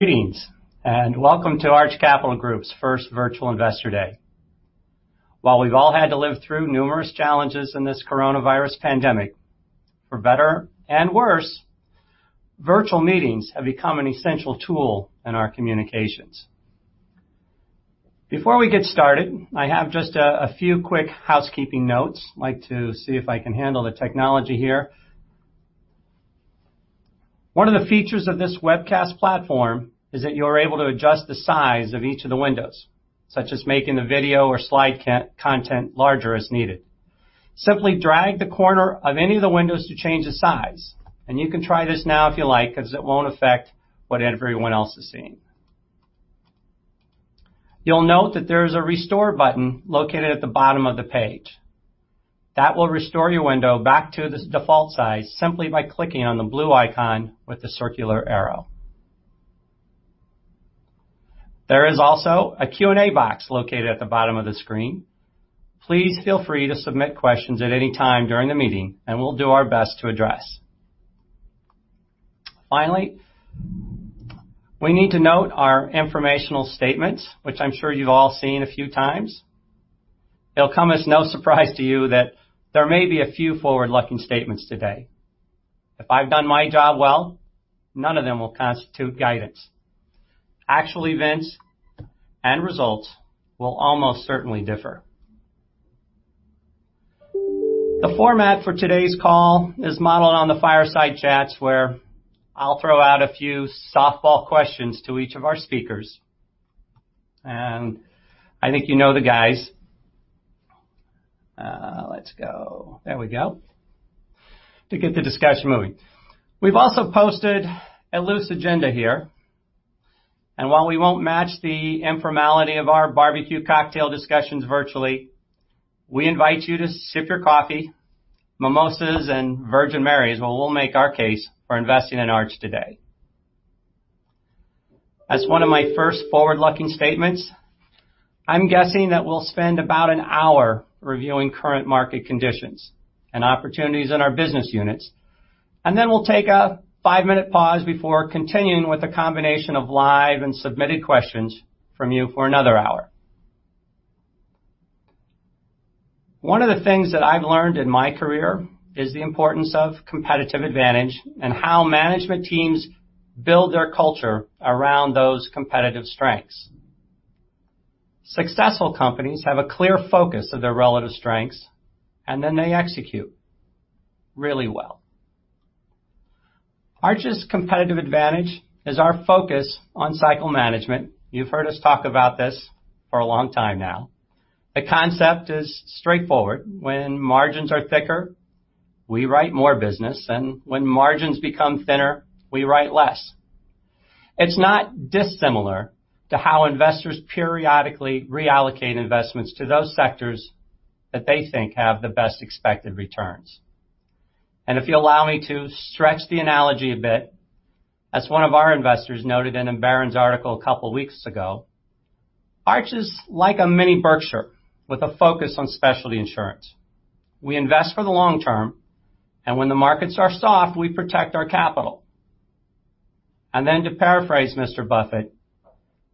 Greetings and welcome to Arch Capital Group's first Virtual Investor Day. While we've all had to live through numerous challenges in this coronavirus pandemic, for better and worse, virtual meetings have become an essential tool in our communications. Before we get started, I have just a few quick housekeeping notes. I'd like to see if I can handle the technology here. One of the features of this webcast platform is that you're able to adjust the size of each of the windows, such as making the video or slide content larger as needed. Simply drag the corner of any of the windows to change the size, and you can try this now if you like because it won't affect what everyone else is seeing. You'll note that there is a restore button located at the bottom of the page. That will restore your window back to the default size simply by clicking on the blue icon with the circular arrow. There is also a Q&A box located at the bottom of the screen. Please feel free to submit questions at any time during the meeting, and we'll do our best to address. Finally, we need to note our informational statements, which I'm sure you've all seen a few times. It'll come as no surprise to you that there may be a few forward-looking statements today. If I've done my job well, none of them will constitute guidance. Actual events and results will almost certainly differ. The format for today's call is modeled on the fireside chats, where I'll throw out a few softball questions to each of our speakers, and I think you know the guys. Let's go. There we go. To get the discussion moving. We've also posted a loose agenda here, and while we won't match the informality of our barbecue cocktail discussions virtually, we invite you to sip your coffee, mimosas, and Virgin Marys, while we'll make our case for investing in Arch today. As one of my first forward-looking statements, I'm guessing that we'll spend about an hour reviewing current market conditions and opportunities in our business units, and then we'll take a five-minute pause before continuing with a combination of live and submitted questions from you for another hour. One of the things that I've learned in my career is the importance of competitive advantage and how management teams build their culture around those competitive strengths. Successful companies have a clear focus of their relative strengths, and then they execute really well. Arch's competitive advantage is our focus on cycle management. You've heard us talk about this for a long time now. The concept is straightforward: when margins are thicker, we write more business, and when margins become thinner, we write less. It's not dissimilar to how investors periodically reallocate investments to those sectors that they think have the best expected returns, and if you allow me to stretch the analogy a bit, as one of our investors noted in a Barron's article a couple of weeks ago, Arch is like a mini Berkshire with a focus on specialty insurance. We invest for the long term, and when the markets are soft, we protect our capital, and then, to paraphrase Mr. Buffett,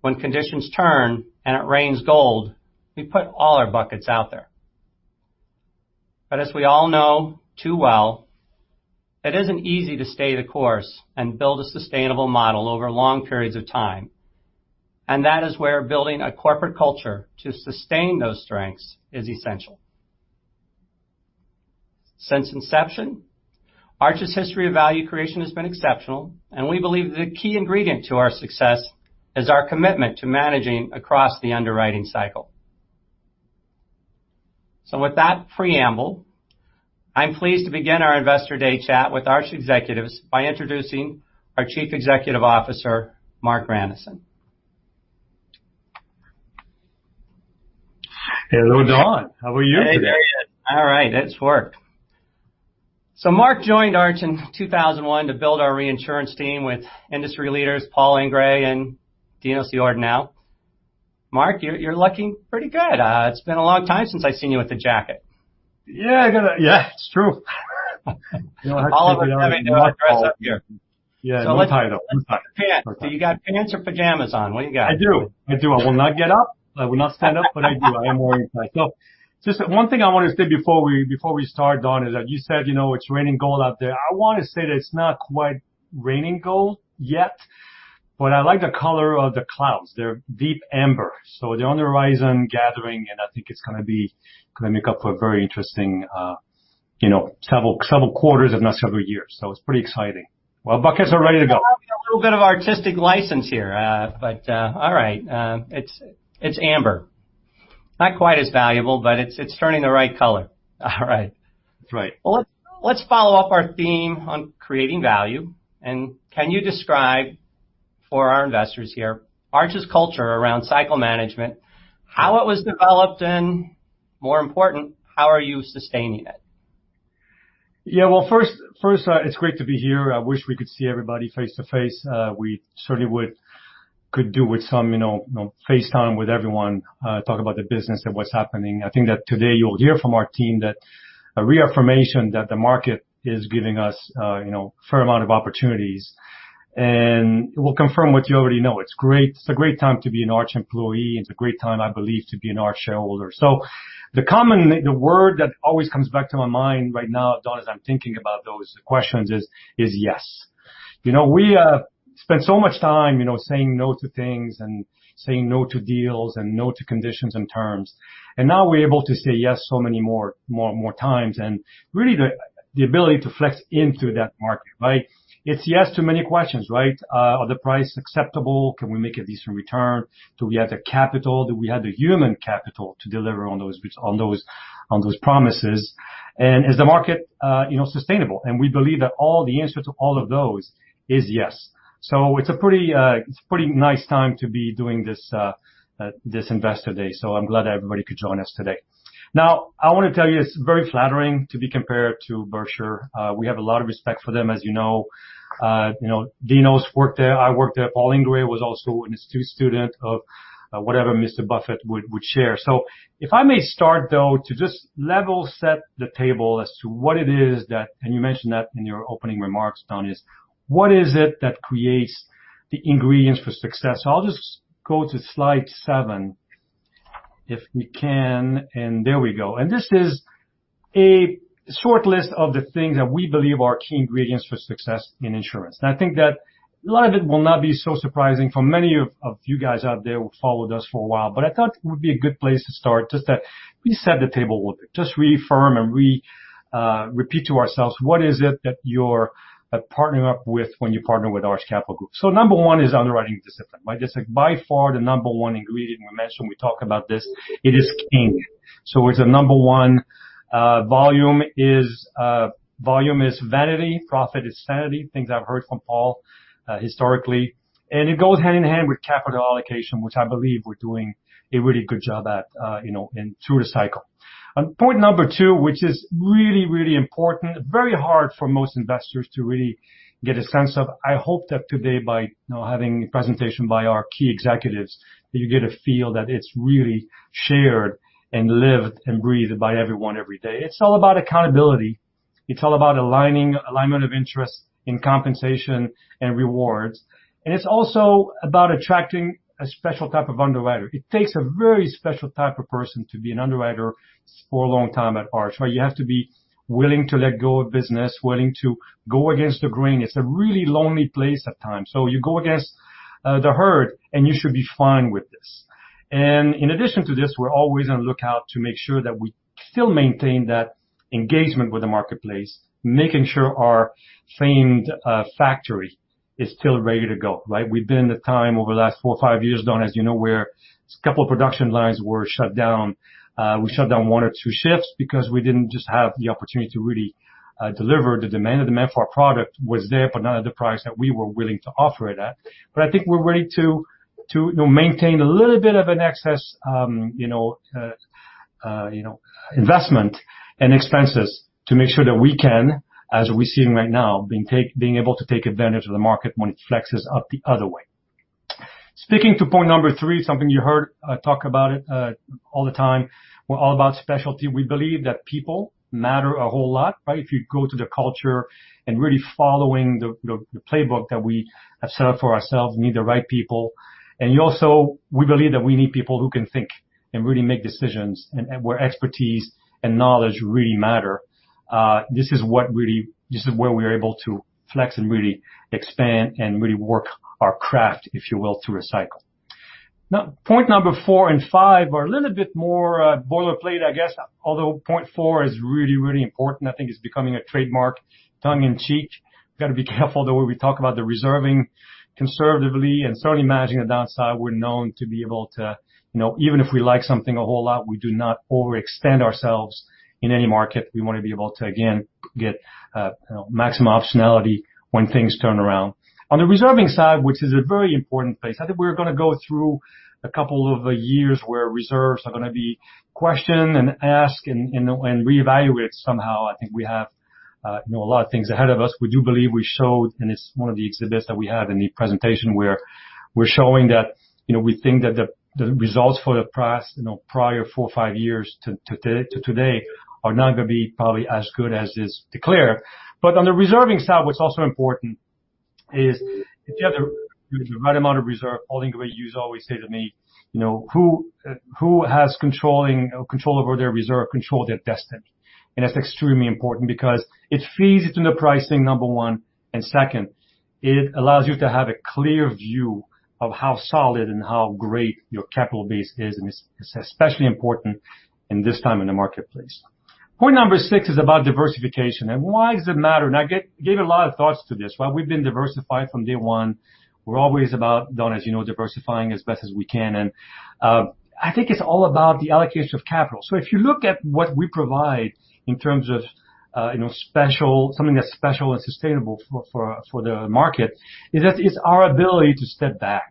when conditions turn and it rains gold, we put all our buckets out there, but as we all know too well, it isn't easy to stay the course and build a sustainable model over long periods of time. That is where building a corporate culture to sustain those strengths is essential. Since inception, Arch's history of value creation has been exceptional, and we believe the key ingredient to our success is our commitment to managing across the underwriting cycle. With that preamble, I'm pleased to begin our Investor Day chat with Arch executives by introducing our Chief Executive Officer, Mark Grandisson. Hello, Don. How are you today? Hey, how are you? All right. It's worked. So Mark joined Arch in 2001 to build our reinsurance team with industry leaders Paul Ingrey and Dinos Iordanou now. Mark, you're looking pretty good. It's been a long time since I've seen you with the jacket. Yeah. Yeah, it's true. All of us have a dress up here. Yeah, you're in tight. So you got pants or pajamas on? What do you got? I do. I do. I will not get up. I will not stand up, but I do. I am wearing pants. So just one thing I want to say before we start, Don, is that you said, you know, it's raining gold out there. I want to say that it's not quite raining gold yet, but I like the color of the clouds. They're deep amber. So they're on the horizon gathering, and I think it's going to make up for a very interesting, you know, several quarters, if not several years. So it's pretty exciting. Well, buckets are ready to go. I'm having a little bit of artistic license here, but all right. It's amber. Not quite as valuable, but it's turning the right color. All right. That's right. Let's follow up our theme on creating value. Can you describe for our investors here Arch's culture around cycle management, how it was developed, and more important, how are you sustaining it? Yeah. Well, first, it's great to be here. I wish we could see everybody face to face. We certainly could do with some, you know, face time with everyone, talk about the business and what's happening. I think that today you'll hear from our team that a reaffirmation that the market is giving us, you know, a fair amount of opportunities. And it will confirm what you already know. It's great. It's a great time to be an Arch employee. It's a great time, I believe, to be an Arch shareholder. So the common word that always comes back to my mind right now, Don, as I'm thinking about those questions, is yes. You know, we spend so much time, you know, saying no to things and saying no to deals and no to conditions and terms. And now we're able to say yes so many more times. And really, the ability to flex into that market, right? It's yes to many questions, right? Are the price acceptable? Can we make a decent return? Do we have the capital? Do we have the human capital to deliver on those promises? And is the market, you know, sustainable? And we believe that all the answer to all of those is yes. So it's a pretty nice time to be doing this Investor Day. So I'm glad everybody could join us today. Now, I want to tell you, it's very flattering to be compared to Berkshire. We have a lot of respect for them, as you know. You know, Dinos's worked there. I worked there. Paul Ingrey was also an astute student of whatever Mr. Buffett would share. So if I may start, though, to just level set the table as to what it is that, and you mentioned that in your opening remarks, Don, is what is it that creates the ingredients for success? I'll just go to slide seven, if you can. And there we go. And this is a short list of the things that we believe are key ingredients for success in insurance. And I think that a lot of it will not be so surprising for many of you guys out there who followed us for a while, but I thought it would be a good place to start just to reset the table a little bit, just reaffirm and repeat to ourselves, what is it that you're partnering up with when you partner with Arch Capital Group? So number one is underwriting discipline, right? It's by far the number one ingredient. We mentioned we talk about this. It is king. So it's a number one volume is vanity, profit is sanity, things I've heard from Paul historically. And it goes hand in hand with capital allocation, which I believe we're doing a really good job at through the cycle. Point number two, which is really, really important, very hard for most investors to really get a sense of. I hope that today, by having a presentation by our key executives, that you get a feel that it's really shared and lived and breathed by everyone every day. It's all about accountability. It's all about aligning interests in compensation and rewards. And it's also about attracting a special type of underwriter. It takes a very special type of person to be an underwriter for a long time at Arch, where you have to be willing to let go of business, willing to go against the grain. It's a really lonely place at times, so you go against the herd, and you should be fine with this, and in addition to this, we're always on the lookout to make sure that we still maintain that engagement with the marketplace, making sure our famed factory is still ready to go, right? We've been in the time over the last four or five years, Don, as you know, where a couple of production lines were shut down. We shut down one or two shifts because we didn't just have the opportunity to really deliver the demand. The demand for our product was there, but not at the price that we were willing to offer it at. But I think we're ready to maintain a little bit of an excess, you know, investment and expenses to make sure that we can, as we're seeing right now, being able to take advantage of the market when it flexes up the other way. Speaking to point number three, something you heard talk about it all the time, we're all about specialty. We believe that people matter a whole lot, right? If you go to the culture and really following the playbook that we have set up for ourselves, meet the right people. And also, we believe that we need people who can think and really make decisions where expertise and knowledge really matter. This is what really, this is where we are able to flex and really expand and really work our craft, if you will, to recycle. Now, point number four and five are a little bit more boilerplate, I guess, although point four is really, really important. I think it's becoming a trademark tongue in cheek. We've got to be careful, though, where we talk about the reserving conservatively and certainly managing the downside. We're known to be able to, you know, even if we like something a whole lot, we do not overextend ourselves in any market. We want to be able to, again, get maximum optionality when things turn around. On the reserving side, which is a very important place, I think we're going to go through a couple of years where reserves are going to be questioned and asked and reevaluated somehow. I think we have a lot of things ahead of us. We do believe we showed, and it's one of the exhibits that we have in the presentation where we're showing that, you know, we think that the results for the past prior four or five years to today are not going to be probably as good as is declared. But on the reserving side, what's also important is if you have the right amount of reserve, Paul Ingrey, you always say to me, you know, who has control over their reserve, control their destiny? And that's extremely important because it feeds into the pricing, number one. And second, it allows you to have a clear view of how solid and how great your capital base is. And it's especially important in this time in the marketplace. Point number six is about diversification. And why does it matter? I gave a lot of thoughts to this. While we've been diversified from day one, we're always about, Don, as you know, diversifying as best as we can. I think it's all about the allocation of capital. If you look at what we provide in terms of, you know, special, something that's special and sustainable for the market, is that it's our ability to step back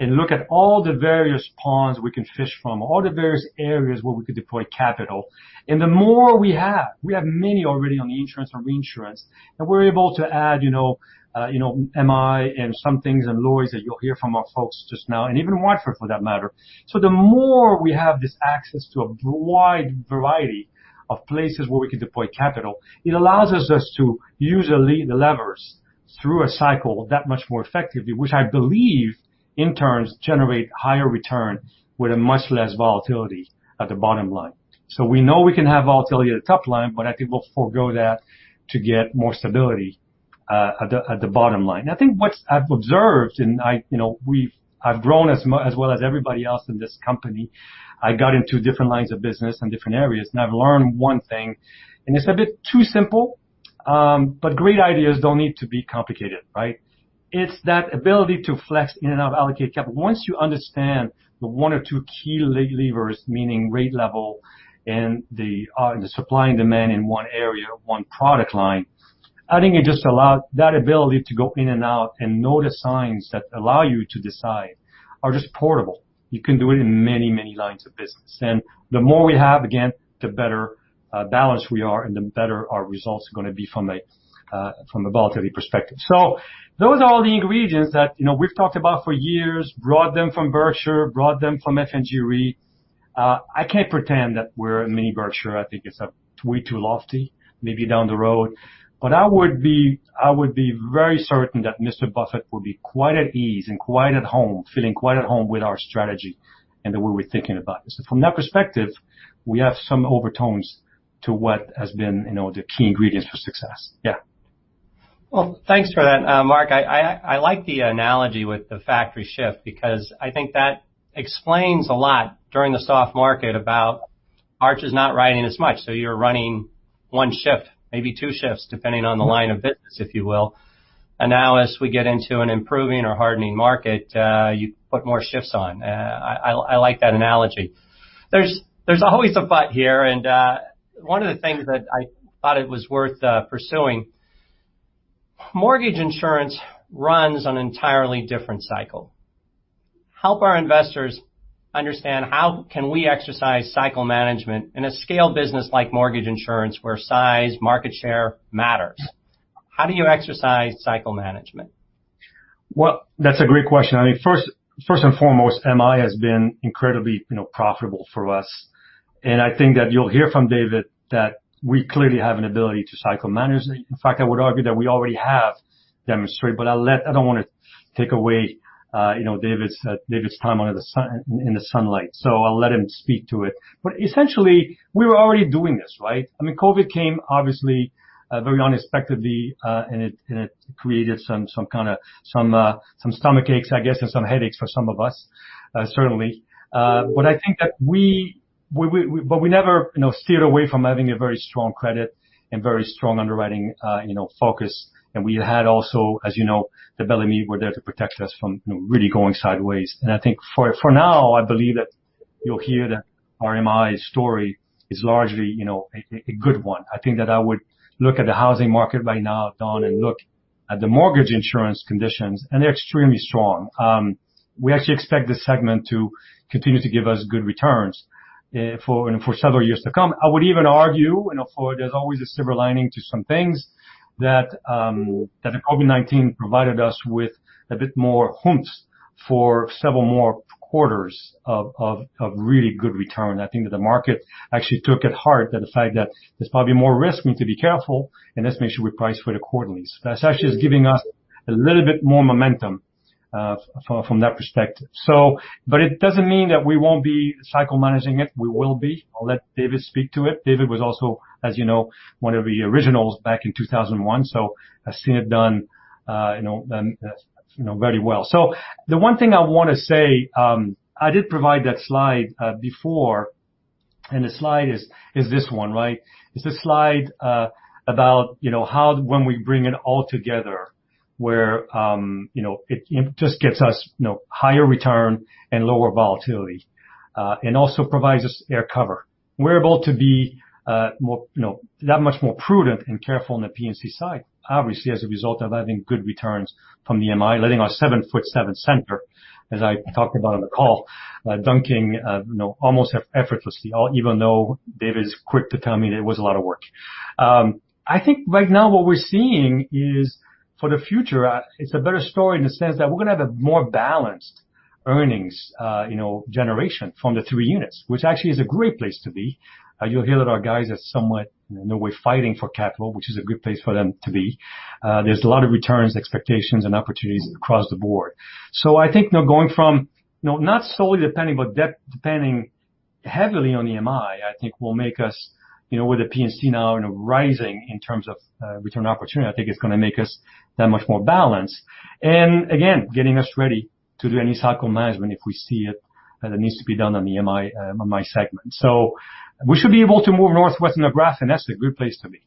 and look at all the various ponds we can fish from, all the various areas where we could deploy capital. The more we have, we have many already on the insurance and reinsurance, and we're able to add, you know, MI and some things and Lloyd's that you'll hear from our folks just now, and even Watford, for that matter. So the more we have this access to a wide variety of places where we can deploy capital, it allows us to use the levers through a cycle that much more effectively, which I believe in turns generate higher return with much less volatility at the bottom line. So we know we can have volatility at the top line, but I think we'll forego that to get more stability at the bottom line. I think what I've observed, and I, you know, I've grown as well as everybody else in this company. I got into different lines of business in different areas. And I've learned one thing, and it's a bit too simple, but great ideas don't need to be complicated, right? It's that ability to flex in and out, allocate capital. Once you understand the one or two key levers, meaning rate level and the supply and demand in one area, one product line, I think it just allows that ability to go in and out and notice signs that allow you to decide are just portable. You can do it in many, many lines of business. And the more we have, again, the better balanced we are and the better our results are going to be from a volatility perspective. So those are all the ingredients that, you know, we've talked about for years, brought them from Berkshire, brought them from F&G Re. I can't pretend that we're a mini Berkshire. I think it's way too lofty, maybe down the road. But I would be very certain that Mr. Buffett would be quite at ease and quite at home, feeling quite at home with our strategy and the way we're thinking about this. So from that perspective, we have some overtones to what has been, you know, the key ingredients for success. Yeah. Thanks for that, Mark. I like the analogy with the factory shift because I think that explains a lot during the soft market about why Arch is not writing as much. So you're running one shift, maybe two shifts, depending on the line of business, if you will. Now as we get into an improving or hardening market, you put more shifts on. I like that analogy. There's always a but here. One of the things that I thought it was worth pursuing, mortgage insurance runs on an entirely different cycle. Help our investors understand how can we exercise cycle management in a scale business like mortgage insurance where size, market share matters. How do you exercise cycle management? That's a great question. I mean, first and foremost, MI has been incredibly profitable for us. And I think that you'll hear from David that we clearly have an ability to cycle manage. In fact, I would argue that we already have demonstrated, but I don't want to take away, you know, David's time in the sunlight. So I'll let him speak to it. But essentially, we were already doing this, right? I mean, COVID came, obviously, very unexpectedly, and it created some kind of stomach aches, I guess, and some headaches for some of us, certainly. But we never steered away from having a very strong credit and very strong underwriting focus. And we had also, as you know, the Bellemeade were there to protect us from really going sideways. I think for now, I believe that you'll hear that our MI story is largely, you know, a good one. I think that I would look at the housing market right now, Don, and look at the mortgage insurance conditions, and they're extremely strong. We actually expect this segment to continue to give us good returns for several years to come. I would even argue, you know, there's always a silver lining to some things that the COVID-19 provided us with a bit more hints for several more quarters of really good return. I think that the market actually took to heart that the fact that there's probably more risk, we need to be careful, and let's make sure we price for it accordingly. So that's actually just giving us a little bit more momentum from that perspective. So, but it doesn't mean that we won't be cycle managing it. We will be. I'll let David speak to it. David was also, as you know, one of the originals back in 2001. So I've seen it done, you know, very well. So the one thing I want to say, I did provide that slide before, and the slide is this one, right? It's a slide about, you know, how when we bring it all together, where, you know, it just gives us, you know, higher return and lower volatility and also provides us air cover. We're able to be that much more prudent and careful on the P&C side, obviously, as a result of having good returns from the MI, letting our 7-foot-7 center, as I talked about on the call, dunking, you know, almost effortlessly, even though David is quick to tell me that it was a lot of work. I think right now what we're seeing is for the future, it's a better story in the sense that we're going to have a more balanced earnings, you know, generation from the three units, which actually is a great place to be. You'll hear that our guys are somewhat, in a way, fighting for capital, which is a good place for them to be. There's a lot of returns, expectations, and opportunities across the board. So I think, you know, going from, you know, not solely depending, but depending heavily on the MI, I think will make us, you know, with the P&C now, you know, rising in terms of return opportunity, I think it's going to make us that much more balanced. And again, getting us ready to do any cycle management if we see it that needs to be done on the MI segment. So we should be able to move northwest in the graph, and that's a good place to be.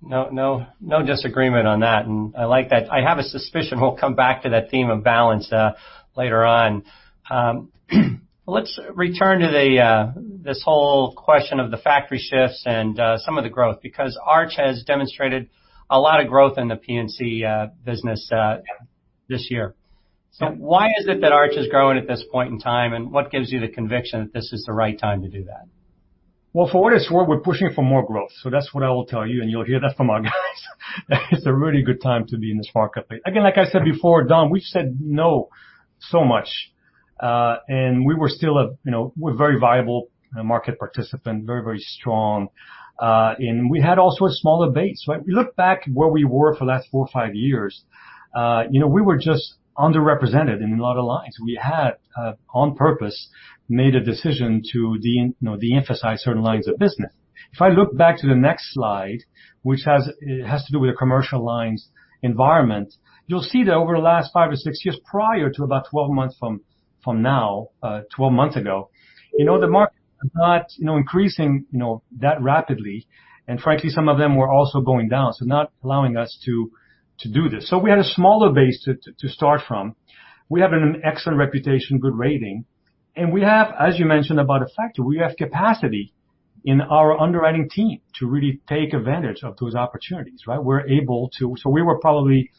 No disagreement on that, and I like that. I have a suspicion we'll come back to that theme of balance later on. Let's return to this whole question of the factory shifts and some of the growth because Arch has demonstrated a lot of growth in the P&C business this year, so why is it that Arch is growing at this point in time, and what gives you the conviction that this is the right time to do that? For what it's worth, we're pushing for more growth. That's what I will tell you, and you'll hear that from our guys. It's a really good time to be in this marketplace. Again, like I said before, Don, we've said no so much. We were still a, you know, we're a very viable market participant, very, very strong. We had also a smaller base, right? We look back where we were for the last four or five years, you know, we were just underrepresented in a lot of lines. We had, on purpose, made a decision to de-emphasize certain lines of business. If I look back to the next slide, which has to do with the commercial lines environment, you'll see that over the last five or six years prior to about 12 months from now, 12 months ago, you know, the market was not, you know, increasing, you know, that rapidly. And frankly, some of them were also going down, so not allowing us to do this. So we had a smaller base to start from. We have an excellent reputation, good rating. And we have, as you mentioned, about a factor, we have capacity in our underwriting team to really take advantage of those opportunities, right? We're able to, so we were probably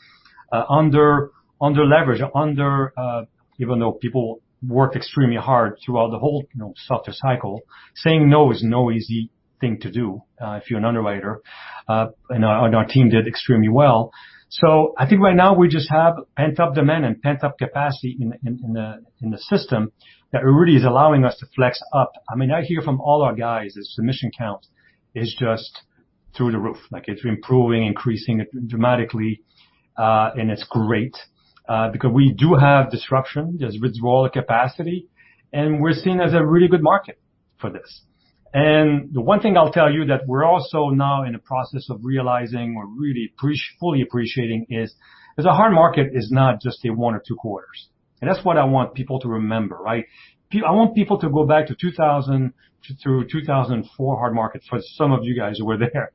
underleveraged, under, even though people worked extremely hard throughout the whole soft cycle. Saying no is no easy thing to do if you're an underwriter. And our team did extremely well. I think right now we just have pent-up demand and pent-up capacity in the system that really is allowing us to flex up. I mean, I hear from all our guys, the submission count is just through the roof. Like it's improving, increasing dramatically, and it's great because we do have disruption, there's withdrawal of capacity, and we're seen as a really good market for this. The one thing I'll tell you that we're also now in a process of realizing or really fully appreciating is a hard market is not just a one or two quarters. That's what I want people to remember, right? I want people to go back to 2000 through 2004 hard market for some of you guys who were there.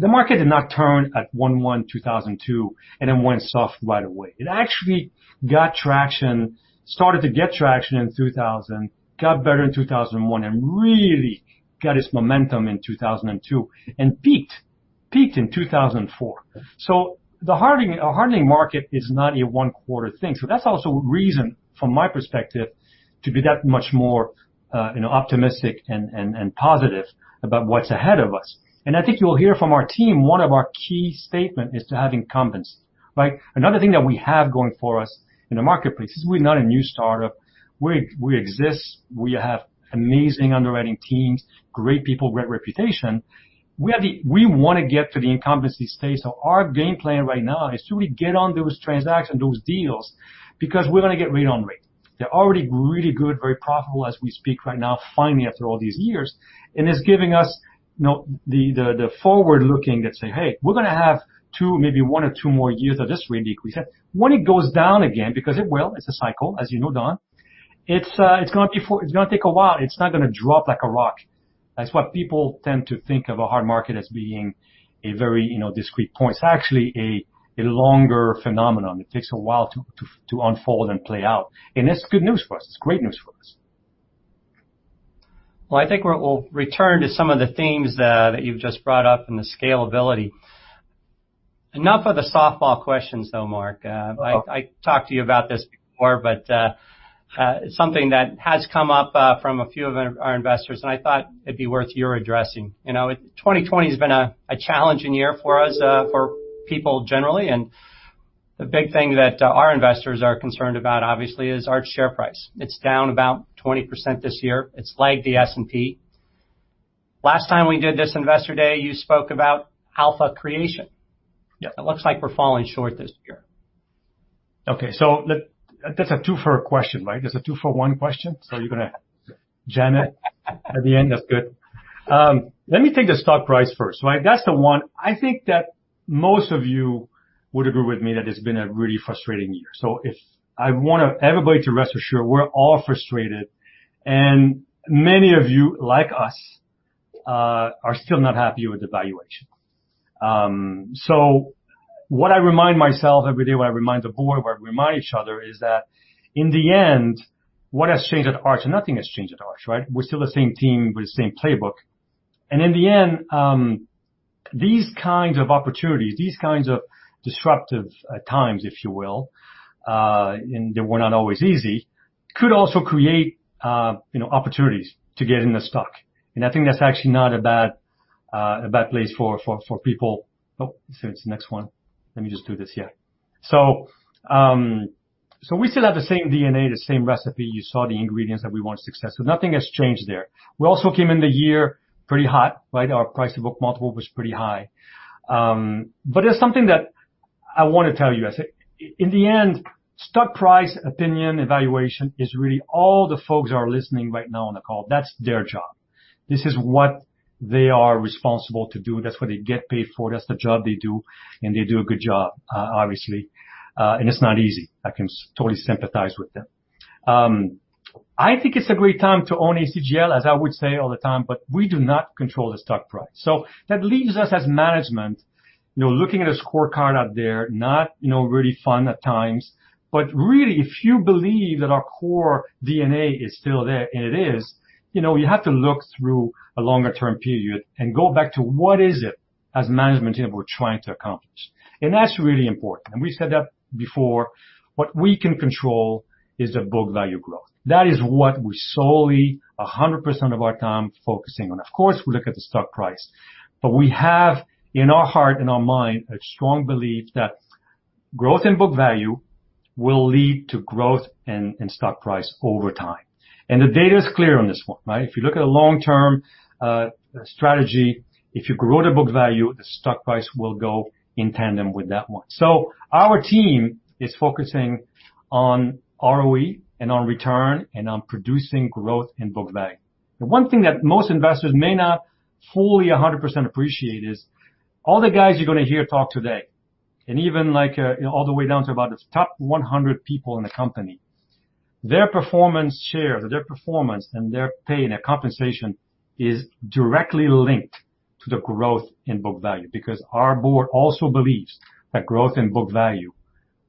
The market did not turn at 1-1-2002 and then went soft right away. It actually got traction, started to get traction in 2000, got better in 2001, and really got its momentum in 2002 and peaked in 2004. So the hardening market is not a one-quarter thing. So that's also a reason from my perspective to be that much more, you know, optimistic and positive about what's ahead of us. And I think you'll hear from our team, one of our key statements is to have incumbency, right? Another thing that we have going for us in the marketplace is we're not a new startup. We exist. We have amazing underwriting teams, great people, great reputation. We want to get to the incumbency stage. So our game plan right now is to really get on those transactions, those deals, because we're going to get rate on rate. They're already really good, very profitable as we speak right now, finally after all these years, and it's giving us, you know, the forward-looking that say, hey, we're going to have two, maybe one or two more years of this rate decrease. When it goes down again, because it will, it's a cycle, as you know, Don, it's going to take a while. It's not going to drop like a rock. That's what people tend to think of a hard market as being a very, you know, discrete point. It's actually a longer phenomenon. It takes a while to unfold and play out, and it's good news for us. It's great news for us. Well, I think we'll return to some of the themes that you've just brought up and the scalability. Enough of the softball questions though, Mark. I talked to you about this before, but it's something that has come up from a few of our investors, and I thought it'd be worth your addressing. You know, 2020 has been a challenging year for us, for people generally. And the big thing that our investors are concerned about, obviously, is our share price. It's down about 20% this year. It's lagged the S&P. Last time we did this investor day, you spoke about Alpha Creation. It looks like we're falling short this year. Okay. So that's a two-for-a-question, right? It's a two-for-one question. So you're going to jam it at the end. That's good. Let me take the stock price first, right? That's the one. I think that most of you would agree with me that it's been a really frustrating year. So if I want everybody to rest assured, we're all frustrated. And many of you, like us, are still not happy with the valuation. So what I remind myself every day, what I remind the board, what I remind each other is that in the end, what has changed at Arch, and nothing has changed at Arch, right? We're still the same team with the same playbook. And in the end, these kinds of opportunities, these kinds of disruptive times, if you will, and they were not always easy, could also create, you know, opportunities to get in the stock. I think that's actually not a bad place for people. Oh, say it's the next one. Let me just do this. Yeah. We still have the same DNA, the same recipe. You saw the ingredients that we want success. Nothing has changed there. We also came in the year pretty hot, right? Our price to book multiple was pretty high. There's something that I want to tell you. In the end, stock price, opinion, evaluation is really all the folks are listening right now on the call. That's their job. This is what they are responsible to do. That's what they get paid for. That's the job they do. They do a good job, obviously. It's not easy. I can totally sympathize with them. I think it's a great time to own ACGL, as I would say all the time, but we do not control the stock price. So that leaves us as management, you know, looking at a scorecard out there, not, you know, really fun at times. But really, if you believe that our core DNA is still there, and it is, you know, you have to look through a longer-term period and go back to what is it as management team we're trying to accomplish. And that's really important. And we've said that before. What we can control is the book value growth. That is what we solely, 100% of our time focusing on. Of course, we look at the stock price, but we have in our heart and our mind a strong belief that growth in book value will lead to growth in stock price over time. The data is clear on this one, right? If you look at a long-term strategy, if you grow the book value, the stock price will go in tandem with that one. So our team is focusing on ROE and on return and on producing growth in book value. The one thing that most investors may not fully 100% appreciate is all the guys you're going to hear talk today, and even like, you know, all the way down to about the top 100 people in the company, their performance share, their performance and their pay and their compensation is directly linked to the growth in book value because our board also believes that growth in book value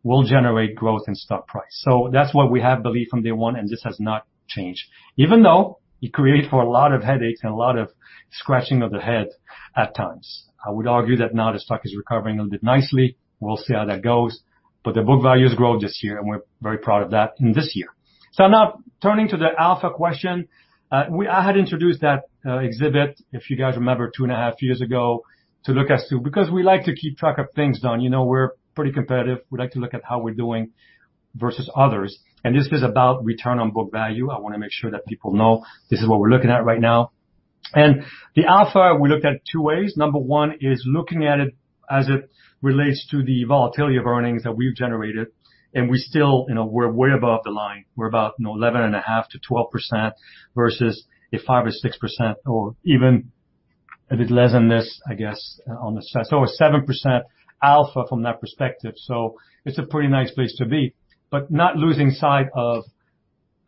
will generate growth in stock price. So that's what we have believed from day one, and this has not changed. Even though it created for a lot of headaches and a lot of scratching of the head at times, I would argue that now the stock is recovering a little bit nicely. We'll see how that goes. But the book value has grown this year, and we're very proud of that in this year. So now turning to the Alpha question, I had introduced that exhibit, if you guys remember, two and a half years ago to look at because we like to keep track of things, Don. You know, we're pretty competitive. We like to look at how we're doing versus others. And this is about return on book value. I want to make sure that people know this is what we're looking at right now. And the Alpha, we looked at two ways. Number one is looking at it as it relates to the volatility of earnings that we've generated. And we still, you know, we're way above the line. We're about, you know, 11.5%-12% versus a 5% or 6% or even a bit less than this, I guess, on the side. So a 7% Alpha from that perspective. So it's a pretty nice place to be, but not losing sight of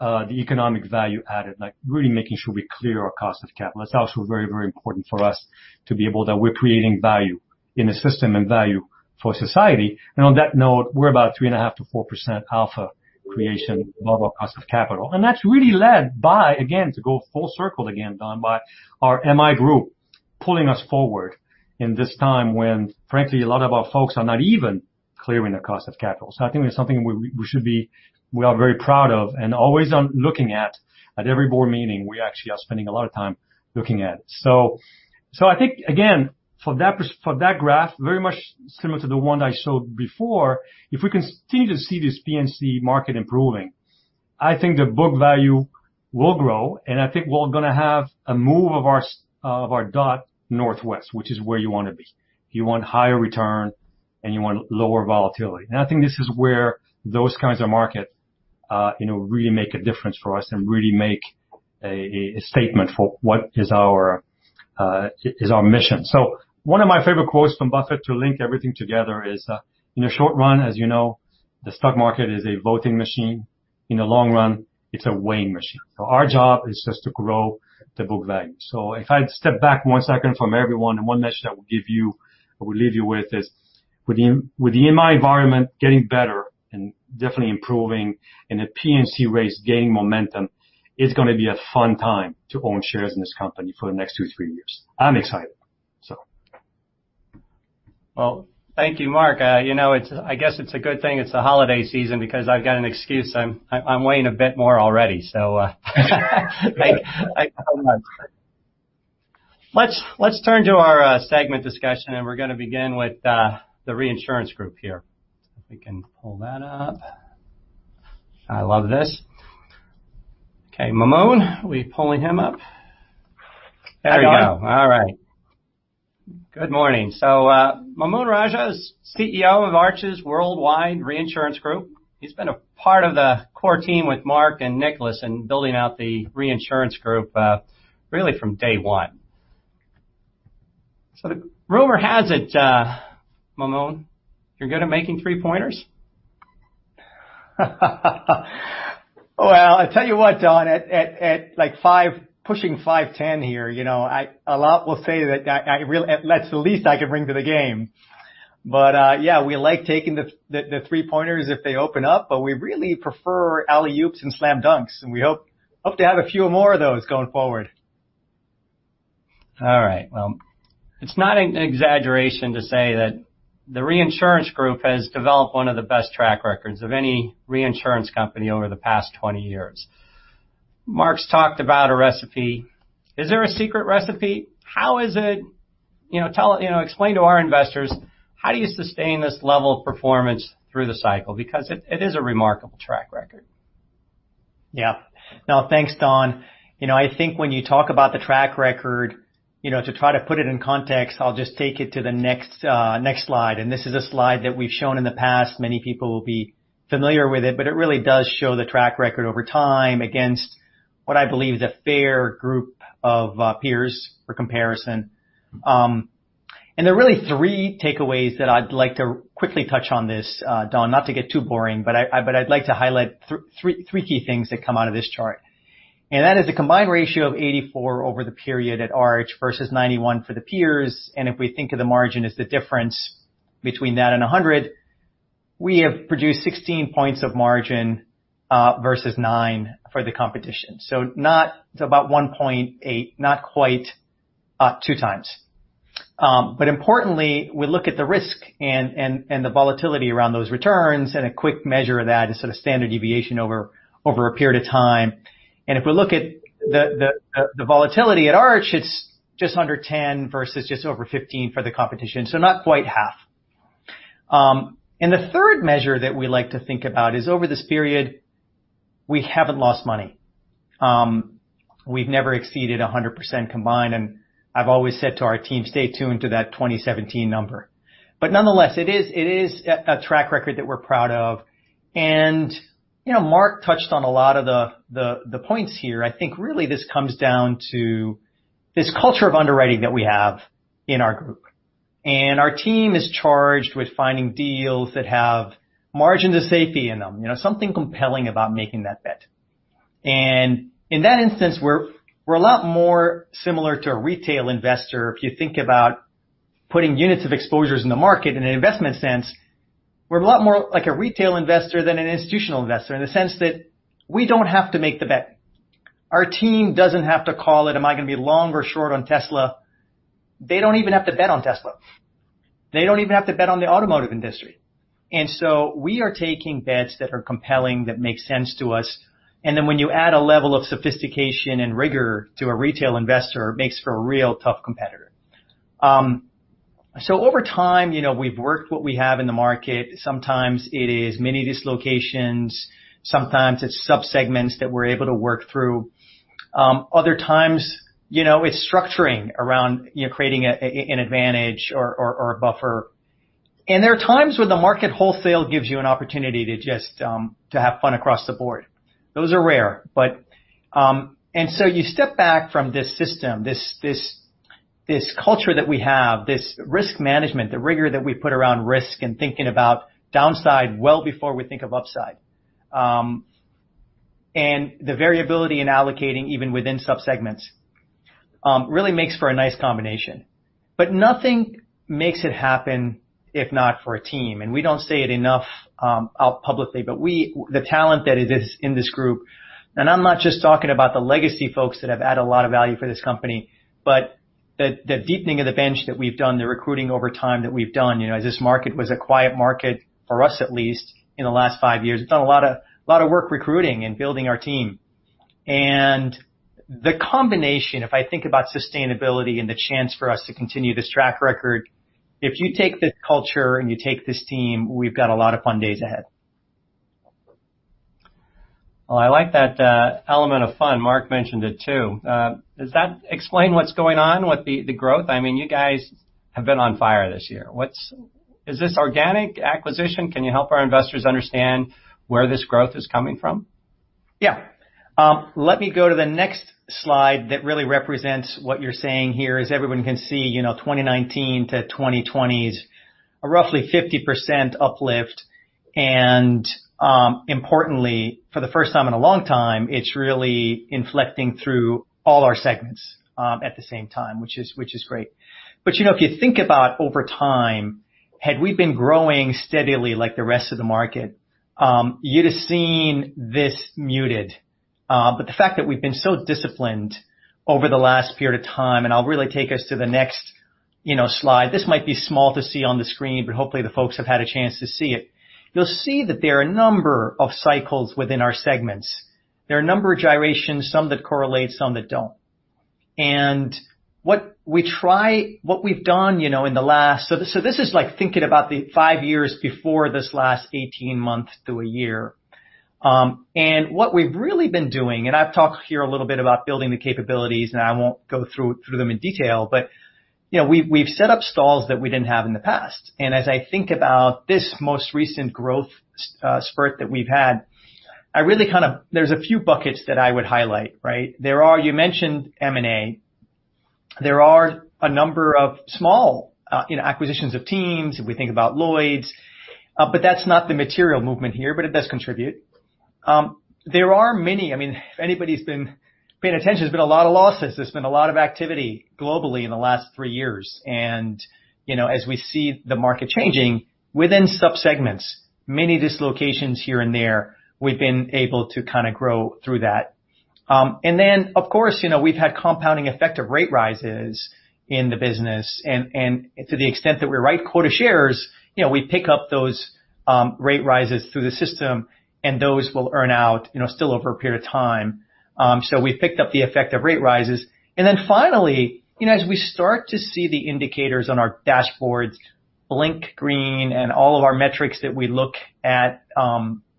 the economic value added, like really making sure we clear our cost of capital. That's also very, very important for us to be able that we're creating value in the system and value for society. And on that note, we're about 3.5%-4% Alpha creation above our cost of capital. And that's really led by, again, to go full circle again, Don, by our MI group pulling us forward in this time when, frankly, a lot of our folks are not even clearing the cost of capital. So I think it's something we should be, we are very proud of and always on looking at every board meeting. We actually are spending a lot of time looking at it. So I think, again, for that graph, very much similar to the one I showed before, if we continue to see this P&C market improving, I think the book value will grow. And I think we're going to have a move of our dot northwest, which is where you want to be. You want higher return and you want lower volatility. I think this is where those kinds of market, you know, really make a difference for us and really make a statement for what is our mission. One of my favorite quotes from Buffett to link everything together is, "In the short run, as you know, the stock market is a voting machine. In the long run, it's a weighing machine." Our job is just to grow the book value. If I'd step back one second from everyone and one message I will give you, I will leave you with is with the MI environment getting better and definitely improving and the P&C rates gaining momentum, it's going to be a fun time to own shares in this company for the next two, three years. I'm excited. Well, thank you, Mark. You know, I guess it's a good thing. It's a holiday season because I've got an excuse. I'm weighing a bit more already, so thank you so much. Let's turn to our segment discussion, and we're going to begin with the reinsurance group here. If we can pull that up. I love this. Okay, Mamoun, are we pulling him up? There we go. All right. Good morning. So Mamoun Rajeh is CEO of Arch's Worldwide Reinsurance Group. He's been a part of the core team with Mark and Nicolas and building out the reinsurance group really from day one, so rumor has it, Mamoun, you're good at making three-pointers? I'll tell you what, Don, at like pushing 5'10" here, you know, a lot will say that really that's the least I can bring to the game. But yeah, we like taking the three-pointers if they open up, but we really prefer alley-oops and slam dunks. And we hope to have a few more of those going forward. All right. Well, it's not an exaggeration to say that the reinsurance group has developed one of the best track records of any reinsurance company over the past 20 years. Mark's talked about a recipe. Is there a secret recipe? How is it, you know, explain to our investors, how do you sustain this level of performance through the cycle? Because it is a remarkable track record. Yeah. No, thanks, Don. You know, I think when you talk about the track record, you know, to try to put it in context, I'll just take it to the next slide. And this is a slide that we've shown in the past. Many people will be familiar with it, but it really does show the track record over time against what I believe is a fair group of peers for comparison. And there are really three takeaways that I'd like to quickly touch on this, Don, not to get too boring, but I'd like to highlight three key things that come out of this chart. And that is a combined ratio of 84% over the period at Arch versus 91% for the peers. And if we think of the margin as the difference between that and 100, we have produced 16 points of margin versus nine for the competition. It's not about 1.8, not quite two times. But importantly, we look at the risk and the volatility around those returns, and a quick measure of that is sort of standard deviation over a period of time. And if we look at the volatility at Arch, it's just under 10 versus just over 15 for the competition. So not quite half. And the third measure that we like to think about is over this period, we haven't lost money. We've never exceeded 100% combined. And I've always said to our team, stay tuned to that 2017 number. But nonetheless, it is a track record that we're proud of. And you know, Mark touched on a lot of the points here. I think really this comes down to this culture of underwriting that we have in our group. Our team is charged with finding deals that have margin of safety in them, you know, something compelling about making that bet. In that instance, we're a lot more similar to a retail investor. If you think about putting units of exposures in the market in an investment sense, we're a lot more like a retail investor than an institutional investor in the sense that we don't have to make the bet. Our team doesn't have to call it, am I going to be long or short on Tesla? They don't even have to bet on Tesla. They don't even have to bet on the automotive industry. We are taking bets that are compelling, that make sense to us. When you add a level of sophistication and rigor to a retail investor, it makes for a real tough competitor. So, over time, you know, we've worked what we have in the market. Sometimes it is many dislocations. Sometimes it's subsegments that we're able to work through. Other times, you know, it's structuring around, you know, creating an advantage or a buffer. And there are times when the market wholesale gives you an opportunity to just have fun across the board. Those are rare. And so you step back from this system, this culture that we have, this risk management, the rigor that we put around risk and thinking about downside well before we think of upside. And the variability in allocating even within subsegments really makes for a nice combination. But nothing makes it happen if not for a team. We don't say it enough aloud publicly, but the talent that is in this group, and I'm not just talking about the legacy folks that have added a lot of value for this company, but the deepening of the bench that we've done, the recruiting over time that we've done, you know, as this market was a quiet market for us at least in the last five years, we've done a lot of work recruiting and building our team. And the combination, if I think about sustainability and the chance for us to continue this track record, if you take this culture and you take this team, we've got a lot of fun days ahead. I like that element of fun. Mark mentioned it too. Does that explain what's going on with the growth? I mean, you guys have been on fire this year. Is this organic acquisition? Can you help our investors understand where this growth is coming from? Yeah. Let me go to the next slide that really represents what you're saying here as everyone can see, you know, 2019 to 2020 is a roughly 50% uplift. And importantly, for the first time in a long time, it's really inflecting through all our segments at the same time, which is great. But you know, if you think about over time, had we been growing steadily like the rest of the market, you'd have seen this muted. But the fact that we've been so disciplined over the last period of time, and I'll really take us to the next, you know, slide. This might be small to see on the screen, but hopefully the folks have had a chance to see it. You'll see that there are a number of cycles within our segments. There are a number of gyrations, some that correlate, some that don't. What we try, what we've done, you know, in the last, so this is like thinking about the five years before this last 18 months to a year. What we've really been doing, and I've talked here a little bit about building the capabilities, and I won't go through them in detail, but you know, we've set up stalls that we didn't have in the past. As I think about this most recent growth spurt that we've had, I really kind of, there's a few buckets that I would highlight, right? There are, you mentioned M&A. There are a number of small, you know, acquisitions of teams. If we think about Lloyd's, but that's not the material movement here, but it does contribute. There are many, I mean, if anybody's been paying attention, there's been a lot of losses. There's been a lot of activity globally in the last three years, and you know, as we see the market changing within subsegments, many dislocations here and there. We've been able to kind of grow through that, and then, of course, you know, we've had compounding effect of rate rises in the business. And to the extent that we're writing quota shares, you know, we pick up those rate rises through the system, and those will earn out, you know, still over a period of time, so we've picked up the effect of rate rises. And then finally, you know, as we start to see the indicators on our dashboards blink green, and all of our metrics that we look at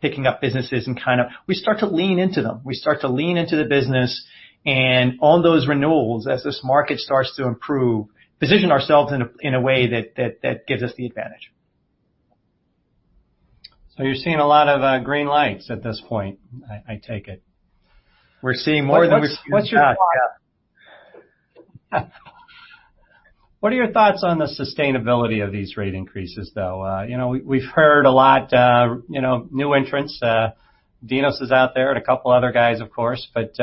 picking up businesses and kind of, we start to lean into them. We start to lean into the business and own those renewals as this market starts to improve, position ourselves in a way that gives us the advantage. So you're seeing a lot of green lights at this point, I take it. We're seeing more than we should. What are your thoughts on the sustainability of these rate increases though? You know, we've heard a lot, you know, new entrants. Dinos is out there and a couple other guys, of course. But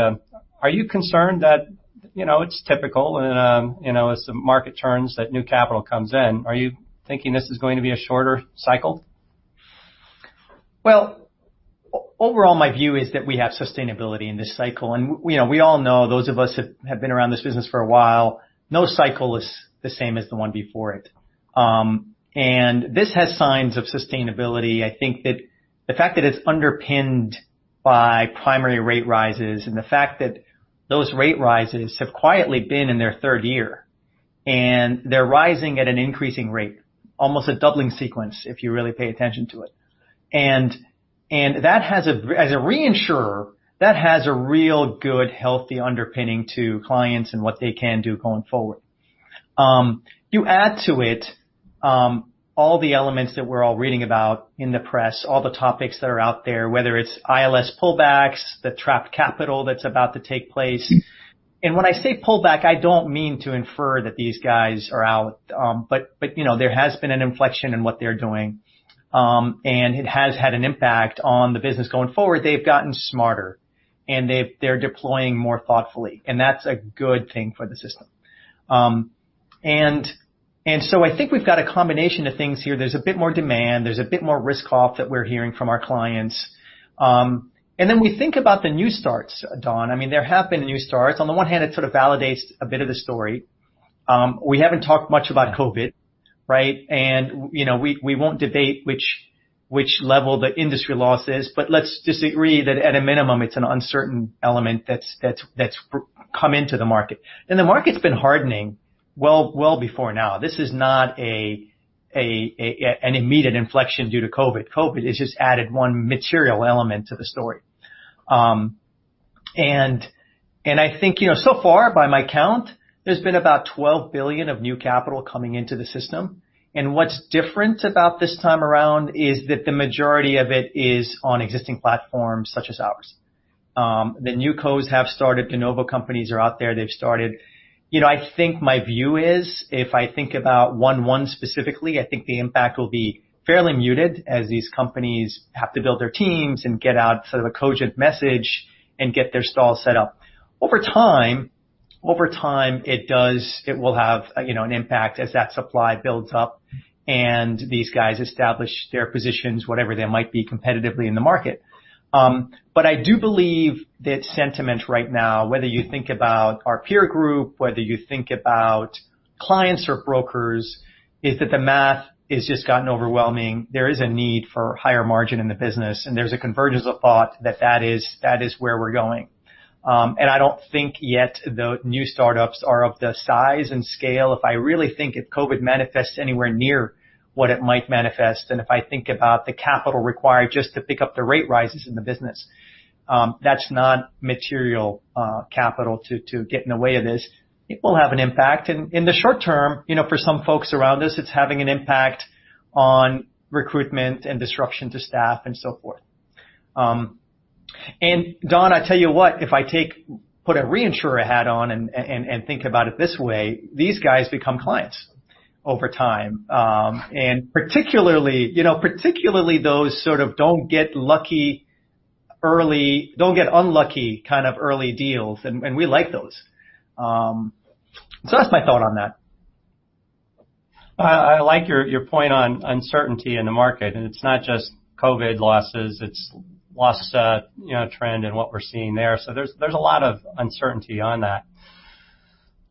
are you concerned that, you know, it's typical and, you know, as the market turns, that new capital comes in? Are you thinking this is going to be a shorter cycle? Overall, my view is that we have sustainability in this cycle. You know, we all know, those of us who have been around this business for a while, no cycle is the same as the one before it. This has signs of sustainability. I think that the fact that it's underpinned by primary rate rises and the fact that those rate rises have quietly been in their third year, and they're rising at an increasing rate, almost a doubling sequence if you really pay attention to it. That has a, as a reinsurer, real good, healthy underpinning to clients and what they can do going forward. You add to it all the elements that we're all reading about in the press, all the topics that are out there, whether it's ILS pullbacks, the trapped capital that's about to take place. And when I say pullback, I don't mean to infer that these guys are out, but you know, there has been an inflection in what they're doing. And it has had an impact on the business going forward. They've gotten smarter and they're deploying more thoughtfully. And that's a good thing for the system. And so I think we've got a combination of things here. There's a bit more demand. There's a bit more risk-off that we're hearing from our clients. And then we think about the new starts, Don. I mean, there have been new starts. On the one hand, it sort of validates a bit of the story. We haven't talked much about COVID, right? And you know, we won't debate which level the industry loss is, but let's disagree that at a minimum, it's an uncertain element that's come into the market. The market's been hardening well before now. This is not an immediate inflection due to COVID. COVID has just added one material element to the story. I think, you know, so far by my count, there's been about $12 billion of new capital coming into the system. What's different about this time around is that the majority of it is on existing platforms such as ours. The newCOs have started. De novo companies are out there. They've started. You know, I think my view is, if I think about 11 specifically, I think the impact will be fairly muted as these companies have to build their teams and get out sort of a cogent message and get their stalls set up. Over time, it does; it will have, you know, an impact as that supply builds up and these guys establish their positions, whatever they might be competitively in the market. But I do believe that sentiment right now, whether you think about our peer group, whether you think about clients or brokers, is that the math has just gotten overwhelming. There is a need for higher margin in the business. And there's a convergence of thought that that is where we're going. And I don't think yet the new startups are of the size and scale. If I really think if COVID manifests anywhere near what it might manifest, and if I think about the capital required just to pick up the rate rises in the business, that's not material capital to get in the way of this. It will have an impact. In the short term, you know, for some folks around us, it's having an impact on recruitment and disruption to staff and so forth. Don, I tell you what, if I take, put a reinsurer hat on and think about it this way, these guys become clients over time. Particularly, you know, particularly those sort of don't get lucky early, don't get unlucky kind of early deals. We like those. That's my thought on that. I like your point on uncertainty in the market, and it's not just COVID losses. It's loss trend and what we're seeing there, so there's a lot of uncertainty on that.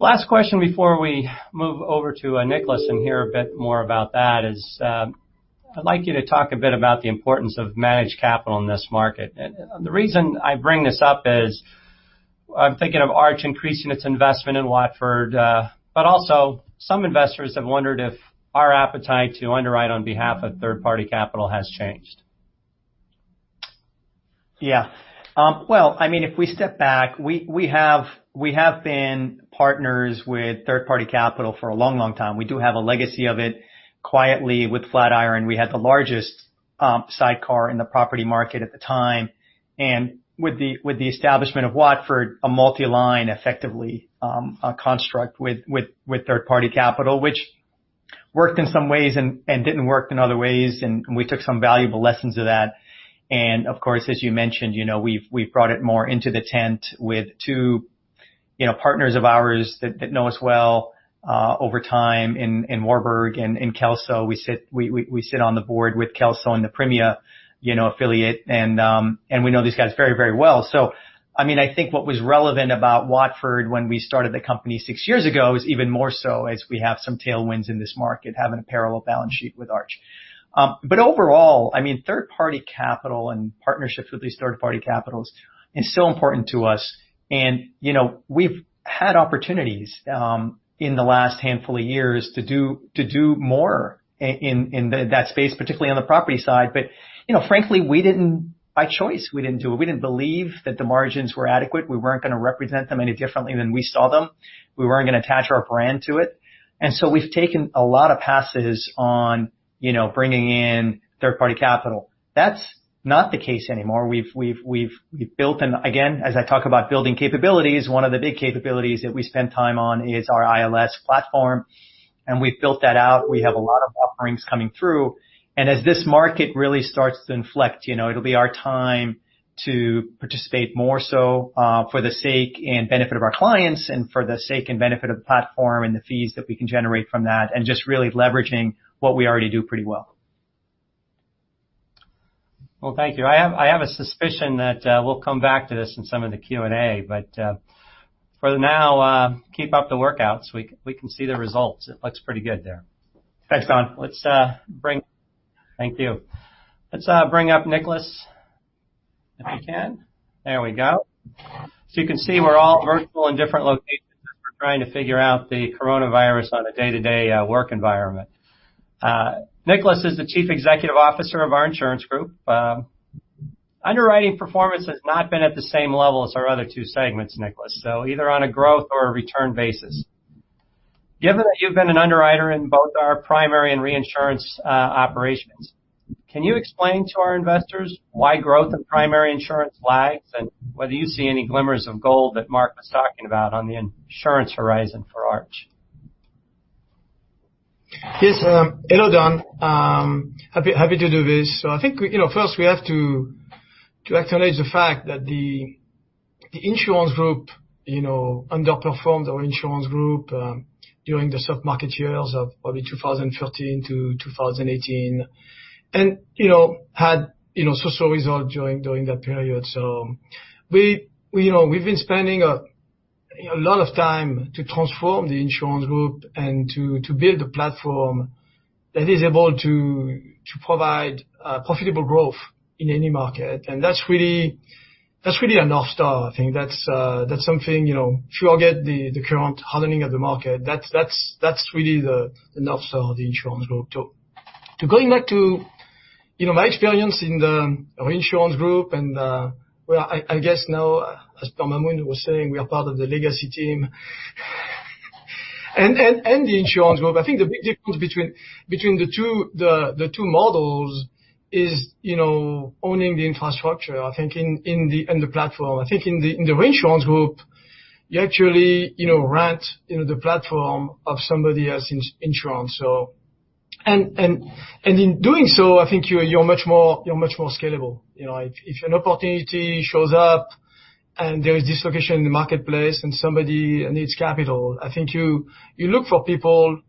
Last question before we move over to Nicolas and hear a bit more about that is I'd like you to talk a bit about the importance of managed capital in this market. The reason I bring this up is I'm thinking of Arch increasing its investment in Watford, but also some investors have wondered if our appetite to underwrite on behalf of third-party capital has changed. Yeah. Well, I mean, if we step back, we have been partners with third-party capital for a long, long time. We do have a legacy of it quietly with Flatiron. We had the largest sidecar in the property market at the time. And with the establishment of Watford, a multi-line effectively construct with third-party capital, which worked in some ways and didn't work in other ways. And we took some valuable lessons of that. And of course, as you mentioned, you know, we've brought it more into the tent with two, you know, partners of ours that know us well over time in Warburg and in Kelso. We sit on the board with Kelso and the Premia, you know, affiliate. And we know these guys very, very well. So, I mean, I think what was relevant about Watford when we started the company six years ago is even more so as we have some tailwinds in this market, having a parallel balance sheet with Arch. But overall, I mean, third-party capital and partnerships with these third-party capitals is so important to us. And you know, we've had opportunities in the last handful of years to do more in that space, particularly on the property side. But you know, frankly, we didn't, by choice, we didn't do it. We didn't believe that the margins were adequate. We weren't going to represent them any differently than we saw them. We weren't going to attach our brand to it. And so we've taken a lot of passes on, you know, bringing in third-party capital. That's not the case anymore. We've built, and again, as I talk about building capabilities, one of the big capabilities that we spend time on is our ILS platform. And we've built that out. We have a lot of offerings coming through. And as this market really starts to inflect, you know, it'll be our time to participate more so for the sake and benefit of our clients and for the sake and benefit of the platform and the fees that we can generate from that and just really leveraging what we already do pretty well. Thank you. I have a suspicion that we'll come back to this in some of the Q&A, but for now, keep up the workouts. We can see the results. It looks pretty good there. Thanks, Don. Let's bring. Thank you. Let's bring up Nicolas if we can. There we go. So you can see we're all virtual in different locations as we're trying to figure out the coronavirus on a day-to-day work environment. Nicolas is the Chief Executive Officer of our insurance group. Underwriting performance has not been at the same level as our other two segments, Nicolas, so either on a growth or a return basis. Given that you've been an underwriter in both our primary and reinsurance operations, can you explain to our investors why growth in primary insurance lags and whether you see any glimmers of gold that Mark was talking about on the insurance horizon for Arch? Yes, hello, Don. Happy to do this. So I think, you know, first we have to acknowledge the fact that the insurance group, you know, underperformed our insurance group during the soft market years of probably 2013 to 2018 and, you know, had, you know, so-so results during that period. So we, you know, we've been spending a lot of time to transform the insurance group and to build a platform that is able to provide profitable growth in any market. And that's really, that's really a North Star, I think. That's something, you know, if you forget the current hardening of the market, that's really the North Star of the insurance group too. So going back to, you know, my experience in the reinsurance group and where I guess now, as Maamoun was saying, we are part of the legacy team and the insurance group. I think the big difference between the two models is, you know, owning the infrastructure, I think, in the platform. I think in the reinsurance group, you actually, you know, rent, you know, the platform of somebody else's insurance. So, and in doing so, I think you're much more scalable. You know, if an opportunity shows up and there is dislocation in the marketplace and somebody needs capital, I think you look for people,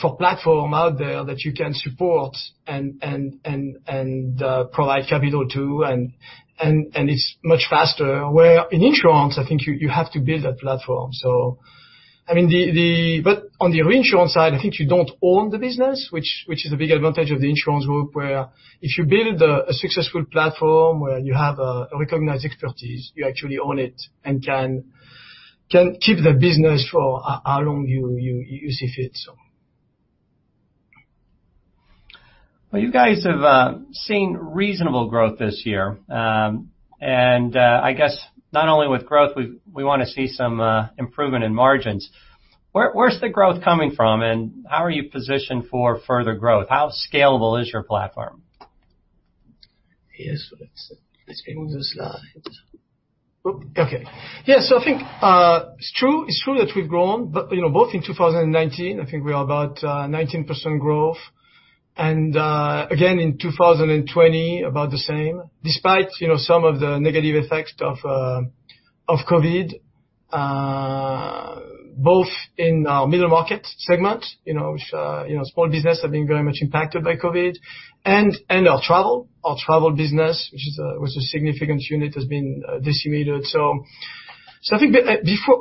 for platform out there that you can support and provide capital to. And it's much faster where in insurance, I think you have to build that platform. So, I mean, but on the reinsurance side, I think you don't own the business, which is a big advantage of the insurance group where if you build a successful platform where you have a recognized expertise, you actually own it and can keep the business for how long you see fit. You guys have seen reasonable growth this year. I guess not only with growth, we want to see some improvement in margins. Where's the growth coming from and how are you positioned for further growth? How scalable is your platform? Yes, let's bring those slides. Okay. Yeah, so I think it's true that we've grown, but you know, both in 2019, I think we are about 19% growth. And again, in 2020, about the same, despite, you know, some of the negative effects of COVID, both in our middle market segment, you know, small businesses have been very much impacted by COVID and our travel, our travel business, which was a significant unit, has been decimated. So I think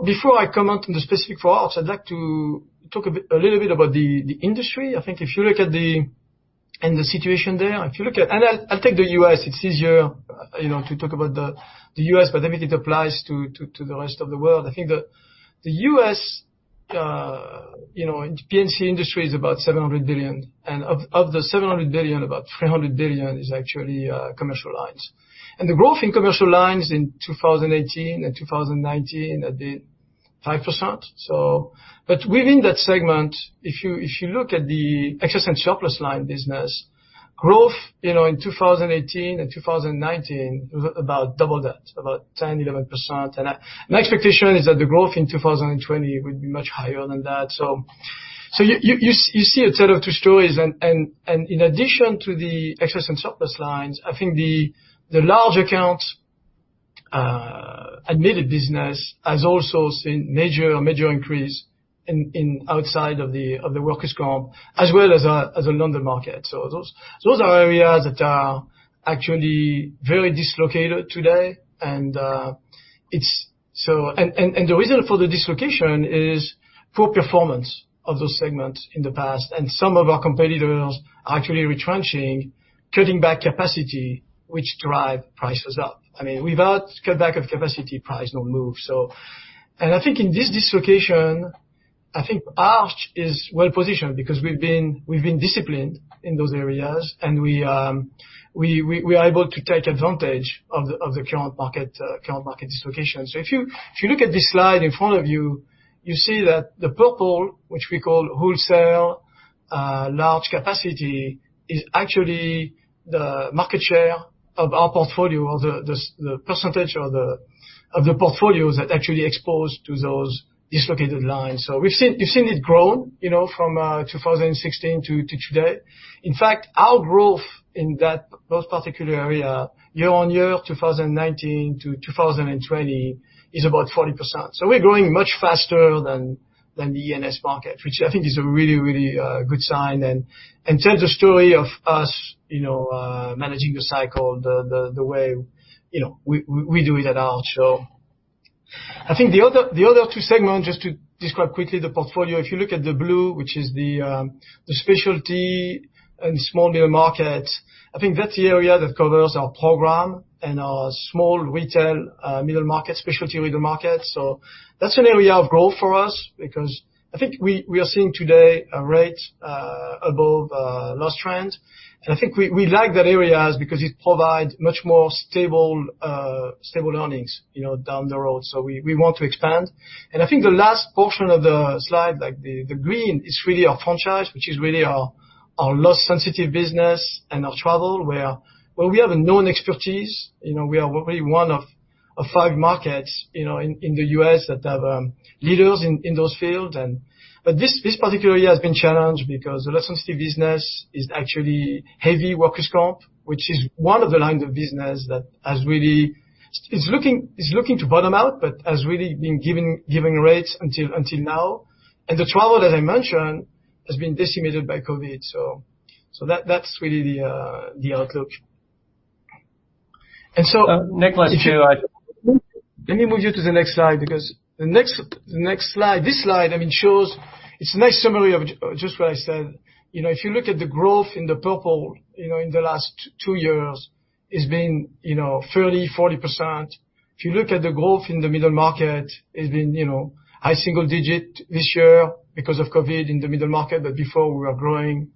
before I comment on the specific for Arch, I'd like to talk a little bit about the industry. I think if you look at the situation there, if you look at, and I'll take the U.S., it's easier, you know, to talk about the U.S., but maybe it applies to the rest of the world. I think the U.S., you know, P&C industry is about $700 billion. Of the $700 billion, about $300 billion is actually commercial lines. The growth in commercial lines in 2018 and 2019 had been 5%. But within that segment, if you look at the excess and surplus line business, growth, you know, in 2018 and 2019 was about double that, about 10%-11%. My expectation is that the growth in 2020 would be much higher than that. You see a tale of two stories. In addition to the excess and surplus lines, I think the large accounts admitted business has also seen major, major increase outside of the workers' comp as well as a London market. Those are areas that are actually very dislocated today. The reason for the dislocation is poor performance of those segments in the past. Some of our competitors are actually retrenching, cutting back capacity, which drives prices up. I mean, without cutback of capacity, prices don't move. So, and I think in this dislocation, I think Arch is well positioned because we've been disciplined in those areas and we are able to take advantage of the current market dislocation. So if you look at this slide in front of you, you see that the purple, which we call wholesale, large capacity is actually the market share of our portfolio or the percentage of the portfolios that actually expose to those dislocated lines. So we've seen it grow, you know, from 2016 to today. In fact, our growth in that particular area, year on year, 2019 to 2020 is about 40%. So we're growing much faster than the E&S market, which I think is a really, really good sign and tells the story of us, you know, managing the cycle the way, you know, we do it at Arch. So I think the other two segments, just to describe quickly the portfolio, if you look at the blue, which is the specialty and small middle markets, I think that's the area that covers our program and our small retail middle market, specialty retail markets. So that's an area of growth for us because I think we are seeing today a rate above loss trend. And I think we like that area because it provides much more stable earnings, you know, down the road. So we want to expand. And I think the last portion of the slide, like the green, is really our franchise, which is really our loss sensitive business and our travel where we have a known expertise. You know, we are really one of five markets, you know, in the U.S. that have leaders in those fields. This particular year has been challenged because the less sensitive business is actually heavy workers' comp, which is one of the lines of business that has really, it's looking to bottom out, but has really been giving rates until now. The travel, as I mentioned, has been decimated by COVID. That's really the outlook, and so. Nicolas, let me move you to the next slide because the next slide, this slide, I mean, shows. It's a nice summary of just what I said. You know, if you look at the growth in the purple, you know, in the last two years, it's been, you know, 30%-40%. If you look at the growth in the middle market, it's been, you know, high single digit this year because of COVID in the middle market. But before we were growing,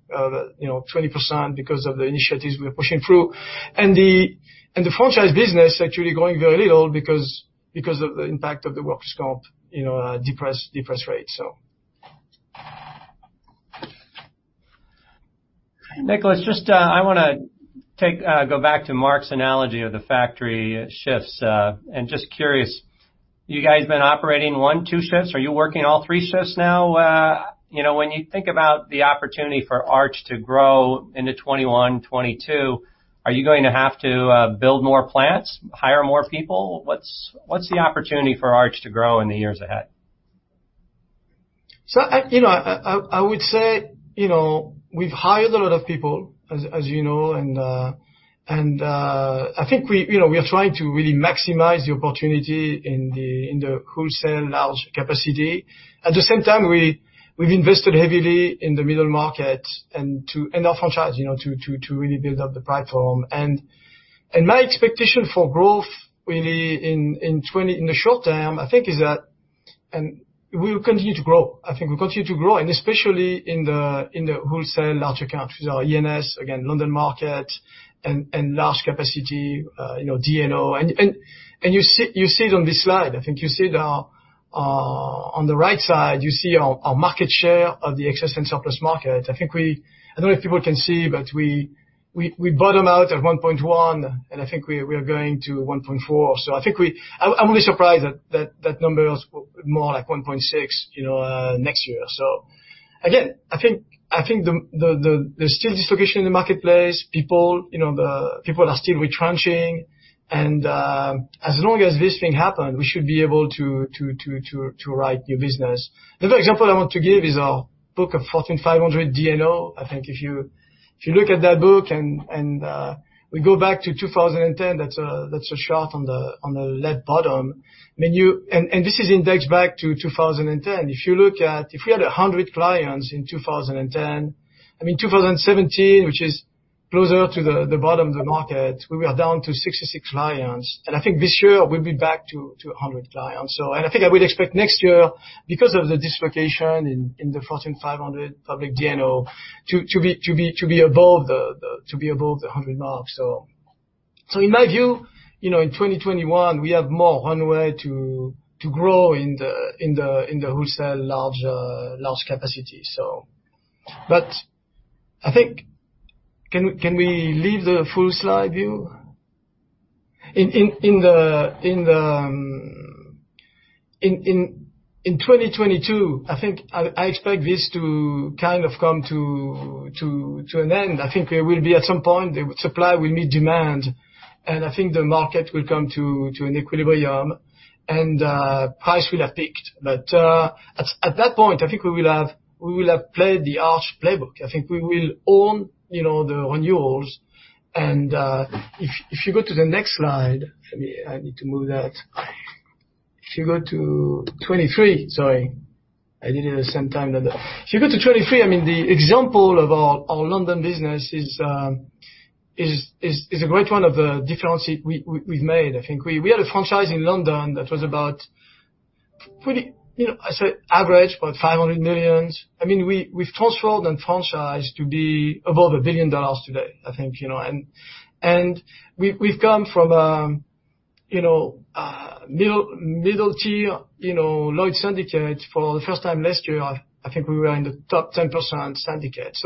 you know, 20% because of the initiatives we were pushing through. And the franchise business is actually growing very little because of the impact of the workers' comp, you know, depressed rates. So. Nicolas, just I want to go back to Mark's analogy of the factory shifts. And just curious, you guys have been operating one, two shifts. Are you working all three shifts now? You know, when you think about the opportunity for Arch to grow into 2021, 2022, are you going to have to build more plants, hire more people? What's the opportunity for Arch to grow in the years ahead? So, you know, I would say, you know, we've hired a lot of people, as you know. And I think we, you know, we are trying to really maximize the opportunity in the wholesale large capacity. At the same time, we've invested heavily in the middle market and our franchise, you know, to really build up the platform. And my expectation for growth really in the short term, I think, is that we will continue to grow. I think we'll continue to grow, and especially in the wholesale large accounts, which are E&S, again, London market, and large capacity, you know, D&O. And you see it on this slide. I think you see it on the right side, you see our market share of the excess and surplus market. I think we. I don't know if people can see, but we bottom out at 1.1, and I think we are going to 1.4. So I think we. I'm really surprised that that number is more like 1.6, you know, next year. So again, I think there's still dislocation in the marketplace. People, you know, people are still retrenching. And as long as this thing happens, we should be able to write new business. The other example I want to give is our book of Fortune 500 D&O. I think if you look at that book and we go back to 2010, that's a chart on the left bottom. And this is indexed back to 2010. If we had 100 clients in 2010, I mean, 2017, which is closer to the bottom of the market, we were down to 66 clients. I think this year we'll be back to 100 clients. So, and I think I would expect next year, because of the dislocation in the Fortune 500 public D&O, to be above the 100 mark. So in my view, you know, in 2021, we have more runway to grow in the wholesale large capacity. So, but I think, can we leave the full slide view? In 2022, I think I expect this to kind of come to an end. I think we will be at some point, the supply will meet demand. And I think the market will come to an equilibrium and price will have peaked. But at that point, I think we will have played the Arch playbook. I think we will own, you know, the renewals. And if you go to the next slide, I need to move that. If you go to 2023, I mean, the example of our London business is a great one of the differences we've made. I think we had a franchise in London that was about, you know, I say average, about $500 million. I mean, we've transformed and franchised to be above $1 billion today, I think, you know. We've come from a, you know, middle tier, you know, Lloyd's syndicate for the first time last year. I think we were in the top 10% syndicate.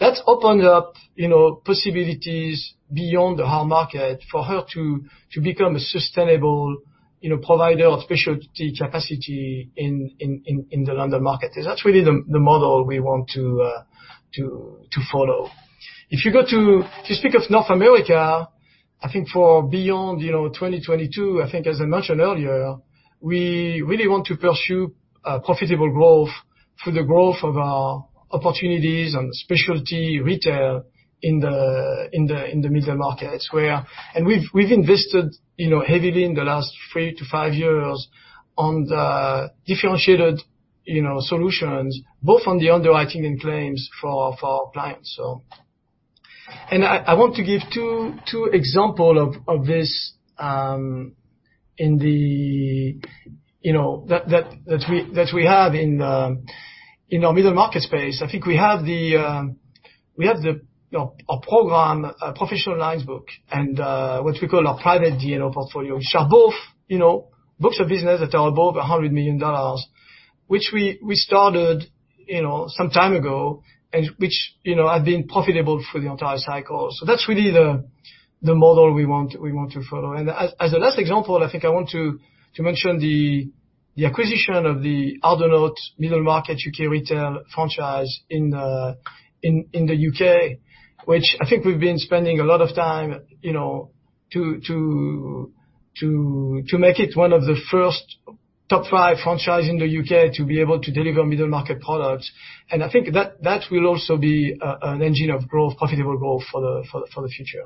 That's opened up, you know, possibilities beyond the hard market for her to become a sustainable, you know, provider of specialty capacity in the London market. That's really the model we want to follow. If you go to, if you speak of North America, I think for beyond, you know, 2022, I think, as I mentioned earlier, we really want to pursue profitable growth for the growth of our opportunities and specialty retail in the middle markets where, and we've invested, you know, heavily in the last three to five years on the differentiated, you know, solutions, both on the underwriting and claims for our clients. So, and I want to give two examples of this in the, you know, that we have in our middle market space. I think we have the, we have our program, a professional lines book and what we call our private D&O portfolio, which are both, you know, books of business that are above $100 million, which we started, you know, some time ago and which, you know, have been profitable for the entire cycle. So that's really the model we want to follow. And as the last example, I think I want to mention the acquisition of the Ardonagh, middle market UK retail franchise in the UK, which I think we've been spending a lot of time, you know, to make it one of the first top five franchises in the UK to be able to deliver middle market products. And I think that will also be an engine of growth, profitable growth for the future.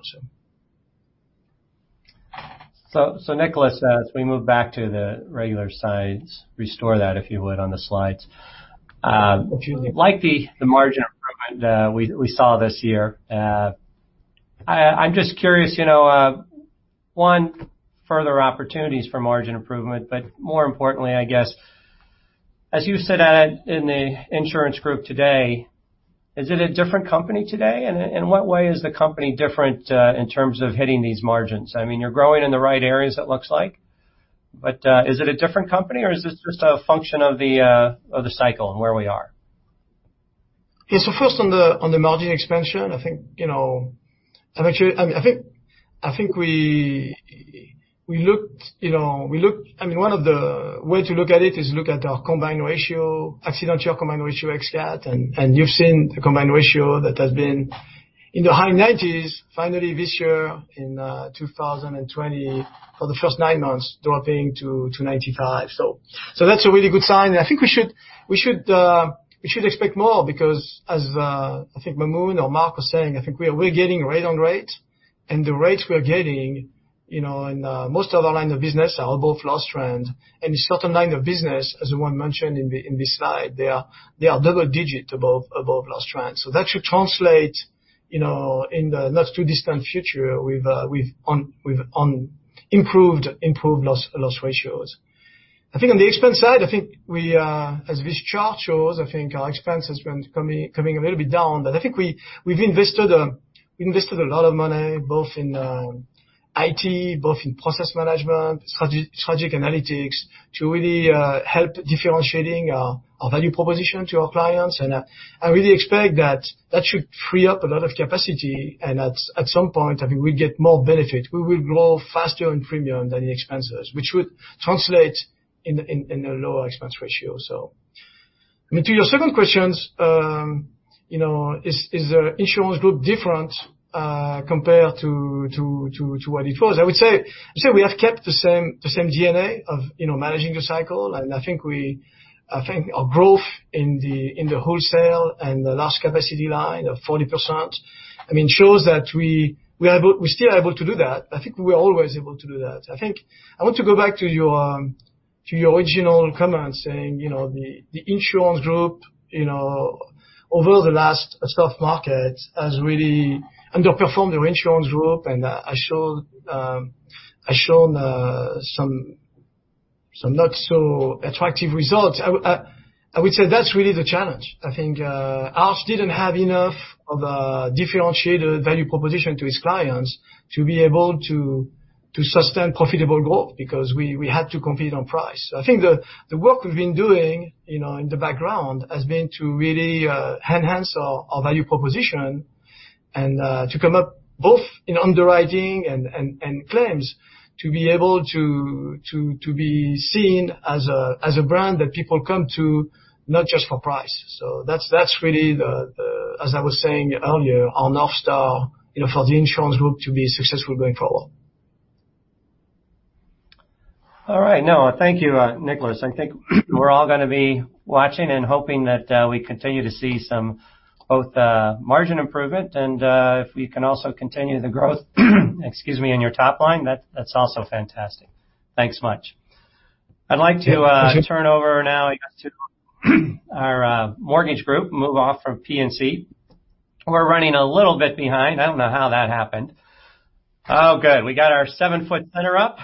So Nicolas, as we move back to the regular slides, restore that, if you would, on the slides. Like the margin improvement we saw this year, I'm just curious, you know, one, further opportunities for margin improvement, but more importantly, I guess, as you sit at it in the insurance group today, is it a different company today? And in what way is the company different in terms of hitting these margins? I mean, you're growing in the right areas, it looks like, but is it a different company or is this just a function of the cycle and where we are? Yeah, so first on the margin expansion, I think, you know, I think we looked, I mean, one of the ways to look at it is look at our combined ratio, attritional combined ratio ex-CAT. And you've seen the combined ratio that has been in the high 90s, finally this year in 2020, for the first nine months, dropping to 95. So that's a really good sign. And I think we should expect more because as I think Maamoun or Mark were saying, I think we are getting rate-on-rate. And the rates we are getting, you know, in most of our lines of business are above loss trend. And in certain lines of business, as the one mentioned in this slide, they are double-digit above loss trend. So that should translate, you know, in the not too distant future with improved loss ratios. I think on the expense side, I think we, as this chart shows, I think our expense has been coming a little bit down. But I think we've invested a lot of money both in IT, both in process management, strategic analytics to really help differentiating our value proposition to our clients. And I really expect that that should free up a lot of capacity. And at some point, I think we get more benefit. We will grow faster in premium than in expenses, which would translate in a lower expense ratio. So, I mean, to your second question, you know, is the insurance group different compared to what it was? I would say we have kept the same DNA of, you know, managing the cycle. I think our growth in the wholesale and the large capacity line of 40%, I mean, shows that we are still able to do that. I think we were always able to do that. I think I want to go back to your original comments saying, you know, the insurance group, you know, over the last soft market has really underperformed the insurance group, and I've shown some not so attractive results. I would say that's really the challenge. I think Arch didn't have enough of a differentiated value proposition to its clients to be able to sustain profitable growth because we had to compete on price. So I think the work we've been doing, you know, in the background has been to really enhance our value proposition and to come up both in underwriting and claims to be able to be seen as a brand that people come to not just for price. So that's really, as I was saying earlier, our North Star, you know, for the insurance group to be successful going forward. All right. No, thank you, Nicolas. I think we're all going to be watching and hoping that we continue to see some both margin improvement and if we can also continue the growth, excuse me, in your top line, that's also fantastic. Thanks much. I'd like to turn over now to our mortgage group, move off from P&C. We're running a little bit behind. I don't know how that happened. Oh, good. We got our seven-foot center up.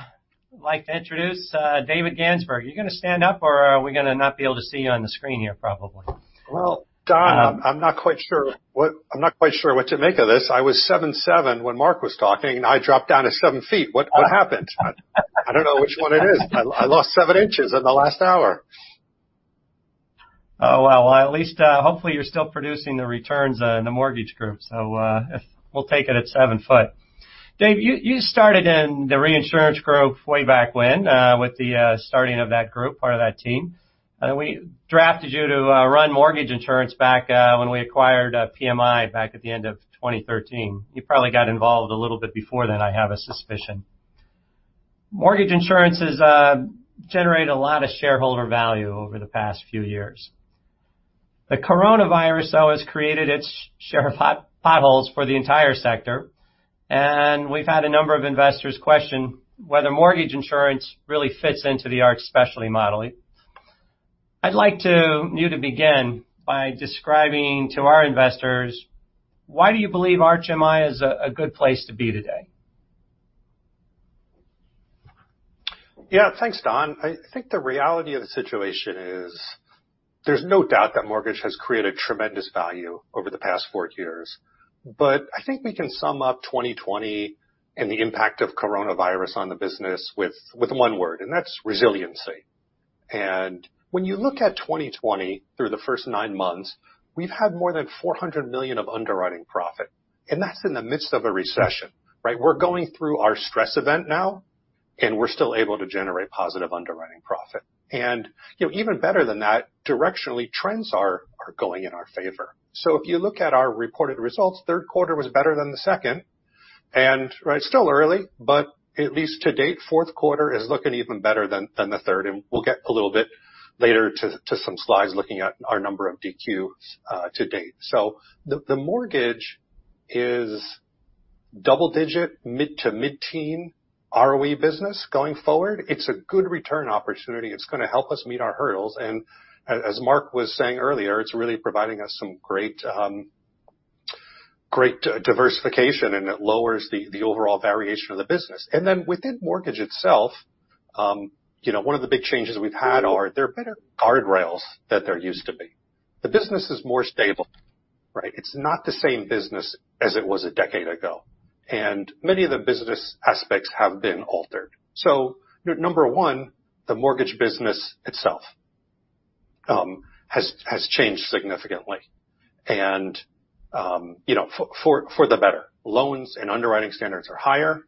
I'd like to introduce David Gansberg. You're going to stand up or are we going to not be able to see you on the screen here, probably? Don, I'm not quite sure what to make of this. I was 7'7" when Mark was talking and I dropped down to seven feet. What happened? I don't know which one it is. I lost seven inches in the last hour. Oh, well, at least hopefully you're still producing the returns in the mortgage group. So we'll take it at seven foot. Dave, you started in the reinsurance group way back when with the starting of that group, part of that team. We drafted you to run mortgage insurance back when we acquired PMI back at the end of 2013. You probably got involved a little bit before then, I have a suspicion. Mortgage insurances generate a lot of shareholder value over the past few years. The coronavirus, though, has created its share of potholes for the entire sector. And we've had a number of investors question whether mortgage insurance really fits into the Arch specialty model. I'd like you to begin by describing to our investors why you believe Arch MI is a good place to be today? Yeah, thanks, Don. I think the reality of the situation is there's no doubt that mortgage has created tremendous value over the past four years. But I think we can sum up 2020 and the impact of coronavirus on the business with one word, and that's resiliency. When you look at 2020 through the first nine months, we've had more than $400 million of underwriting profit. That's in the midst of a recession, right? We're going through our stress event now, and we're still able to generate positive underwriting profit. You know, even better than that, directionally, trends are going in our favor. If you look at our reported results, third quarter was better than the second. Right, still early, but at least to date, fourth quarter is looking even better than the third. We'll get a little bit later to some slides looking at our number of DQs to date. The mortgage is double digit, mid to mid-teen ROE business going forward. It's a good return opportunity. It's going to help us meet our hurdles. As Mark was saying earlier, it's really providing us some great diversification and it lowers the overall variation of the business. Then within mortgage itself, you know, one of the big changes we've had is there are better guardrails than there used to be. The business is more stable, right? It's not the same business as it was a decade ago. Many of the business aspects have been altered. Number one, the mortgage business itself has changed significantly. For the better, you know, loans and underwriting standards are higher.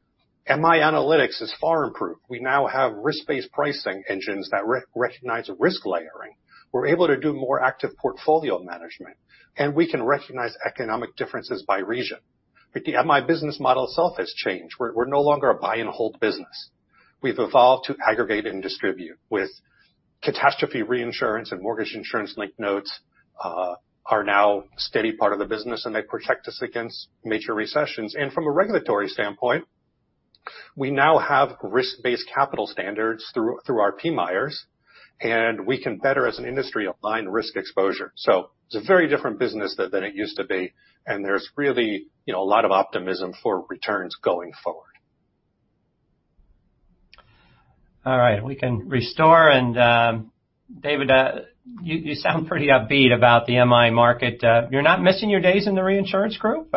MI analytics is far improved. We now have risk-based pricing engines that recognize risk layering. We're able to do more active portfolio management. And we can recognize economic differences by region. The MI business model itself has changed. We're no longer a buy and hold business. We've evolved to aggregate and distribute with catastrophe reinsurance, and mortgage insurance linked notes are now a steady part of the business and they protect us against major recessions. And from a regulatory standpoint, we now have risk-based capital standards through our PMIRs. And we can better as an industry align risk exposure. So it's a very different business than it used to be. And there's really, you know, a lot of optimism for returns going forward. All right. We can restore. And David, you sound pretty upbeat about the MI market. You're not missing your days in the reinsurance group.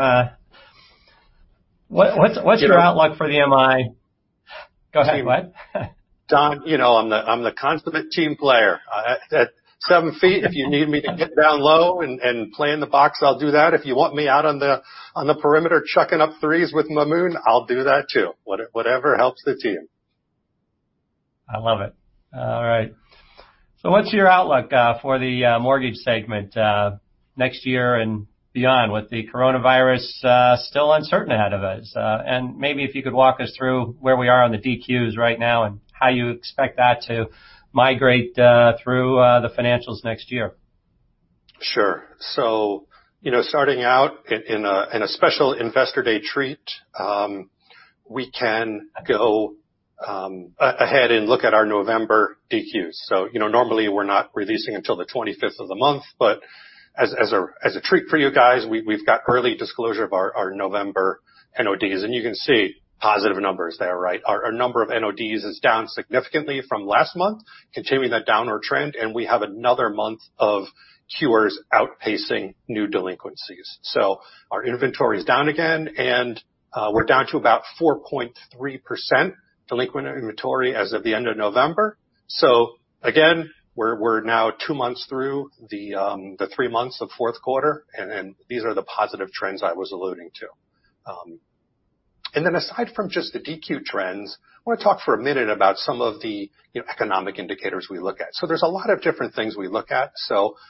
What's your outlook for the MI? Go ahead, what? Don, you know, I'm the consummate team player. At seven feet, if you need me to get down low and play in the box, I'll do that. If you want me out on the perimeter chucking up threes with Maamoun, I'll do that too. Whatever helps the team. I love it. All right. So what's your outlook for the mortgage segment next year and beyond with the coronavirus still uncertain ahead of us? And maybe if you could walk us through where we are on the DQs right now and how you expect that to migrate through the financials next year. Sure, so, you know, starting out in a special investor day treat, we can go ahead and look at our November DQs, so, you know, normally we're not releasing until the 25th of the month, but as a treat for you guys, we've got early disclosure of our November NODs, and you can see positive numbers there, right? Our number of NODs is down significantly from last month, continuing that downward trend, and we have another month of QRs outpacing new delinquencies, so our inventory is down again, and we're down to about 4.3% delinquent inventory as of the end of November, so again, we're now two months through the three months of fourth quarter, and these are the positive trends I was alluding to, and then aside from just the DQ trends, I want to talk for a minute about some of the economic indicators we look at. There's a lot of different things we look at.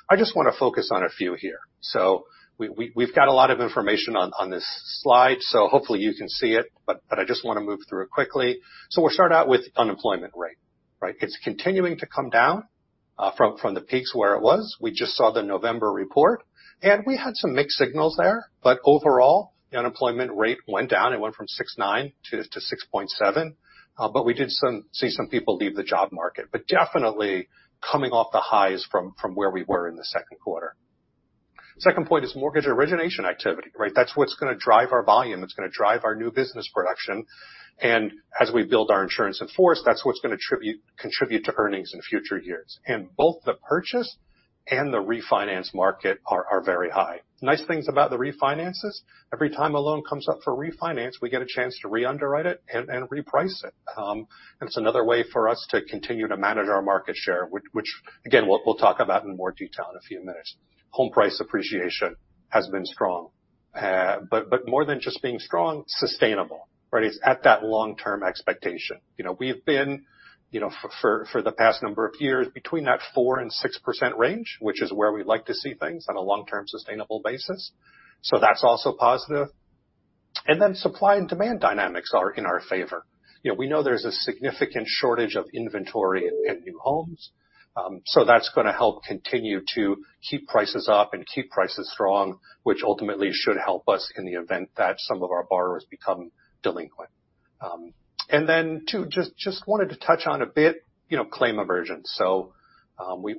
I just want to focus on a few here. We've got a lot of information on this slide. Hopefully you can see it, but I just want to move through it quickly. We'll start out with unemployment rate, right? It's continuing to come down from the peaks where it was. We just saw the November report. We had some mixed signals there. Overall, the unemployment rate went down. It went from 6.9% to 6.7%. We did see some people leave the job market, but definitely coming off the highs from where we were in the second quarter. Second point is mortgage origination activity, right? That's what's going to drive our volume. It's going to drive our new business production. As we build our insurance franchise, that's what's going to contribute to earnings in future years. Both the purchase and the refinance market are very high. Nice things about the refinances. Every time a loan comes up for refinance, we get a chance to re-underwrite it and reprice it, and it's another way for us to continue to manage our market share, which again, we'll talk about in more detail in a few minutes. Home price appreciation has been strong, but more than just being strong, sustainable, right? It's at that long-term expectation. You know, we've been, you know, for the past number of years between that 4%-6% range, which is where we'd like to see things on a long-term sustainable basis. So that's also positive, and then supply and demand dynamics are in our favor. You know, we know there's a significant shortage of inventory and new homes. So that's going to help continue to keep prices up and keep prices strong, which ultimately should help us in the event that some of our borrowers become delinquent. And then two, just wanted to touch on a bit, you know, claim aversion. So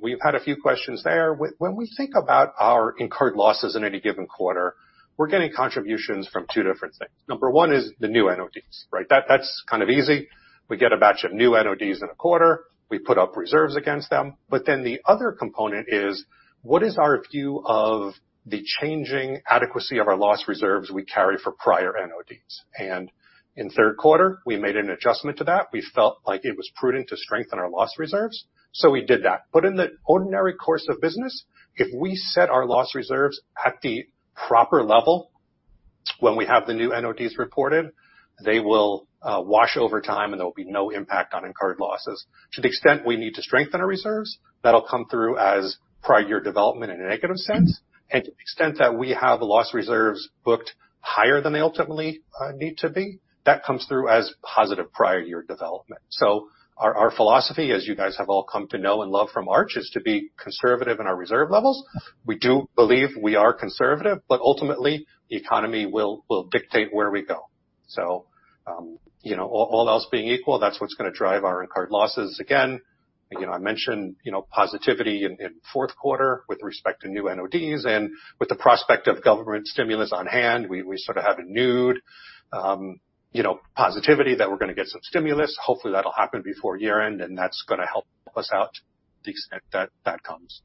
we've had a few questions there. When we think about our incurred losses in any given quarter, we're getting contributions from two different things. Number one is the new NODs, right? That's kind of easy. We get a batch of new NODs in a quarter. We put up reserves against them. But then the other component is what is our view of the changing adequacy of our loss reserves we carry for prior NODs? And in third quarter, we made an adjustment to that. We felt like it was prudent to strengthen our loss reserves, so we did that, but in the ordinary course of business, if we set our loss reserves at the proper level when we have the new NODs reported, they will wash over time and there will be no impact on incurred losses. To the extent we need to strengthen our reserves, that'll come through as prior year development in a negative sense, and to the extent that we have loss reserves booked higher than they ultimately need to be, that comes through as positive prior year development, so our philosophy, as you guys have all come to know and love from Arch, is to be conservative in our reserve levels. We do believe we are conservative, but ultimately the economy will dictate where we go. So, you know, all else being equal, that's what's going to drive our incurred losses. Again, you know, I mentioned, you know, positivity in fourth quarter with respect to new NODs and with the prospect of government stimulus on hand, we sort of have a new, you know, positivity that we're going to get some stimulus. Hopefully that'll happen before year-end and that's going to help us out to the extent that that comes.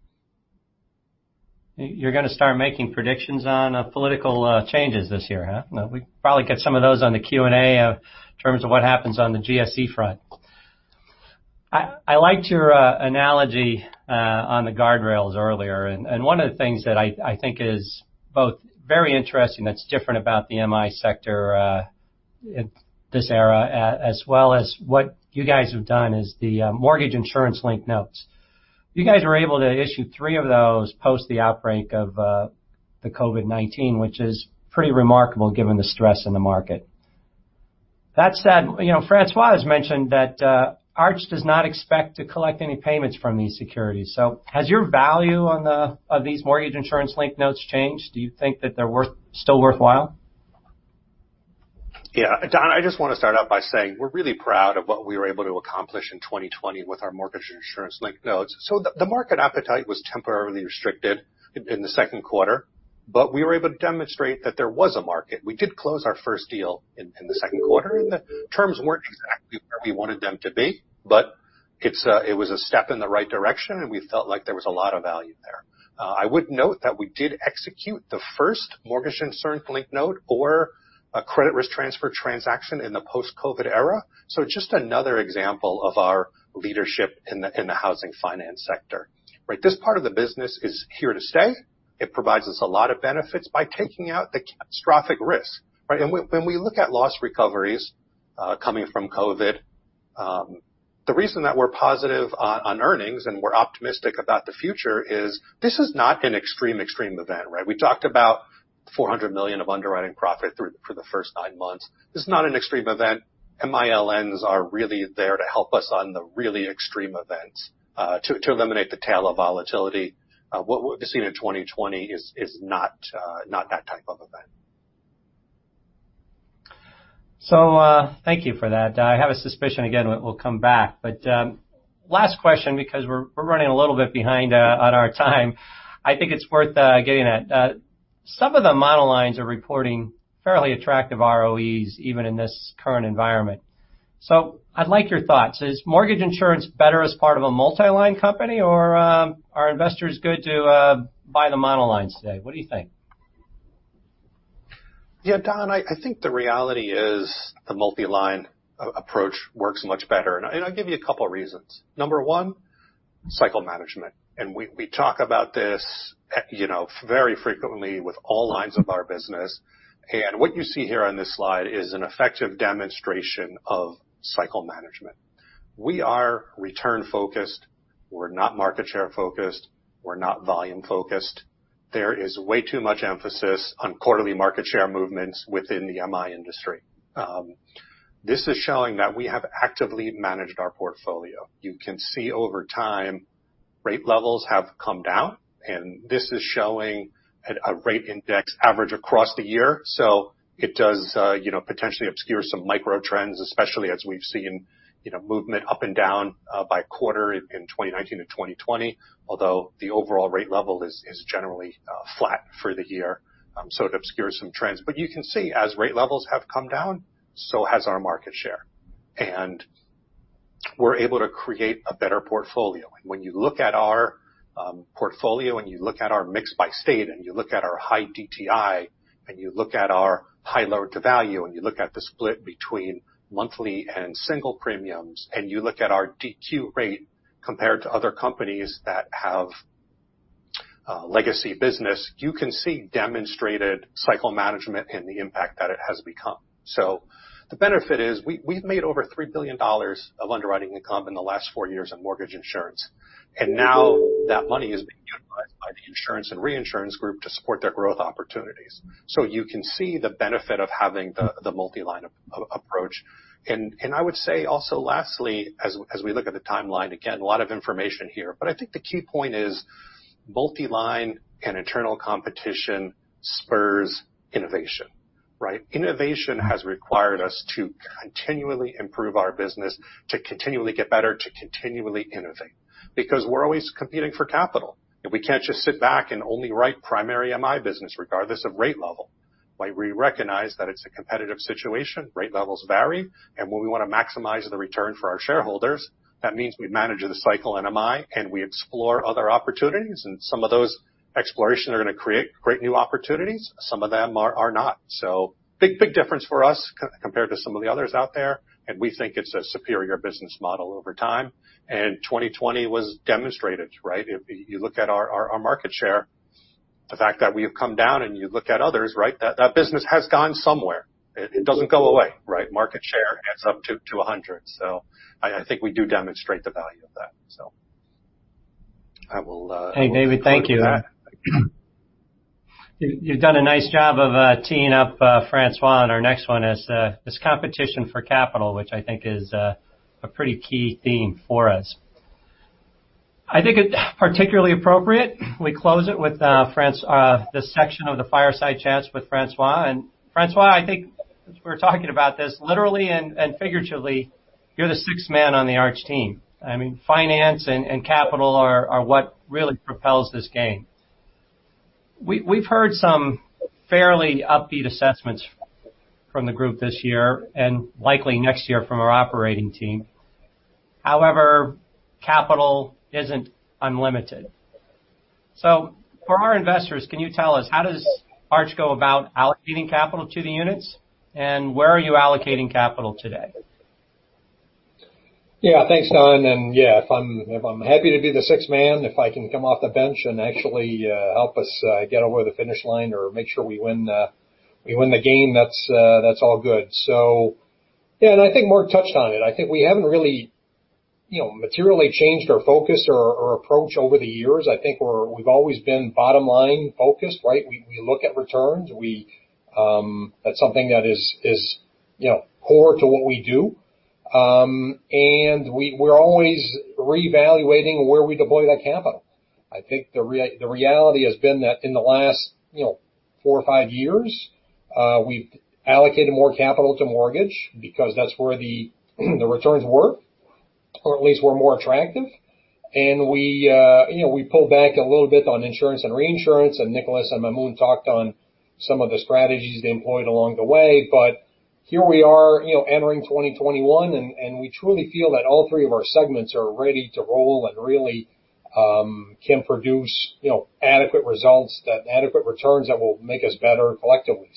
You're going to start making predictions on political changes this year, huh? We probably get some of those on the Q&A in terms of what happens on the GSE front. I liked your analogy on the guardrails earlier, and one of the things that I think is both very interesting that's different about the MI sector in this era, as well as what you guys have done is the mortgage insurance linked notes. You guys were able to issue three of those post the outbreak of the COVID-19, which is pretty remarkable given the stress in the market. That said, you know, François has mentioned that Arch does not expect to collect any payments from these securities. So has your value on these mortgage insurance linked notes changed? Do you think that they're still worthwhile? Yeah, Don, I just want to start out by saying we're really proud of what we were able to accomplish in 2020 with our mortgage insurance linked notes. So the market appetite was temporarily restricted in the second quarter, but we were able to demonstrate that there was a market. We did close our first deal in the second quarter and the terms weren't exactly where we wanted them to be, but it was a step in the right direction and we felt like there was a lot of value there. I would note that we did execute the first mortgage insurance linked note or a credit risk transfer transaction in the post-COVID era. So just another example of our leadership in the housing finance sector, right? This part of the business is here to stay. It provides us a lot of benefits by taking out the catastrophic risk, right? When we look at loss recoveries coming from COVID, the reason that we're positive on earnings and we're optimistic about the future is this is not an extreme, extreme event, right? We talked about $400 million of underwriting profit for the first nine months. This is not an extreme event. MILNs are really there to help us on the really extreme events to eliminate the tail of volatility. What we've seen in 2020 is not that type of event. So thank you for that. I have a suspicion again we'll come back, but last question because we're running a little bit behind on our time. I think it's worth getting at. Some of the monoline lines are reporting fairly attractive ROEs even in this current environment. So I'd like your thoughts. Is mortgage insurance better as part of a multi-line company or are investors good to buy the monoline lines today? What do you think? Yeah, Don. I think the reality is the multi-line approach works much better. And I'll give you a couple of reasons. Number one, cycle management. And we talk about this, you know, very frequently with all lines of our business. And what you see here on this slide is an effective demonstration of cycle management. We are return-focused. We're not market share-focused. We're not volume-focused. There is way too much emphasis on quarterly market share movements within the MI industry. This is showing that we have actively managed our portfolio. You can see over time rate levels have come down, and this is showing a rate index average across the year. So it does, you know, potentially obscure some micro trends, especially as we've seen, you know, movement up and down by quarter in 2019 and 2020, although the overall rate level is generally flat for the year. It obscures some trends. But you can see as rate levels have come down, so has our market share. And we're able to create a better portfolio. And when you look at our portfolio and you look at our mix by state and you look at our high DTI and you look at our high loan-to-value and you look at the split between monthly and single premiums and you look at our DQ rate compared to other companies that have legacy business, you can see demonstrated cycle management and the impact that it has become. The benefit is we've made over $3 billion of underwriting income in the last four years in mortgage insurance. And now that money is being utilized by the insurance and reinsurance group to support their growth opportunities. You can see the benefit of having the multi-line approach. And I would say also lastly, as we look at the timeline, again, a lot of information here, but I think the key point is multi-line and internal competition spurs innovation, right? Innovation has required us to continually improve our business, to continually get better, to continually innovate because we're always competing for capital. And we can't just sit back and only write primary MI business regardless of rate level, right? We recognize that it's a competitive situation. Rate levels vary. And when we want to maximize the return for our shareholders, that means we manage the cycle and MI and we explore other opportunities. And some of those explorations are going to create great new opportunities. Some of them are not. So big, big difference for us compared to some of the others out there. And we think it's a superior business model over time. And 2020 was demonstrated, right? If you look at our market share, the fact that we have come down and you look at others, right? That business has gone somewhere. It doesn't go away, right? Market share adds up to 100. So I think we do demonstrate the value of that. So I will. Hey, David, thank you. You've done a nice job of teeing up François. And our next one is this competition for capital, which I think is a pretty key theme for us. I think it's particularly appropriate we close it with this section of the Fireside Chats with François. And François, I think we're talking about this literally and figuratively. You're the sixth man on the Arch team. I mean, finance and capital are what really propels this game. We've heard some fairly upbeat assessments from the group this year and likely next year from our operating team. However, capital isn't unlimited. So for our investors, can you tell us how does Arch go about allocating capital to the units? And where are you allocating capital today? Yeah, thanks, Don. And yeah, if I'm happy to be the sixth man, if I can come off the bench and actually help us get over the finish line or make sure we win the game, that's all good. So yeah, and I think Mark touched on it. I think we haven't really, you know, materially changed our focus or approach over the years. I think we've always been bottom-line focused, right? We look at returns. That's something that is, you know, core to what we do. And we're always reevaluating where we deploy that capital. I think the reality has been that in the last, you know, four or five years, we've allocated more capital to mortgage because that's where the returns were, or at least were more attractive. And we, you know, we pulled back a little bit on insurance and reinsurance. Nicolas and Mamoun talked on some of the strategies they employed along the way. Here we are, you know, entering 2021, and we truly feel that all three of our segments are ready to roll and really can produce, you know, adequate results, adequate returns that will make us better collectively.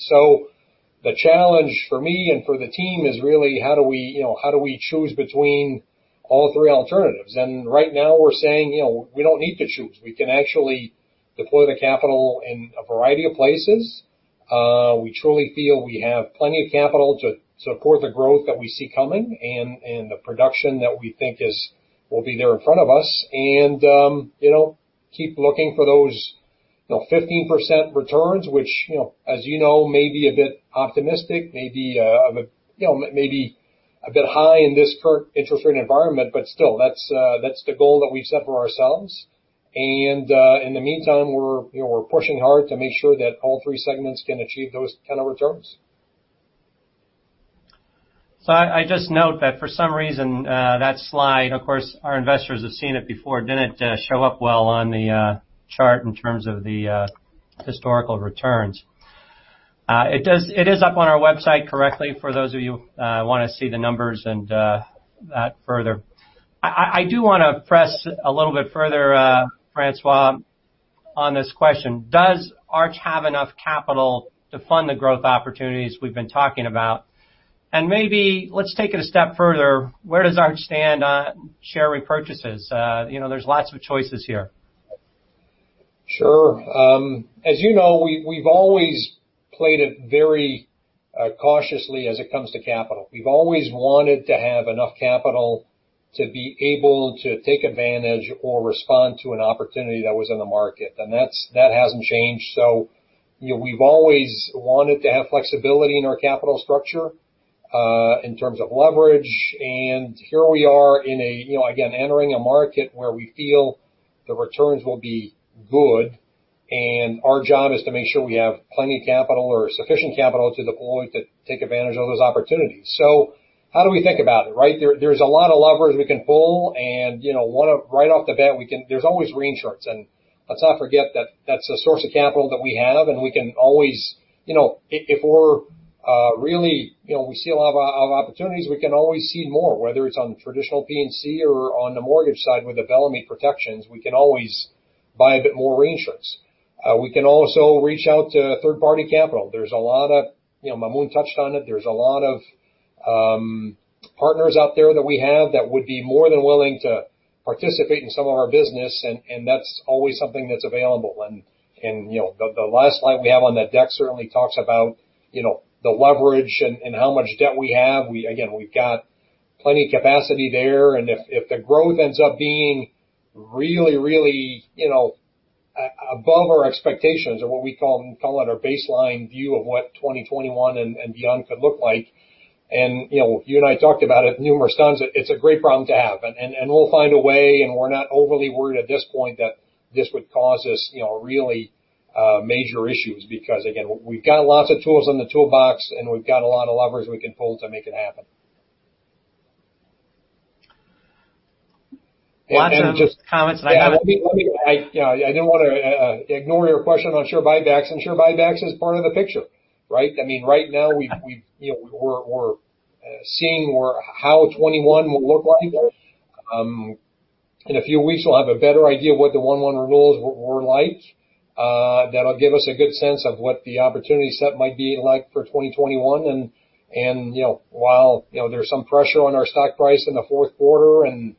The challenge for me and for the team is really how do we, you know, how do we choose between all three alternatives? Right now we're saying, you know, we don't need to choose. We can actually deploy the capital in a variety of places. We truly feel we have plenty of capital to support the growth that we see coming and the production that we think will be there in front of us. You know, keep looking for those, you know, 15% returns, which, you know, as you know, may be a bit optimistic, may be, you know, maybe a bit high in this current interest rate environment, but still that's the goal that we've set for ourselves. In the meantime, we're pushing hard to make sure that all three segments can achieve those kinds of returns. So I just note that for some reason that slide, of course, our investors have seen it before, didn't it show up well on the chart in terms of the historical returns? It is up on our website correctly for those of you who want to see the numbers and that further. I do want to press a little bit further, François, on this question. Does Arch have enough capital to fund the growth opportunities we've been talking about, and maybe let's take it a step further. Where does Arch stand on share repurchases? You know, there's lots of choices here. Sure. As you know, we've always played it very cautiously as it comes to capital. We've always wanted to have enough capital to be able to take advantage or respond to an opportunity that was in the market. And that hasn't changed. So, you know, we've always wanted to have flexibility in our capital structure in terms of leverage. And here we are in a, you know, again, entering a market where we feel the returns will be good. And our job is to make sure we have plenty of capital or sufficient capital to deploy to take advantage of those opportunities. So how do we think about it, right? There's a lot of levers we can pull. And, you know, right off the bat, there's always reinsurance. And let's not forget that that's a source of capital that we have. We can always, you know, if we're really, you know, we see a lot of opportunities, we can always cede more, whether it's on the traditional P&C or on the mortgage side with the Bellemeade protections. We can always buy a bit more reinsurance. We can also reach out to third-party capital. There's a lot of, you know, Maamoun touched on it. There's a lot of partners out there that we have that would be more than willing to participate in some of our business. And that's always something that's available. And, you know, the last slide we have on that deck certainly talks about, you know, the leverage and how much debt we have. Again, we've got plenty of capacity there. And if the growth ends up being really, really, you know, above our expectations or what we call in our baseline view of what 2021 and beyond could look like. And, you know, you and I talked about it numerous times. It's a great problem to have. And we'll find a way. And we're not overly worried at this point that this would cause us, you know, really major issues because, again, we've got lots of tools in the toolbox and we've got a lot of levers we can pull to make it happen. Lots of comments. Yeah, I didn't want to ignore your question on share buybacks. And share buybacks is part of the picture, right? I mean, right now, we're seeing how 2021 will look like. In a few weeks, we'll have a better idea of what the 1/1 renewals were like. That'll give us a good sense of what the opportunity set might be like for 2021. And, you know, while there's some pressure on our stock price in the fourth quarter and,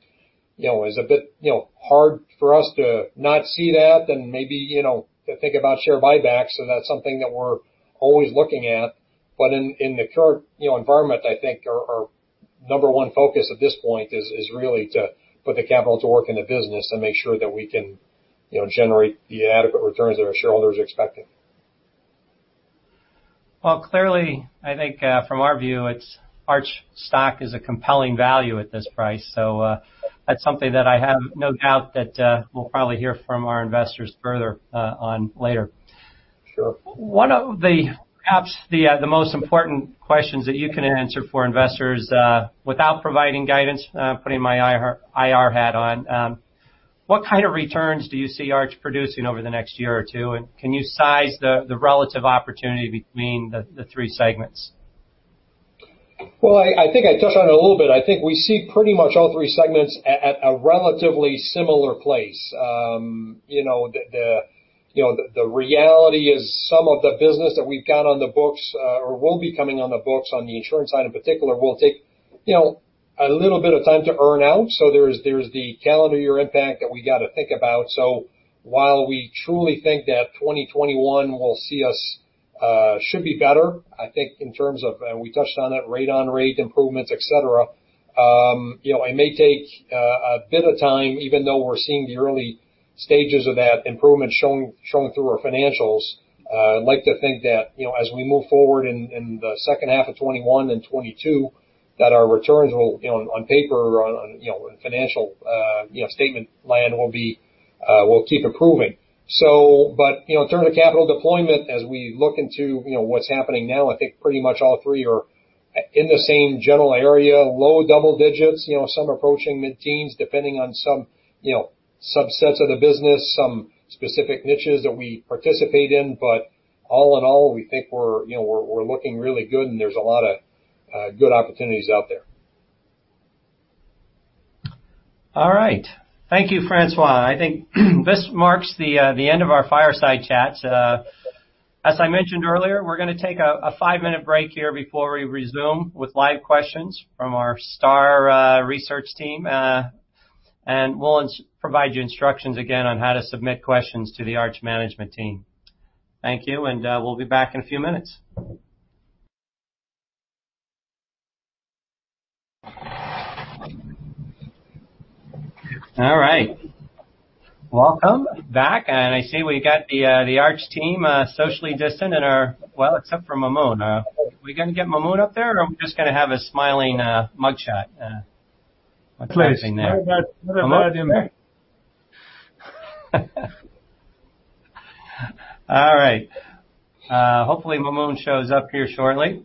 you know, it's a bit, you know, hard for us to not see that and maybe, you know, to think about share buybacks. So that's something that we're always looking at. But in the current, you know, environment, I think our number one focus at this point is really to put the capital to work in the business and make sure that we can, you know, generate the adequate returns that our shareholders are expecting. Clearly, I think from our view, Arch stock is a compelling value at this price. That's something that I have no doubt that we'll probably hear from our investors further on later. Sure. One of the, perhaps, the most important questions that you can answer for investors without providing guidance, putting my IR hat on, what kind of returns do you see Arch producing over the next year or two? And can you size the relative opportunity between the three segments? I think I touched on it a little bit. I think we see pretty much all three segments at a relatively similar place. You know, the reality is some of the business that we've got on the books or will be coming on the books on the insurance side in particular will take, you know, a little bit of time to earn out. So there's the calendar year impact that we got to think about. So while we truly think that 2021 will see us should be better, I think in terms of, and we touched on it, rate on rate improvements, et cetera, you know, it may take a bit of time, even though we're seeing the early stages of that improvement showing through our financials. I'd like to think that, you know, as we move forward in the second half of 2021 and 2022, that our returns will, you know, on paper, you know, in financial, you know, statement land will keep improving. So, but, you know, in terms of capital deployment, as we look into, you know, what's happening now, I think pretty much all three are in the same general area, low double digits, you know, some approaching mid-teens, depending on some, you know, subsets of the business, some specific niches that we participate in. But all in all, we think we're, you know, we're looking really good and there's a lot of good opportunities out there. All right. Thank you, François. I think this marks the end of our Fireside Chats. As I mentioned earlier, we're going to take a five-minute break here before we resume with live questions from our STAR research team, and we'll provide you instructions again on how to submit questions to the Arch management team. Thank you, and we'll be back in a few minutes. All right. Welcome back, and I see we got the Arch team socially distant in our, well, except for Maamoun. Are we going to get Maamoun up there or are we just going to have a smiling mug shot? Please. All right. Hopefully, Maamoun shows up here shortly.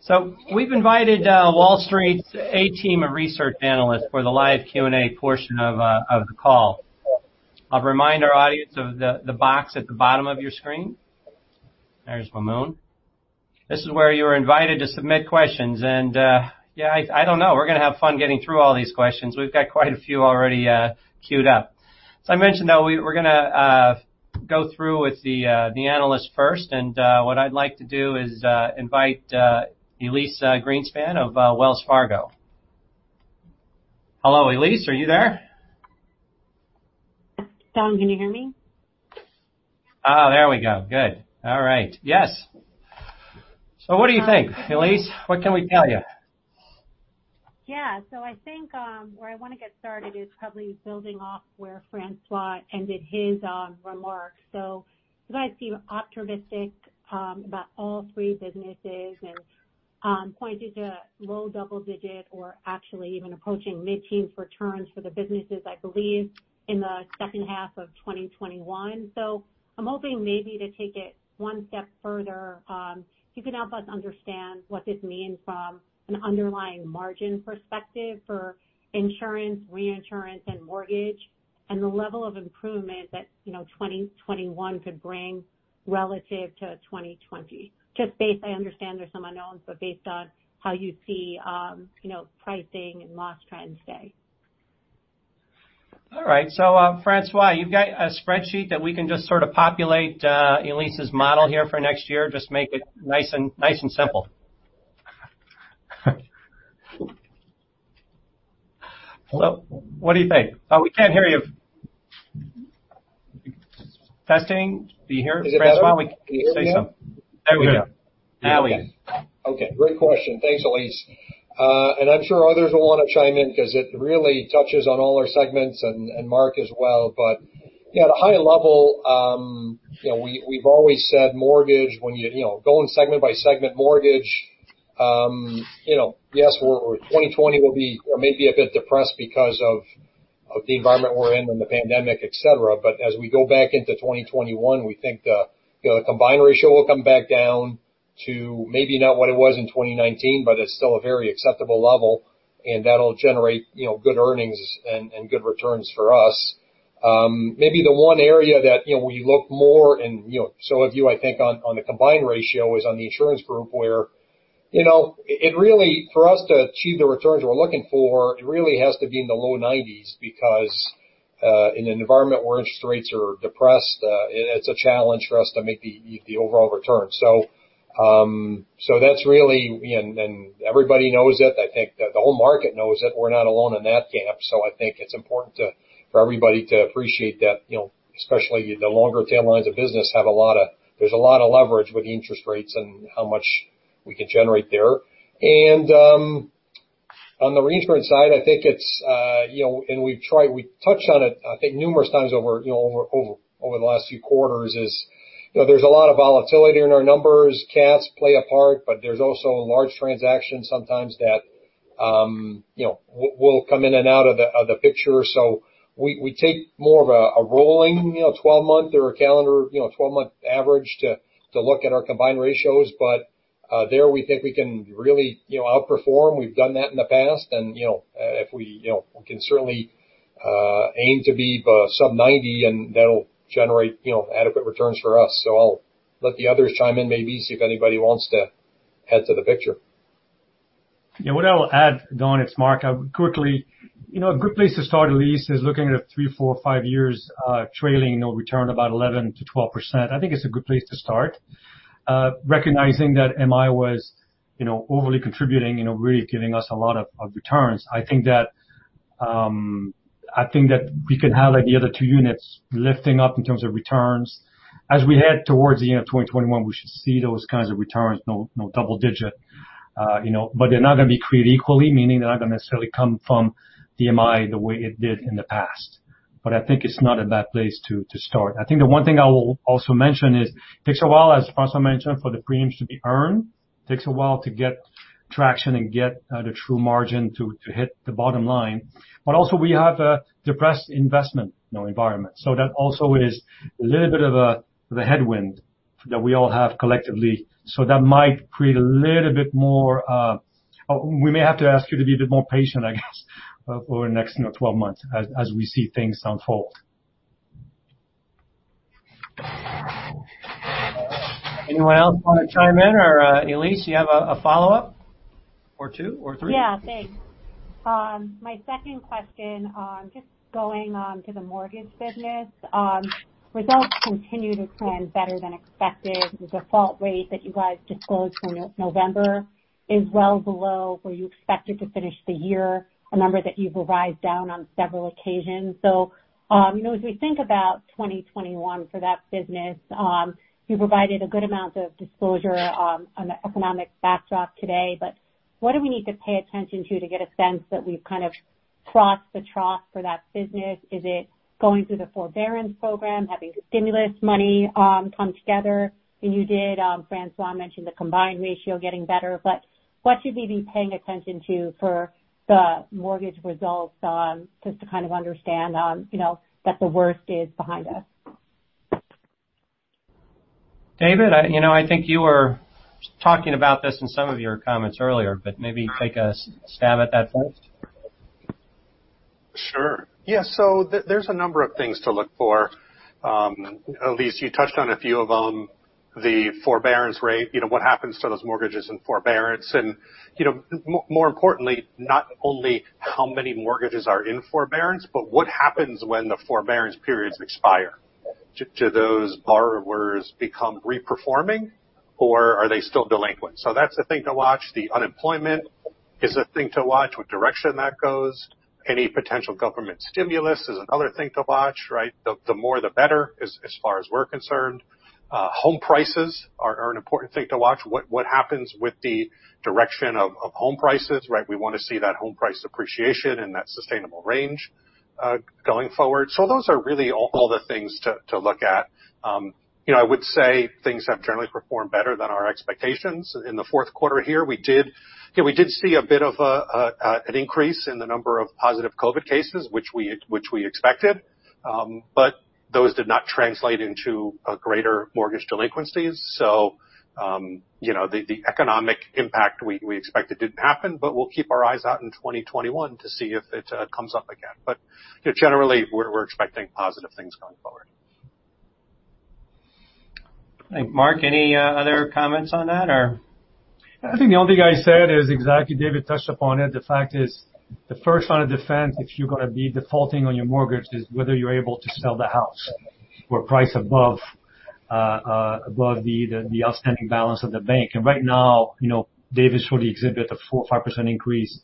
So we've invited Wall Street's A-Team of research analysts for the live Q&A portion of the call. I'll remind our audience of the box at the bottom of your screen. There's Maamoun. This is where you are invited to submit questions. And yeah, I don't know. We're going to have fun getting through all these questions. We've got quite a few already queued up. As I mentioned, though, we're going to go through with the analysts first. And what I'd like to do is invite Elyse Greenspan of Wells Fargo. Hello, Elyse, are you there? Hi, Don, can you hear me? Oh, there we go. Good. All right. Yes. So what do you think, Elyse? What can we tell you? Yeah. So I think where I want to get started is probably building off where François ended his remarks. So you guys seem optimistic about all three businesses and pointed to low double digit or actually even approaching mid-teens returns for the businesses, I believe, in the second half of 2021. So I'm hoping maybe to take it one step further. If you can help us understand what this means from an underlying margin perspective for insurance, reinsurance, and mortgage, and the level of improvement that, you know, 2021 could bring relative to 2020. Just based, I understand there's some unknowns, but based on how you see, you know, pricing and loss trends today. All right. So François, you've got a spreadsheet that we can just sort of populate Elise's model here for next year. Just make it nice and simple. Hello. What do you think? Oh, we can't hear you. Testing? Do you hear François? Yes, I hear you. There we go. Okay. Great question. Thanks, Elise, and I'm sure others will want to chime in because it really touches on all our segments and Mark as well. But yeah, at a high level, you know, we've always said mortgage, when you, you know, going segment by segment mortgage, you know, yes, 2020 will be maybe a bit depressed because of the environment we're in and the pandemic, et cetera. But as we go back into 2021, we think the combined ratio will come back down to maybe not what it was in 2019, but it's still a very acceptable level. And that'll generate, you know, good earnings and good returns for us. Maybe the one area that, you know, we look more and, you know, some of you, I think, on the combined ratio is on the insurance group where, you know, it really, for us to achieve the returns we're looking for, it really has to be in the low 90s because in an environment where interest rates are depressed, it's a challenge for us to make the overall return. So that's really, and everybody knows it. I think the whole market knows it. We're not alone in that camp. So I think it's important for everybody to appreciate that, you know, especially the longer tail lines of business have a lot of, there's a lot of leverage with interest rates and how much we can generate there. On the reinsurance side, I think it's, you know, and we've tried. We touched on it, I think, numerous times over, you know, over the last few quarters. It's, you know, there's a lot of volatility in our numbers. Cats play a part, but there's also large transactions sometimes that, you know, will come in and out of the picture. So we take more of a rolling, you know, 12-month or a calendar, you know, 12-month average to look at our combined ratios. But there we think we can really, you know, outperform. We've done that in the past. And, you know, if we, you know, we can certainly aim to be sub-90, and that'll generate, you know, adequate returns for us. So I'll let the others chime in maybe and see if anybody wants to add to the picture. Yeah, what I'll add, Don, it's Mark. I would quickly, you know, a good place to start, Elise, is looking at a three, four, five years trailing return of about 11% to 12%. I think it's a good place to start. Recognizing that MI was, you know, overly contributing and really giving us a lot of returns, I think that I think that we can have like the other two units lifting up in terms of returns. As we head towards the end of 2021, we should see those kinds of returns, no double digit, you know, but they're not going to be created equally, meaning they're not going to necessarily come from the MI the way it did in the past. But I think it's not a bad place to start. I think the one thing I will also mention is it takes a while, as François mentioned, for the premiums to be earned. It takes a while to get traction and get the true margin to hit the bottom line. But also we have a depressed investment environment. So that also is a little bit of a headwind that we all have collectively. So that might create a little bit more, we may have to ask you to be a bit more patient, I guess, over the next, you know, 12 months as we see things unfold. Anyone else want to chime in, or Elise, do you have a follow-up or two or three? Yeah, thanks. My second question, just going on to the mortgage business, results continue to trend better than expected. The default rate that you guys disclosed for November is well below where you expected to finish the year, a number that you've revised down on several occasions. So, you know, as we think about 2021 for that business, you provided a good amount of disclosure on the economic backdrop today. But what do we need to pay attention to to get a sense that we've kind of crossed the trough for that business? Is it going through the forbearance program, having stimulus money come together? And you did, François mentioned the combined ratio getting better. But what should we be paying attention to for the mortgage results just to kind of understand, you know, that the worst is behind us? David, you know, I think you were talking about this in some of your comments earlier, but maybe take a stab at that first. Sure. Yeah. So there's a number of things to look for. Elise, you touched on a few of them. The forbearance rate, you know, what happens to those mortgages in forbearance? And, you know, more importantly, not only how many mortgages are in forbearance, but what happens when the forbearance periods expire? Do those borrowers become reperforming or are they still delinquent? So that's the thing to watch. The unemployment is a thing to watch. What direction that goes? Any potential government stimulus is another thing to watch, right? The more, the better as far as we're concerned. Home prices are an important thing to watch. What happens with the direction of home prices, right? We want to see that home price appreciation and that sustainable range going forward. So those are really all the things to look at. You know, I would say things have generally performed better than our expectations. In the fourth quarter here, we did, you know, we did see a bit of an increase in the number of positive COVID cases, which we expected. But those did not translate into greater mortgage delinquencies. So, you know, the economic impact we expected didn't happen, but we'll keep our eyes out in 2021 to see if it comes up again. But, you know, generally we're expecting positive things going forward. Mark, any other comments on that or? I think the only thing I said is exactly David touched upon it. The fact is the first line of defense if you're going to be defaulting on your mortgage is whether you're able to sell the house for a price above the outstanding balance of the bank. And right now, you know, David's showed the exhibit of a 4%, 5% increase.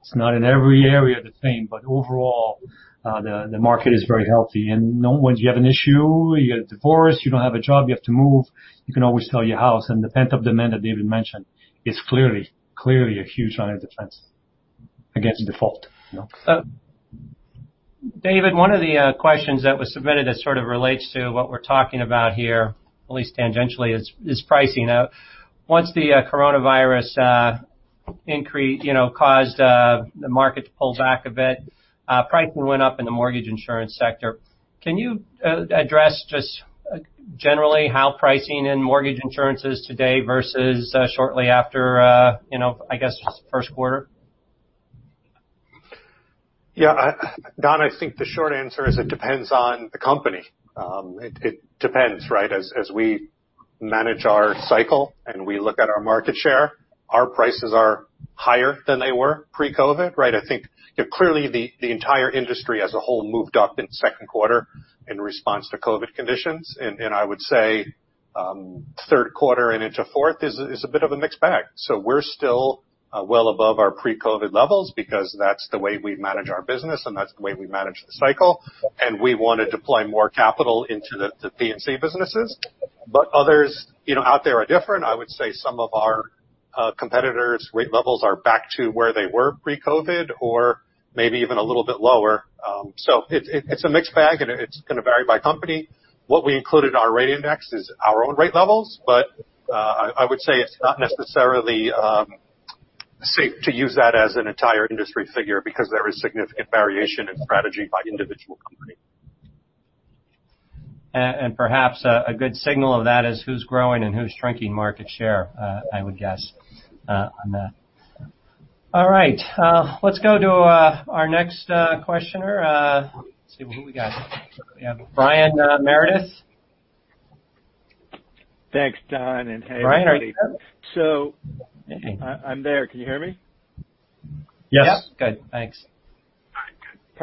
It's not in every area the same, but overall, the market is very healthy. And when you have an issue, you get a divorce, you don't have a job, you have to move, you can always sell your house. And the pent-up demand that David mentioned is clearly, clearly a huge line of defense against default. David, one of the questions that was submitted that sort of relates to what we're talking about here, at least tangentially, is pricing. Once the coronavirus increased, you know, caused the market to pull back a bit, pricing went up in the mortgage insurance sector. Can you address just generally how pricing in mortgage insurances today versus shortly after, you know, I guess first quarter? Yeah. Don, I think the short answer is it depends on the company. It depends, right? As we manage our cycle and we look at our market share, our prices are higher than they were pre-COVID, right? I think, you know, clearly the entire industry as a whole moved up in the second quarter in response to COVID conditions. And I would say third quarter and into fourth is a bit of a mixed bag. So we're still well above our pre-COVID levels because that's the way we manage our business and that's the way we manage the cycle. And we want to deploy more capital into the P&C businesses. But others, you know, out there are different. I would say some of our competitors' rate levels are back to where they were pre-COVID or maybe even a little bit lower. It's a mixed bag and it's going to vary by company. What we included in our rate index is our own rate levels, but I would say it's not necessarily safe to use that as an entire industry figure because there is significant variation in strategy by individual company. Perhaps a good signal of that is who's growing and who's shrinking market share, I would guess on that. All right. Let's go to our next questioner. Let's see who we got. We have Brian Meredith. Thanks, Don. Brian, are you there? I'm there. Can you hear me? Yes. Yep. Good. Thanks. All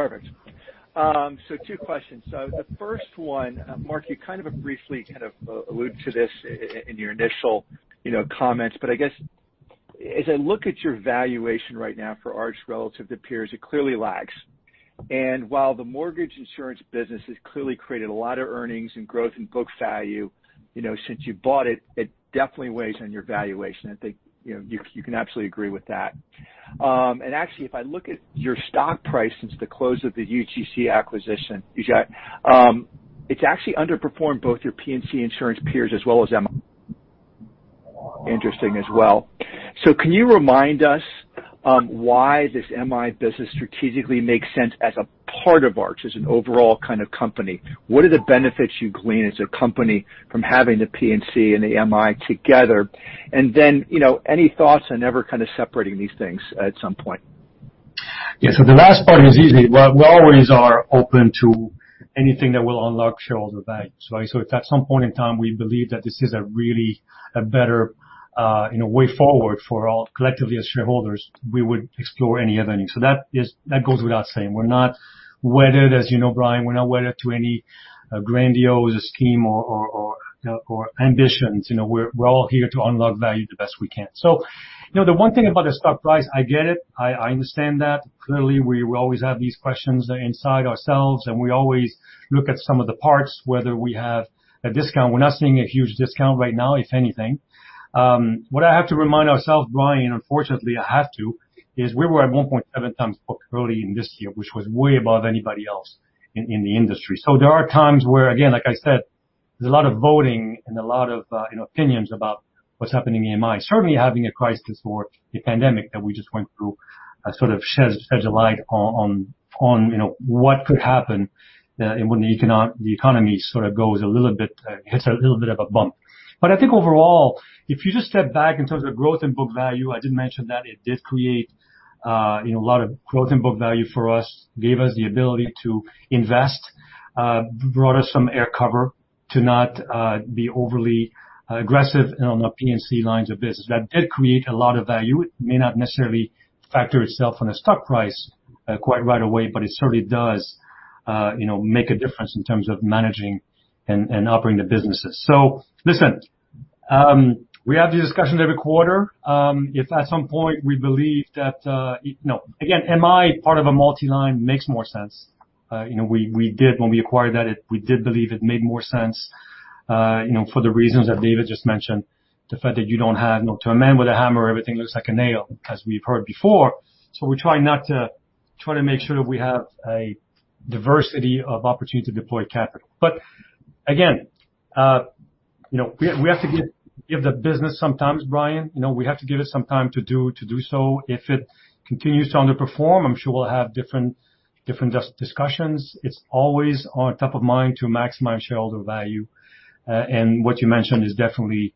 right. Good. Perfect. So two questions. So the first one, Mark, you kind of briefly kind of alluded to this in your initial, you know, comments, but I guess as I look at your valuation right now for Arch relative to peers, it clearly lags. And while the mortgage insurance business has clearly created a lot of earnings and growth in book value, you know, since you bought it, it definitely weighs on your valuation. I think, you know, you can absolutely agree with that. And actually, if I look at your stock price since the close of the UGC acquisition, you've got, it's actually underperformed both your P&C insurance peers as well as MI. Interesting as well. So can you remind us why this MI business strategically makes sense as a part of Arch as an overall kind of company? What are the benefits you glean as a company from having the P&C and the MI together? And then, you know, any thoughts on ever kind of separating these things at some point? Yeah. So the last part is easy. We always are open to anything that will unlock shareholder values. So if at some point in time we believe that this is a really better, you know, way forward for all collectively as shareholders, we would explore any other thing. So that goes without saying. We're not wedded, as you know, Brian, we're not wedded to any grandiose scheme or ambitions. You know, we're all here to unlock value the best we can. So, you know, the one thing about the stock price, I get it. I understand that. Clearly, we always have these questions inside ourselves and we always look at some of the parts whether we have a discount. We're not seeing a huge discount right now, if anything. What I have to remind ourselves, Brian, and unfortunately I have to, is we were at 1.7 times book early in this year, which was way above anybody else in the industry. So there are times where, again, like I said, there's a lot of voicing and a lot of, you know, opinions about what's happening in MI. Certainly having a crisis or a pandemic that we just went through sort of sheds a light on, you know, what could happen when the economy sort of goes a little bit, hits a little bit of a bump. But I think overall, if you just step back in terms of growth in book value, I did mention that it did create, you know, a lot of growth in book value for us, gave us the ability to invest, brought us some air cover to not be overly aggressive on our P&C lines of business. That did create a lot of value. It may not necessarily factor itself on the stock price quite right away, but it certainly does, you know, make a difference in terms of managing and operating the businesses. So listen, we have these discussions every quarter. If at some point we believe that, you know, again, MI part of a multi-line makes more sense. You know, we did, when we acquired that, we did believe it made more sense, you know, for the reasons that David just mentioned, the fact that you don't have, you know, to a man with a hammer, everything looks like a nail because we've heard before. So we're trying not to try to make sure that we have a diversity of opportunity to deploy capital. But again, you know, we have to give the business some time, Brian. You know, we have to give it some time to do so. If it continues to underperform, I'm sure we'll have different discussions. It's always on top of mind to maximize shareholder value. And what you mentioned is definitely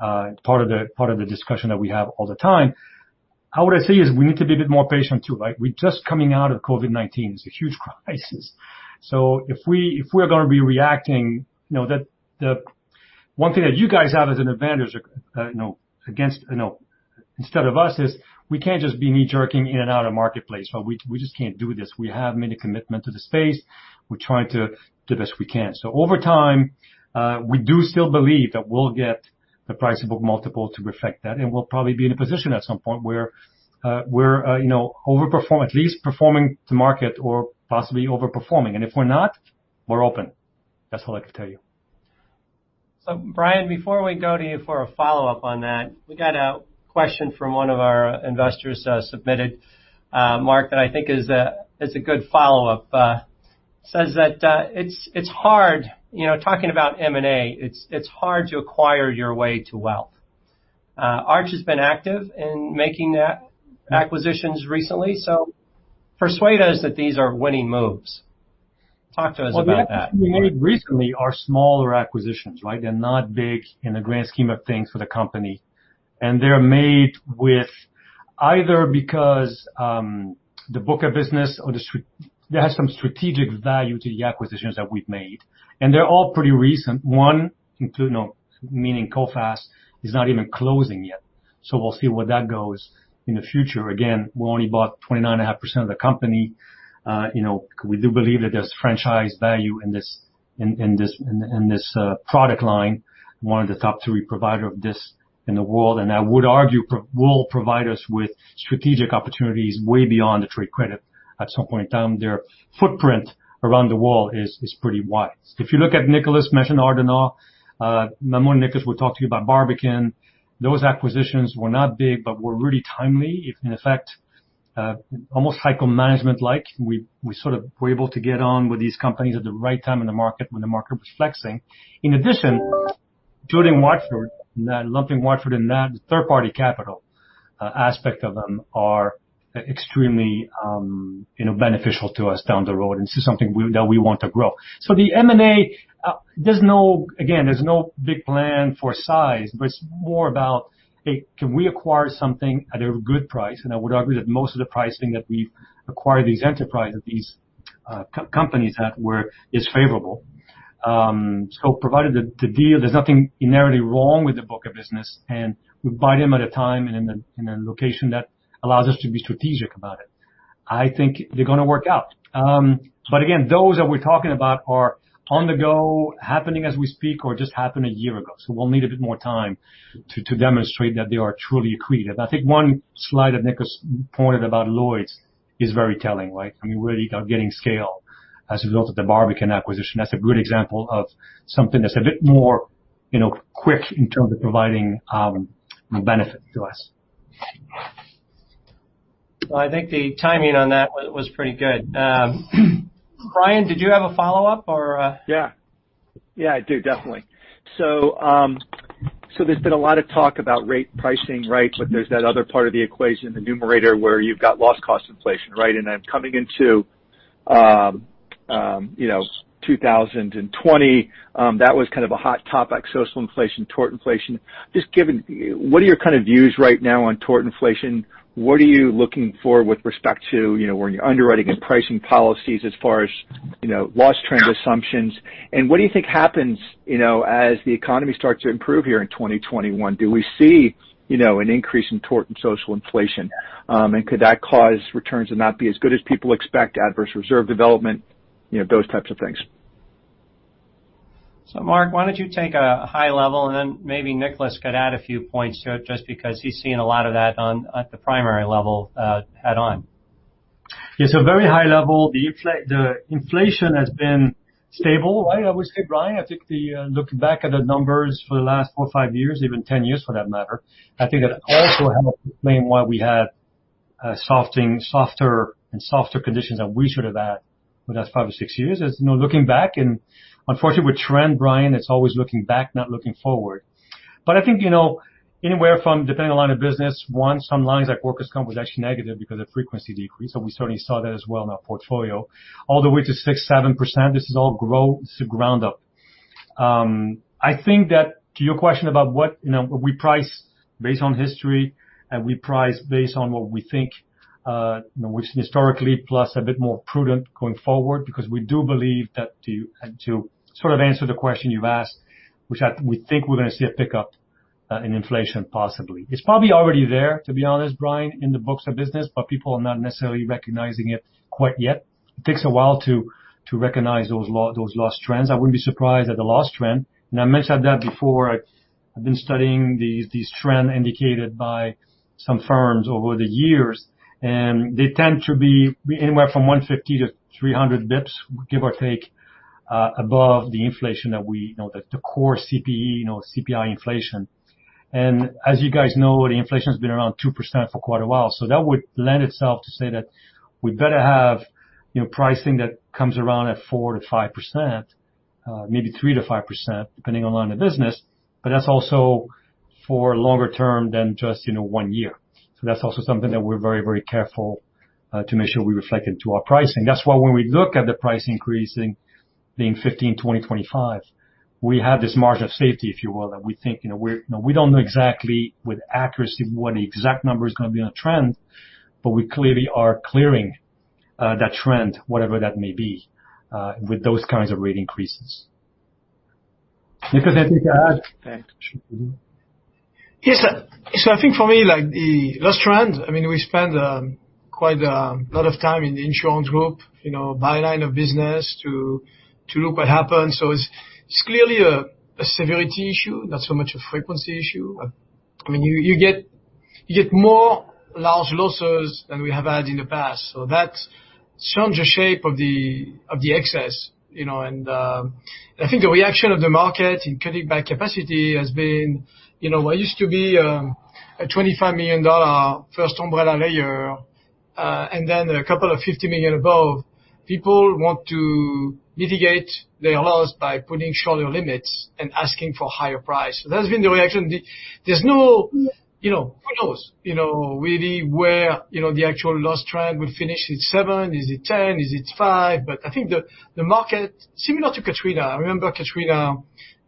part of the discussion that we have all the time. How would I say is we need to be a bit more patient too, right? We're just coming out of COVID-19. It's a huge crisis. So if we are going to be reacting, you know, the one thing that you guys have as an advantage, you know, against, you know, instead of us is we can't just be knee-jerking in and out of marketplace. But we just can't do this. We have many commitments to the space. We're trying to the best we can. So over time, we do still believe that we'll get the price-to-book multiple to reflect that. And we'll probably be in a position at some point where we're, you know, overperform, at least performing to market or possibly overperforming. And if we're not, we're open. That's all I can tell you. So Brian, before we go to you for a follow-up on that, we got a question from one of our investors submitted, Mark, that I think is a good follow-up. Says that it's hard, you know, talking about M&A, it's hard to acquire your way to wealth. Arch has been active in making acquisitions recently. So persuade us that these are winning moves. Talk to us about that. What we actually made recently are smaller acquisitions, right? They're not big in the grand scheme of things for the company. And they're made either because the book of business or there has some strategic value to the acquisitions that we've made. And they're all pretty recent. One, you know, meaning Coface is not even closing yet. So we'll see where that goes in the future. Again, we only bought 29.5% of the company. You know, we do believe that there's franchise value in this product line, one of the top three providers of this in the world. And I would argue will provide us with strategic opportunities way beyond the trade credit at some point in time. Their footprint around the world is pretty wide. If you look at Nicolas mentioned Ardonagh, Maamoun, Nicolas will talk to you about Barbican. Those acquisitions were not big, but were really timely. In effect, almost hyper-management-like. We sort of were able to get on with these companies at the right time in the market when the market was flexing. In addition, including Watford, lumping Watford in that, the third-party capital aspect of them are extremely, you know, beneficial to us down the road and this is something that we want to grow. So the M&A, there's no, again, there's no big plan for size, but it's more about, hey, can we acquire something at a good price? And I would argue that most of the pricing that we've acquired these enterprises, these companies that were is favorable. So provided the deal, there's nothing inherently wrong with the book of business and we buy them at a time and in a location that allows us to be strategic about it. I think they're going to work out. But again, those that we're talking about are on the go, happening as we speak or just happened a year ago. So we'll need a bit more time to demonstrate that they are truly accretive. I think one slide that Nicolas pointed about Lloyd's is very telling, right? I mean, where you are getting scale as a result of the Barbican acquisition. That's a good example of something that's a bit more, you know, quick in terms of providing benefit to us. Well, I think the timing on that was pretty good. Brian, did you have a follow-up or? Yeah. Yeah, I do. Definitely. So there's been a lot of talk about rate pricing, right? But there's that other part of the equation, the numerator where you've got loss cost inflation, right? And then coming into, you know, 2020, that was kind of a hot topic, social inflation, tort inflation. Just given, what are your kind of views right now on tort inflation? What are you looking for with respect to, you know, when you're underwriting and pricing policies as far as, you know, loss trend assumptions? And what do you think happens, you know, as the economy starts to improve here in 2021? Do we see, you know, an increase in tort and social inflation? And could that cause returns to not be as good as people expect, adverse reserve development, you know, those types of things? So, Mark, why don't you take a high level and then maybe Nicolas could add a few points to it just because he's seen a lot of that on the primary level firsthand. Yeah. So very high level, the inflation has been stable, right? I would say, Brian, I think looking back at the numbers for the last four, five years, even 10 years for that matter, I think that also helps explain why we had softer, softer and softer conditions than we should have had for the last five or six years. You know, looking back and unfortunately with trend, Brian, it's always looking back, not looking forward. But I think, you know, anywhere from depending on line of business, in some lines like workers' comp was actually negative because of frequency decrease. So we certainly saw that as well in our portfolio, all the way to 6%-7%. This is all gross, this is ground up. I think that to your question about what, you know, we price based on history and we price based on what we think, you know, we've seen historically plus a bit more prudent going forward because we do believe that to sort of answer the question you've asked, which we think we're going to see a pickup in inflation possibly. It's probably already there, to be honest, Brian, in the books of business, but people are not necessarily recognizing it quite yet. It takes a while to recognize those loss trends. I wouldn't be surprised at the loss trend, and I mentioned that before. I've been studying these trends indicated by some firms over the years, and they tend to be anywhere from 150-300 basis points, give or take, above the inflation that we know, the core CPI, you know, CPI inflation. As you guys know, the inflation has been around 2% for quite a while. So that would lend itself to say that we better have, you know, pricing that comes around at 4%-5%, maybe 3%-5%, depending on line of business. But that's also for longer term than just, you know, one year. So that's also something that we're very, very careful to make sure we reflect into our pricing. That's why when we look at the price increasing being 15%, 20%, 25%, we have this margin of safety, if you will, that we think, you know, we don't know exactly with accuracy what the exact number is going to be on a trend, but we clearly are clearing that trend, whatever that may be, with those kinds of rate increases. Nicolas, anything to add? Yes. So I think for me, like the loss trend, I mean, we spend quite a lot of time in the insurance group, you know, by line of business to look what happens. So it's clearly a severity issue, not so much a frequency issue. I mean, you get more large losses than we have had in the past. So that changes the shape of the excess, you know. And I think the reaction of the market in cutting back capacity has been, you know, what used to be a $25 million first umbrella layer and then a couple of $50 million above, people want to mitigate their loss by putting shorter limits and asking for higher price. So that's been the reaction. There's no, you know, who knows, you know, really where, you know, the actual loss trend will finish. Is it seven? Is it 10? Is it five? But I think the market, similar to Katrina, I remember Katrina,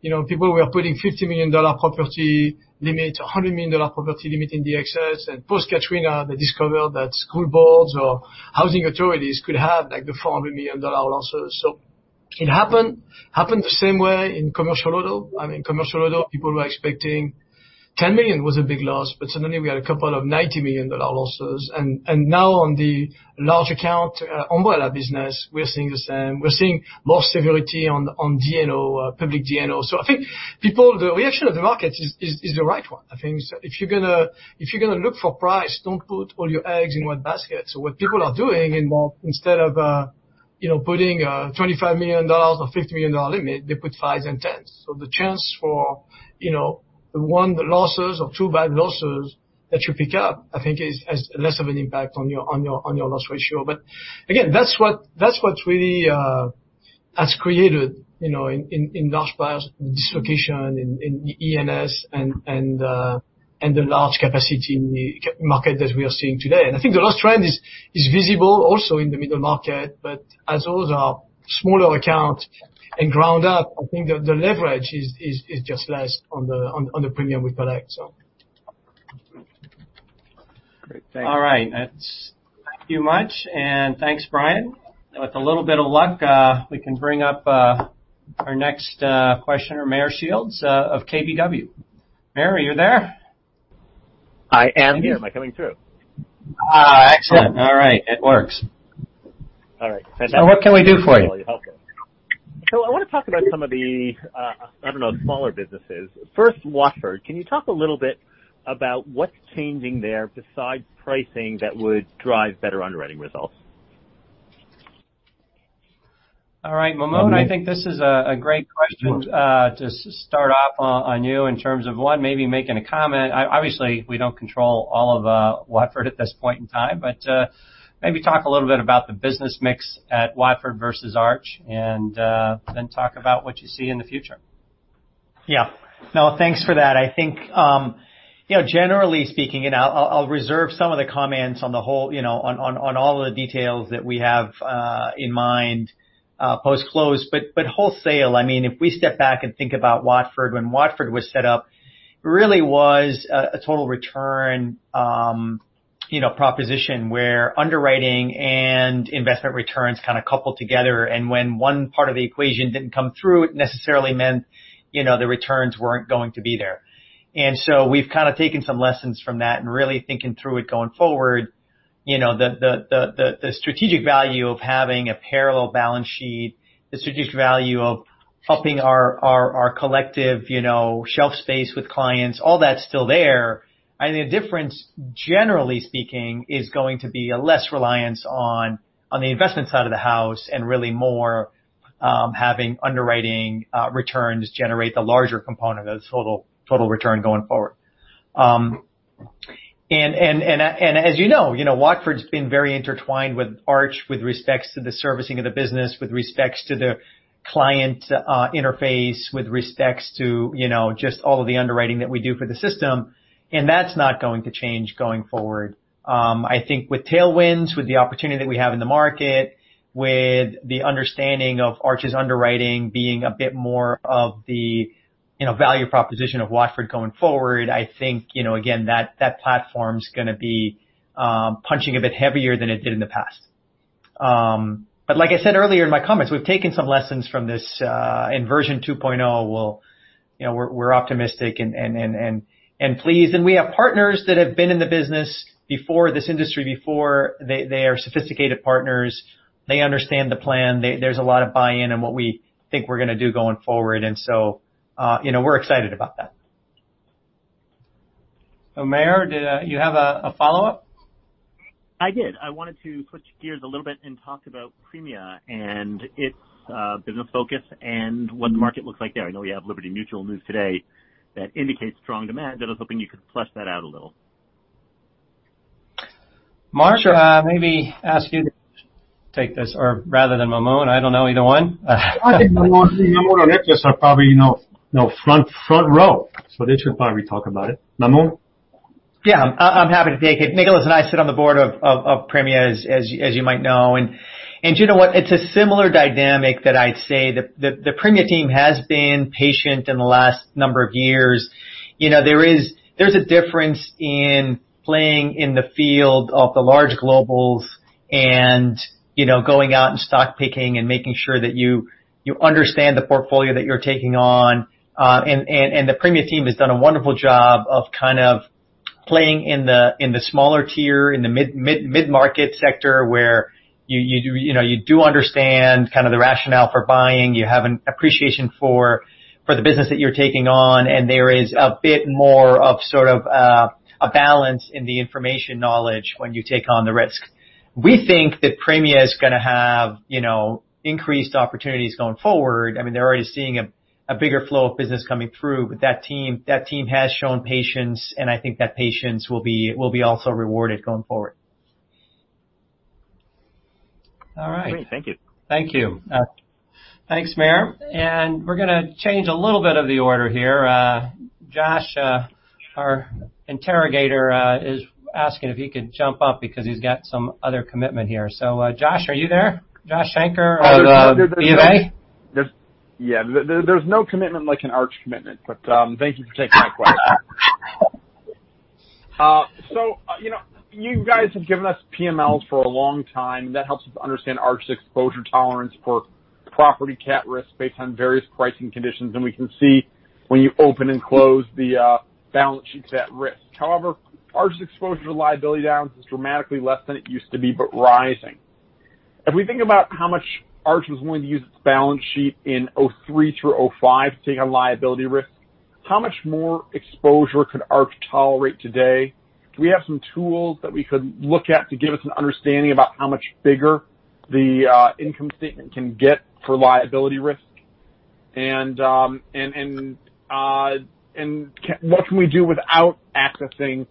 you know, people were putting $50 million property limit, $100 million property limit in the excess. And post-Katrina, they discovered that school boards or housing authorities could have like the $400 million losses. So it happened, happened the same way in commercial auto. I mean, commercial auto, people were expecting $10 million was a big loss. But suddenly we had a couple of $90 million losses. And now on the large account umbrella business, we're seeing the same. We're seeing more severity on D&O, public D&O. So I think people, the reaction of the market is the right one. I think if you're going to look for price, don't put all your eggs in one basket. So what people are doing in Mark, instead of, you know, putting $25 million or $50 million limit, they put fives and tens. So the chance for, you know, the one losses or two bad losses that you pick up, I think is less of an impact on your loss ratio. But again, that's what really has created, you know, in large buyers, the dislocation in the E&S and the large capacity market that we are seeing today. And I think the loss trend is visible also in the middle market. But as those are smaller accounts and ground up, I think the leverage is just less on the premium we collect. Great. Thanks. All right. Thank you much. And thanks, Brian. With a little bit of luck, we can bring up our next questioner, Meyer Shields of KBW. Meyer, are you there? I am here. Am I coming through? Excellent. All right. It works. All right. Fantastic. So what can we do for you? So I want to talk about some of the, I don't know, smaller businesses. First, Watford, can you talk a little bit about what's changing there besides pricing that would drive better underwriting results? All right. Mamoun, I think this is a great question to start off on you in terms of one, maybe making a comment. Obviously, we don't control all of Watford at this point in time. But maybe talk a little bit about the business mix at Watford versus Arch and then talk about what you see in the future. Yeah. No, thanks for that. I think, you know, generally speaking, and I'll reserve some of the comments on the whole, you know, on all of the details that we have in mind post-close. But wholesale, I mean, if we step back and think about Watford, when Watford was set up, it really was a total return, you know, proposition where underwriting and investment returns kind of coupled together. And when one part of the equation didn't come through, it necessarily meant, you know, the returns weren't going to be there. And so we've kind of taken some lessons from that and really thinking through it going forward, you know, the strategic value of having a parallel balance sheet, the strategic value of upping our collective, you know, shelf space with clients, all that's still there. I think the difference, generally speaking, is going to be a less reliance on the investment side of the house and really more having underwriting returns generate the larger component of the total return going forward. And as you know, you know, Watford's been very intertwined with Arch with respects to the servicing of the business, with respects to the client interface, with respects to, you know, just all of the underwriting that we do for the system. And that's not going to change going forward. I think with tailwinds, with the opportunity that we have in the market, with the understanding of Arch's underwriting being a bit more of the, you know, value proposition of Watford going forward, I think, you know, again, that platform's going to be punching a bit heavier than it did in the past. But like I said earlier in my comments, we've taken some lessons from this and version 2.0. We'll, you know, we're optimistic and pleased. And we have partners that have been in the business before this industry. Before they are sophisticated partners. They understand the plan. There's a lot of buy-in in what we think we're going to do going forward. And so, you know, we're excited about that. Meyer, did you have a follow-up? I did. I wanted to switch gears a little bit and talk about Premia and its business focus and what the market looks like there. I know we have Liberty Mutual news today that indicates strong demand. I was hoping you could flesh that out a little. Mark, maybe ask you to take this or rather than Maamoun. I don't know either one. I think Mamoun and Nicolas are probably, you know, front row. So they should probably talk about it. Mamoun? Yeah. I'm happy to take it. Nicolas and I sit on the board of Premia, as you might know. And do you know what? It's a similar dynamic that I'd say that the Premia team has been patient in the last number of years. You know, there is a difference in playing in the field of the large globals and, you know, going out and stock picking and making sure that you understand the portfolio that you're taking on. And the Premia team has done a wonderful job of kind of playing in the smaller tier, in the mid-market sector where you do understand kind of the rationale for buying. You have an appreciation for the business that you're taking on. And there is a bit more of sort of a balance in the information knowledge when you take on the risk. We think that Premia is going to have, you know, increased opportunities going forward. I mean, they're already seeing a bigger flow of business coming through, but that team has shown patience, and I think that patience will be also rewarded going forward. All right. Great. Thank you. Thank you. Thanks, Meyer. And we're going to change a little bit of the order here. Josh, our interrogator, is asking if he could jump up because he's got some other commitment here. So, Josh, are you there? Josh Shanker or Eva? Yeah. There's no commitment like an Arch commitment. But thank you for taking my question. So, you know, you guys have given us PMLs for a long time. And that helps us understand Arch's exposure tolerance for property cat risk based on various pricing conditions. And we can see when you open and close the balance sheets at risk. However, Arch's exposure to liability business is dramatically less than it used to be, but rising. If we think about how much Arch was willing to use its balance sheet in 2003 through 2005 to take on liability risk, how much more exposure could Arch tolerate today? We have some tools that we could look at to give us an understanding about how much bigger the income statement can get for liability risk. And what can we do without accessing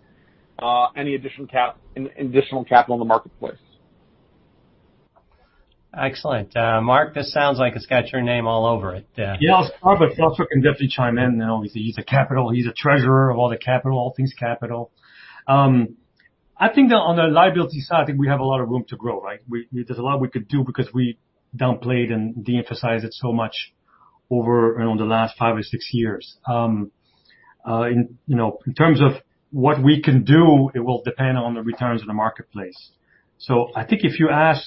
any additional capital in the marketplace? Excellent. Mark, this sounds like it's got your name all over it. Yeah. It's perfect. I'll certainly definitely chime in. You know, he's a capital. He's a treasurer of all the capital, all things capital. I think on the liability side, I think we have a lot of room to grow, right? There's a lot we could do because we downplayed and de-emphasized it so much over, you know, the last five or six years. You know, in terms of what we can do, it will depend on the returns of the marketplace. So I think if you ask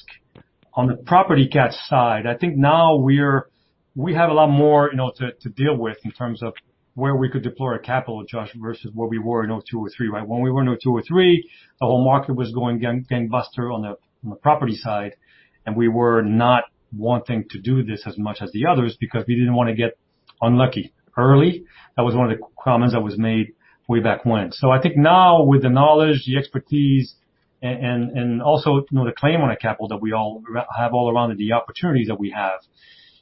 on the property cat side, I think now we have a lot more, you know, to deal with in terms of where we could deploy our capital, Josh, versus where we were in 2002 or 2003, right? When we were in 2002 or 2003, the whole market was going gangbusters on the property side. We were not wanting to do this as much as the others because we didn't want to get unlucky early. That was one of the comments that was made way back when. I think now with the knowledge, the expertise, and also, you know, the claim on our capital that we all have all around and the opportunities that we have,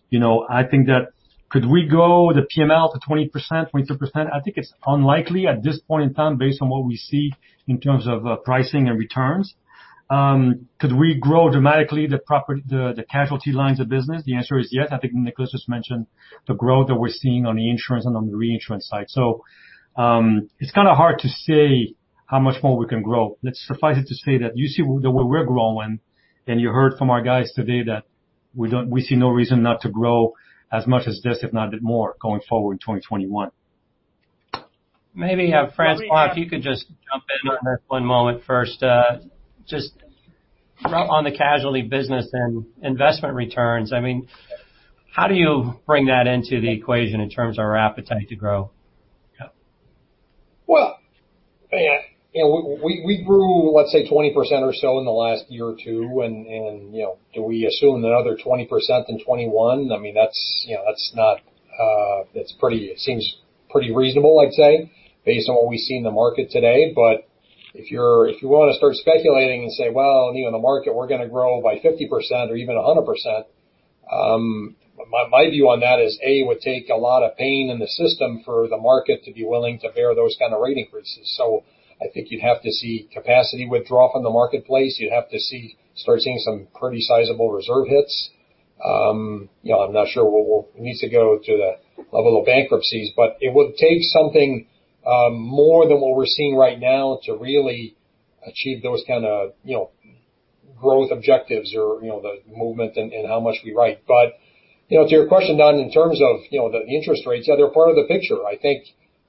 you know, I think that could we go with the PML to 20%, 22%? I think it's unlikely at this point in time based on what we see in terms of pricing and returns. Could we grow dramatically the casualty lines of business? The answer is yes. I think Nicolas just mentioned the growth that we're seeing on the insurance and on the reinsurance side. It's kind of hard to say how much more we can grow. Suffice it to say that you see the way we're growing, and you heard from our guys today that we see no reason not to grow as much as this, if not a bit more, going forward in 2021. Maybe François, if you could just jump in on this one moment first. Just on the casualty business and investment returns, I mean, how do you bring that into the equation in terms of our appetite to grow? Yeah, you know, we grew, let's say, 20% or so in the last year or two. You know, do we assume another 20% in 2021? I mean, that's, you know, that's not, it's pretty, it seems pretty reasonable, I'd say, based on what we see in the market today. If you want to start speculating and say, well, you know, the market, we're going to grow by 50% or even 100%, my view on that is, A, it would take a lot of pain in the system for the market to be willing to bear those kinds of rating increases. So I think you'd have to see capacity withdraw from the marketplace. You'd have to start seeing some pretty sizable reserve hits. You know, I'm not sure it needs to go to the level of bankruptcies. But it would take something more than what we're seeing right now to really achieve those kinds of, you know, growth objectives or, you know, the movement and how much we write. But, you know, to your question, Don, in terms of, you know, the interest rates, yeah, they're part of the picture.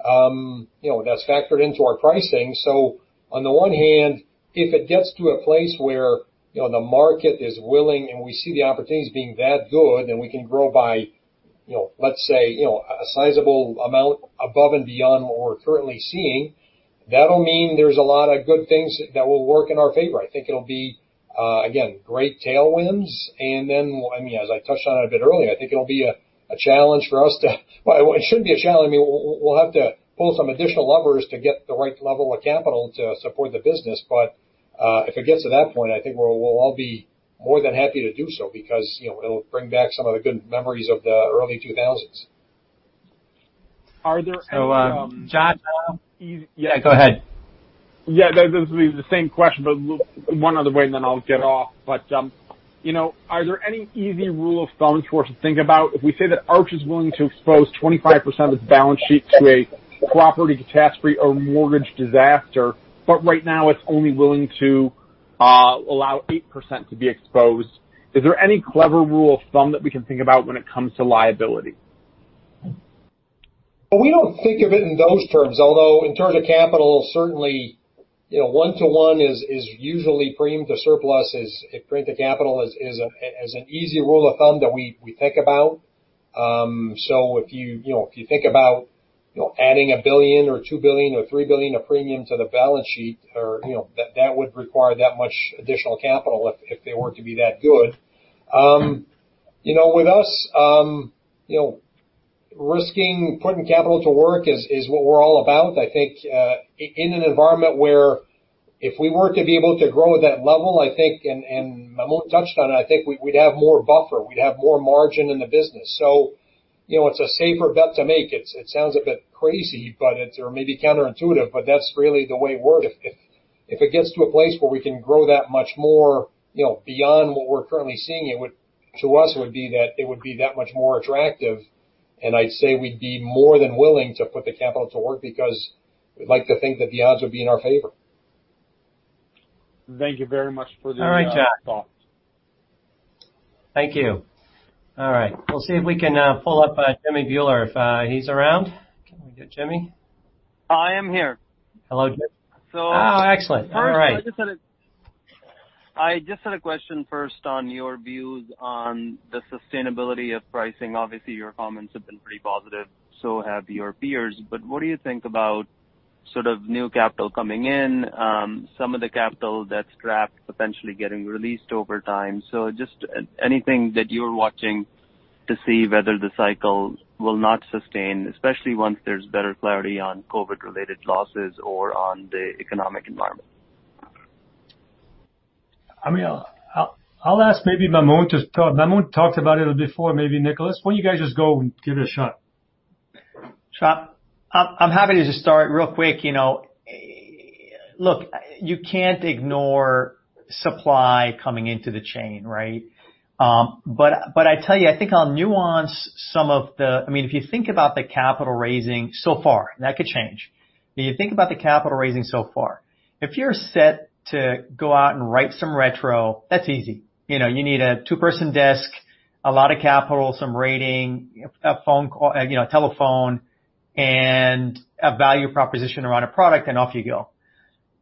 I think, you know, that's factored into our pricing. So on the one hand, if it gets to a place where, you know, the market is willing and we see the opportunities being that good and we can grow by, you know, let's say, you know, a sizable amount above and beyond what we're currently seeing, that'll mean there's a lot of good things that will work in our favor. I think it'll be, again, great tailwinds. And then, I mean, as I touched on it a bit earlier, I think it'll be a challenge for us to, well, it shouldn't be a challenge. I mean, we'll have to pull some additional levers to get the right level of capital to support the business. But if it gets to that point, I think we'll all be more than happy to do so because, you know, it'll bring back some of the good memories of the early 2000s. Are there any, Josh? Yeah, go ahead. Yeah. This is the same question, but one other way, and then I'll get off. But, you know, are there any easy rule of thumbs for us to think about if we say that Arch is willing to expose 25% of its balance sheet to a property catastrophe or mortgage disaster, but right now it's only willing to allow 8% to be exposed? Is there any clever rule of thumb that we can think about when it comes to liability? Well, we don't think of it in those terms. Although in terms of capital, certainly, you know, one-to-one is usually premium to surplus if premium to capital is an easy rule of thumb that we think about. So if you, you know, if you think about, you know, adding a billion or two billion or three billion of premium to the balance sheet, or, you know, that would require that much additional capital if they were to be that good. You know, with us, you know, risking putting capital to work is what we're all about. I think in an environment where if we were to be able to grow at that level, I think, and Mamoun touched on it, I think we'd have more buffer. We'd have more margin in the business. So, you know, it's a safer bet to make. It sounds a bit crazy, but it's or maybe counterintuitive, but that's really the way it works. If it gets to a place where we can grow that much more, you know, beyond what we're currently seeing, to us, it would be that much more attractive, and I'd say we'd be more than willing to put the capital to work because we'd like to think that the odds would be in our favor. Thank you very much for the insight. Thank you. All right. We'll see if we can pull up Jimmy Bhullar if he's around. Can we get Jimmy? I am here. Hello, Jimmy. Oh, excellent. All right. I just had a question first on your views on the sustainability of pricing. Obviously, your comments have been pretty positive. So have your peers. But what do you think about sort of new capital coming in, some of the capital that's trapped, potentially getting released over time? So just anything that you're watching to see whether the cycle will not sustain, especially once there's better clarity on COVID-related losses or on the economic environment? I mean, I'll ask maybe Mamoun to talk. Mamoun talked about it a little bit before, maybe Nicolas. Why don't you guys just go and give it a shot? Sure. I'm happy to just start real quick. You know, look, you can't ignore supply coming into the chain, right? But I tell you, I think I'll nuance some of the. I mean, if you think about the capital raising so far, that could change. If you think about the capital raising so far, if you're set to go out and write some retro, that's easy. You know, you need a two-person desk, a lot of capital, some rating, a phone call, you know, telephone, and a value proposition around a product, and off you go.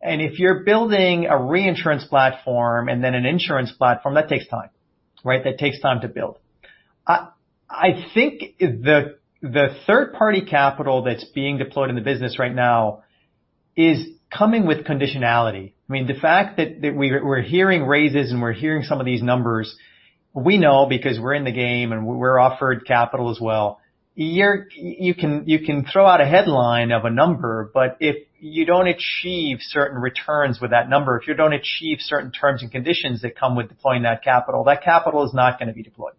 And if you're building a reinsurance platform and then an insurance platform, that takes time, right? That takes time to build. I think the third-party capital that's being deployed in the business right now is coming with conditionality. I mean, the fact that we're hearing raises and we're hearing some of these numbers, we know because we're in the game and we're offered capital as well. You can throw out a headline of a number, but if you don't achieve certain returns with that number, if you don't achieve certain terms and conditions that come with deploying that capital, that capital is not going to be deployed.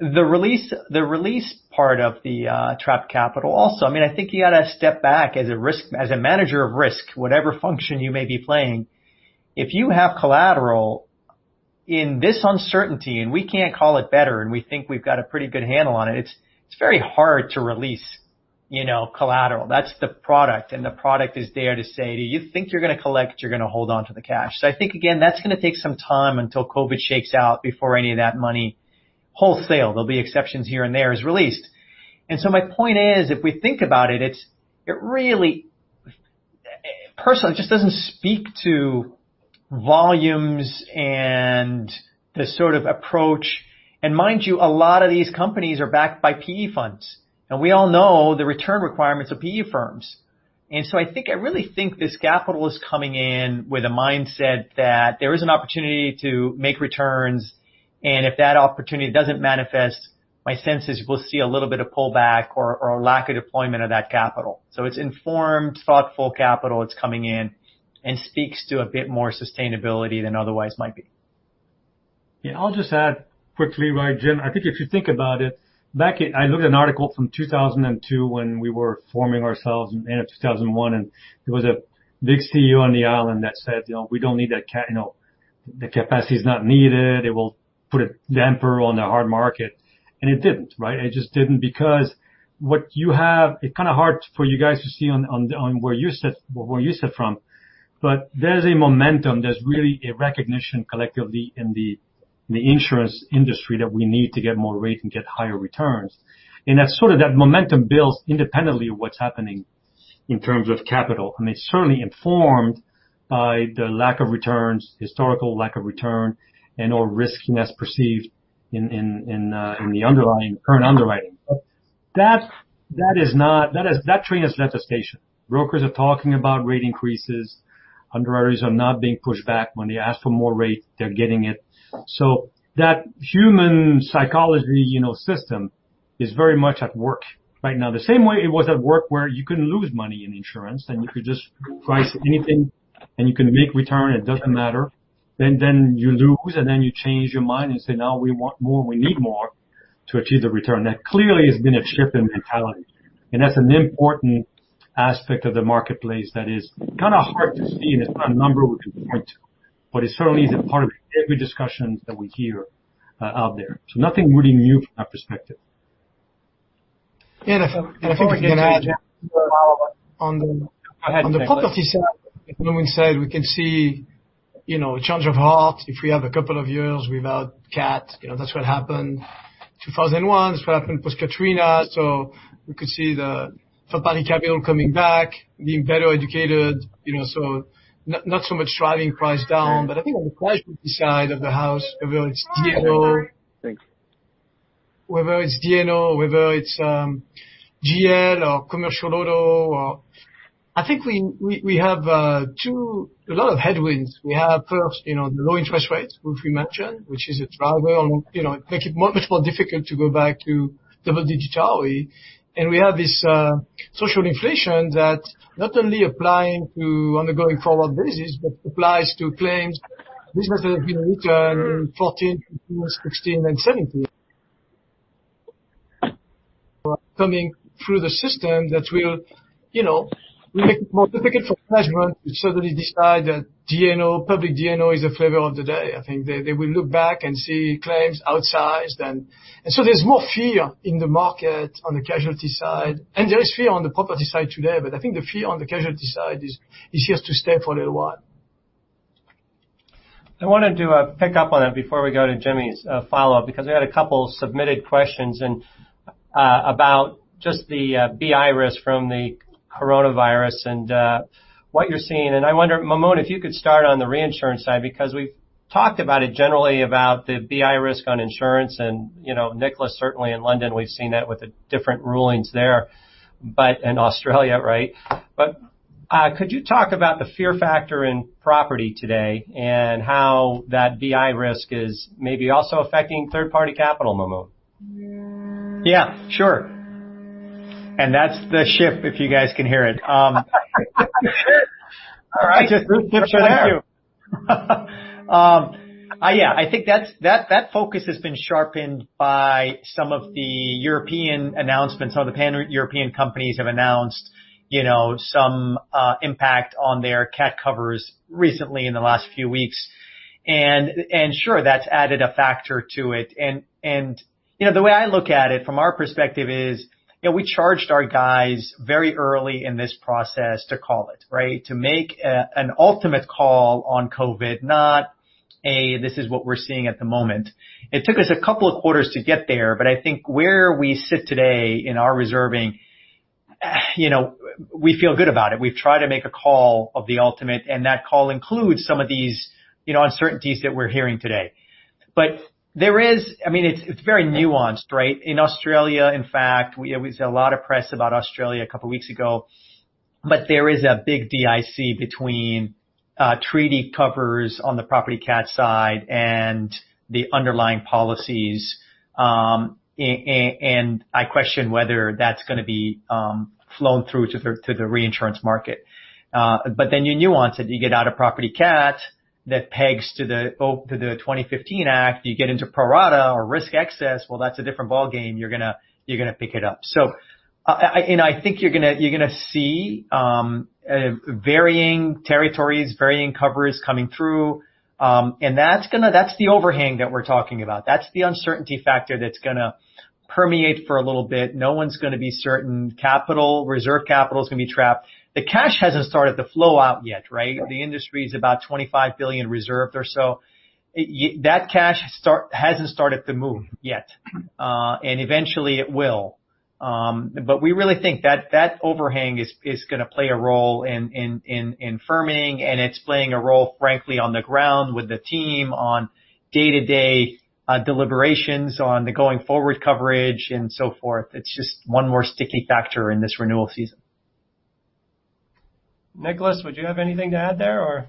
The release part of the trapped capital also, I mean, I think you got to step back as a risk, as a manager of risk, whatever function you may be playing. If you have collateral in this uncertainty and we can't call it better and we think we've got a pretty good handle on it, it's very hard to release, you know, collateral. That's the product. And the product is there to say, do you think you're going to collect? You're going to hold on to the cash? So I think, again, that's going to take some time until COVID shakes out before any of that money wholesale. There'll be exceptions here and there as released. And so my point is, if we think about it, it really personally just doesn't speak to volumes and the sort of approach. And mind you, a lot of these companies are backed by PE firms. And we all know the return requirements of PE firms. And so I think I really think this capital is coming in with a mindset that there is an opportunity to make returns. And if that opportunity doesn't manifest, my sense is we'll see a little bit of pullback or a lack of deployment of that capital. So it's informed, thoughtful capital that's coming in and speaks to a bit more sustainability than otherwise might be. Yeah. I'll just add quickly, right, Jim? I think if you think about it. Back, I looked at an article from 2002 when we were forming ourselves in 2001. There was a big CEO on the island that said, you know, we don't need that, you know. The capacity is not needed. It will put a damper on the hard market. It didn't, right? It just didn't because what you have, it's kind of hard for you guys to see from where you sit. But there's a momentum. There's really a recognition collectively in the insurance industry that we need to get more rate and get higher returns. That's sort of that momentum builds independently of what's happening in terms of capital. I mean, it's certainly informed by the lack of returns, historical lack of return, and/or riskiness perceived in the underlying current underwriting. That train has left the station. Brokers are talking about rate increases. Underwriters are not being pushed back. When they ask for more rate, they're getting it. So that human psychology, you know, system is very much at work right now. The same way it was at work where you couldn't lose money in insurance and you could just price anything and you can make return. It doesn't matter, and then you lose and then you change your mind and say, no, we want more. We need more to achieve the return. That clearly has been a shift in mentality, and that's an important aspect of the marketplace that is kind of hard to see, and it's not a number we can point to, but it certainly is a part of every discussion that we hear out there, so nothing really new from that perspective. And if I can add on the property side, Mamoun said, we can see, you know, a change of heart if we have a couple of years without cat. You know, that's what happened in 2001. That's what happened post-Katrina. So we could see the third-party capital coming back, being better educated, you know, so not so much driving price down. But I think on the casualty side of the house, whether it's D&O, whether it's GL or commercial auto, I think we have too, a lot of headwinds. We have, first, you know, the low-interest rate, which we mentioned, which is a driver, you know, making it much more difficult to go back to double-digit ROE. We have this social inflation that not only applies to underwriting forward basis, but applies to claims businesses that have been written in 2014, 2015, 2016, and 2017. Coming through the system that will, you know, make it more difficult for management to suddenly decide that D&O, public D&O is the flavor of the day. I think they will look back and see claims outsized. And so there's more fear in the market on the casualty side. And there is fear on the property side today. But I think the fear on the casualty side is here to stay for a little while. I wanted to pick up on that before we go to Jimmy's follow-up because we had a couple submitted questions about just the BI risk from the coronavirus and what you're seeing. I wonder, Maamoun, if you could start on the reinsurance side because we've talked about it generally about the BI risk on insurance. You know, Nicolas, certainly in London, we've seen that with the different rulings there, but in Australia, right? Could you talk about the fear factor in property today and how that BI risk is maybe also affecting third-party capital, Maamoun? Yeah, sure. And that's the shift, if you guys can hear it. All right. Yeah. I think that focus has been sharpened by some of the European announcements. Some of the pan-European companies have announced, you know, some impact on their cat covers recently in the last few weeks. And sure, that's added a factor to it. And, you know, the way I look at it from our perspective is, you know, we charged our guys very early in this process to call it, right? To make an ultimate call on COVID, not a, this is what we're seeing at the moment. It took us a couple of quarters to get there. But I think where we sit today in our reserving, you know, we feel good about it. We've tried to make a call of the ultimate. And that call includes some of these, you know, uncertainties that we're hearing today. But there is, I mean, it's very nuanced, right? In Australia, in fact, we had a lot of press about Australia a couple of weeks ago. But there is a big DIC between treaty covers on the property cat side and the underlying policies. And I question whether that's going to be flown through to the reinsurance market. But then you nuance it. You get out of property cat that pegs to the 2015 Act. You get into pro-rata or risk excess. Well, that's a different ballgame. You're going to pick it up. So, and I think you're going to see varying territories, varying covers coming through. And that's going to, that's the overhang that we're talking about. That's the uncertainty factor that's going to permeate for a little bit. No one's going to be certain. Capital, reserve capital is going to be trapped. The cash hasn't started to flow out yet, right? The industry is about $25 billion reserved or so. That cash hasn't started to move yet. And eventually it will. But we really think that that overhang is going to play a role in firming. And it's playing a role, frankly, on the ground with the team on day-to-day deliberations on the going forward coverage and so forth. It's just one more sticky factor in this renewal season. Nicolas, would you have anything to add there or?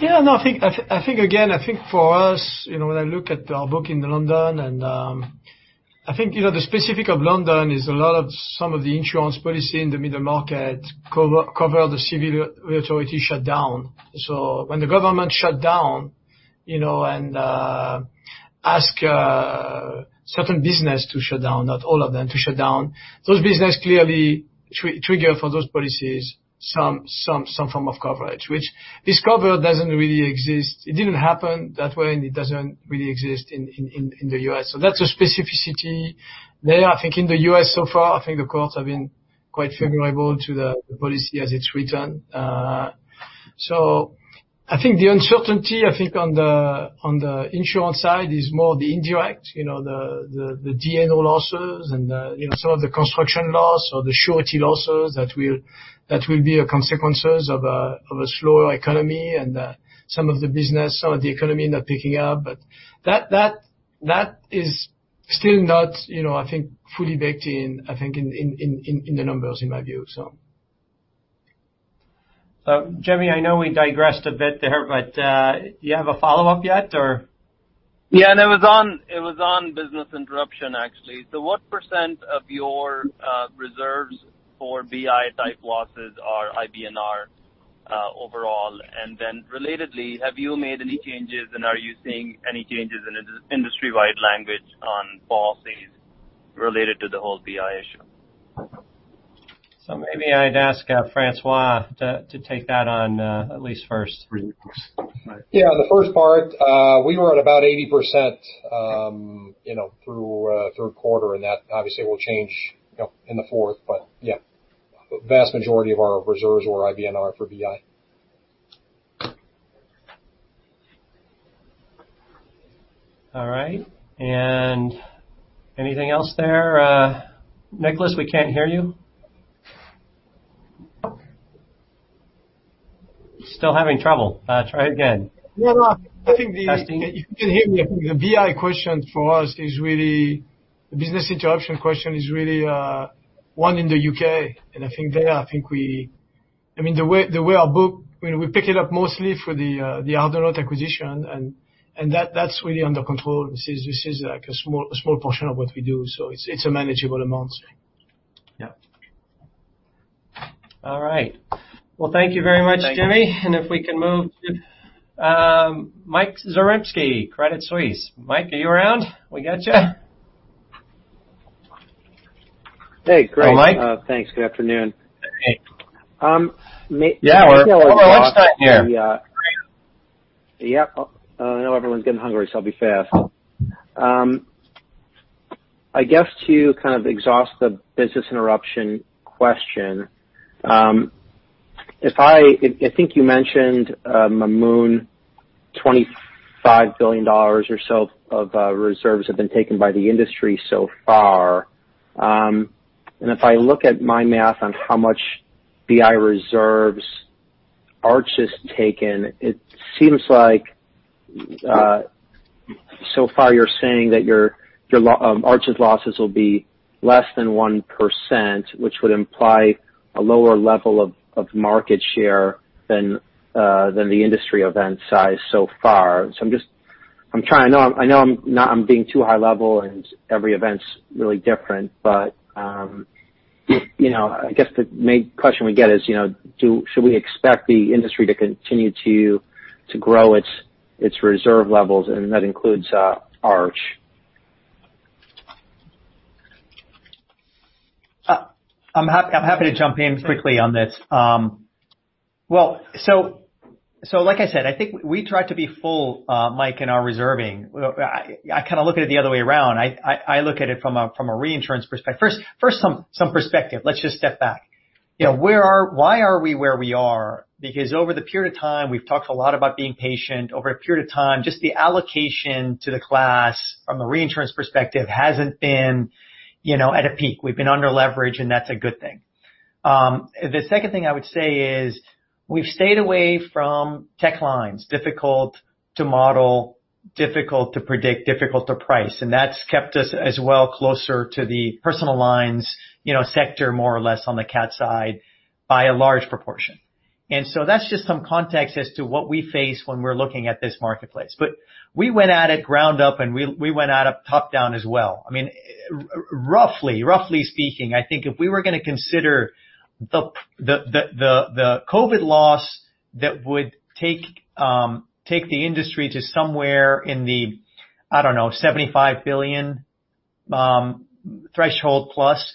Yeah. No, I think, I think again, I think for us, you know, when I look at our book in London, and I think, you know, the specificity of London is a lot of some of the insurance policies in the middle market cover the civil authority shutdown. So when the government shut down, you know, and ask certain businesses to shut down, not all of them to shut down, those businesses clearly trigger for those policies some form of coverage, which this cover doesn't really exist. It didn't happen that way. And it doesn't really exist in the U.S. So that's a specificity there. I think in the U.S. so far, I think the courts have been quite favorable to the policy as it's written. So, I think the uncertainty, I think on the insurance side, is more the indirect, you know, the D&O losses and, you know, some of the construction loss or the surety losses that will be a consequence of a slower economy and some of the business, some of the economy not picking up, but that is still not, you know, I think fully baked in, I think in the numbers in my view. Jimmy, I know we digressed a bit there, but do you have a follow-up yet or? Yeah. And it was on business interruption, actually. So what % of your reserves for BI-type losses are IBNR overall? And then relatedly, have you made any changes? And are you seeing any changes in industry-wide language on policies related to the whole BI issue? So maybe I'd ask François to take that on at least first. Yeah. The first part, we were at about 80%, you know, through quarter. And that obviously will change, you know, in the fourth. But yeah, vast majority of our reserves were IBNR for BI. All right. And anything else there? Nicolas, we can't hear you. Still having trouble. Try again. Yeah. I think you can hear me. I think the BI question for us is really the business interruption question is really one in the UK. And I think there, I think we, I mean, the way our book, we pick it up mostly for the Ardonagh acquisition. And that's really under control. This is like a small portion of what we do. So it's a manageable amount. Yeah. All right. Well, thank you very much, Jimmy. And if we can move to Mike Zaremski, Credit Suisse. Mike, are you around? We got you. Hey. Hi, Mike. Thanks. Good afternoon. Yeah. Yeah. We're lunchtime here. Yeah. I know everyone's getting hungry, so I'll be fast. I guess to kind of exhaust the business interruption question, if I think you mentioned Maamoun, $25 billion or so of reserves have been taken by the industry so far. And if I look at my math on how much BI reserves Arch's has taken, it seems like so far you're saying that your Arch's losses will be less than 1%, which would imply a lower level of market share than the industry event size so far. So I'm just, I'm trying to know. I know I'm being too high level and every event's really different. But, you know, I guess the main question we get is, you know, should we expect the industry to continue to grow its reserve levels? And that includes Arch. I'm happy to jump in quickly on this. Well, so like I said, I think we tried to be full, Mike, in our reserving. I kind of look at it the other way around. I look at it from a reinsurance perspective. First, some perspective. Let's just step back. You know, where are, why are we where we are? Because over the period of time, we've talked a lot about being patient. Over a period of time, just the allocation to the class from a reinsurance perspective hasn't been, you know, at a peak. We've been under leverage, and that's a good thing. The second thing I would say is we've stayed away from tech lines. Difficult to model, difficult to predict, difficult to price. And that's kept us as well closer to the personal lines, you know, sector more or less on the cat side by a large proportion. And so that's just some context as to what we face when we're looking at this marketplace. But we went at it ground up, and we went at it top down as well. I mean, roughly, roughly speaking, I think if we were going to consider the COVID loss that would take the industry to somewhere in the, I don't know, $75 billion threshold plus.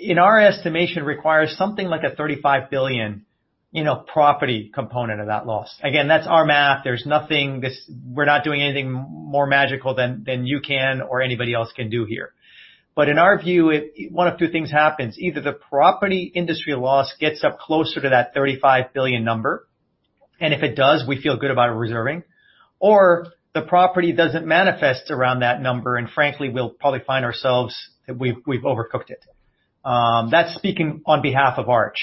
In our estimation, it requires something like a $35 billion, you know, property component of that loss. Again, that's our math. There's nothing. We're not doing anything more magical than you can or anybody else can do here. But in our view, one of two things happens. Either the property industry loss gets up closer to that $35 billion number, and if it does, we feel good about reserving, or the property doesn't manifest around that number. Frankly, we'll probably find ourselves that we've overcooked it. That's speaking on behalf of Arch.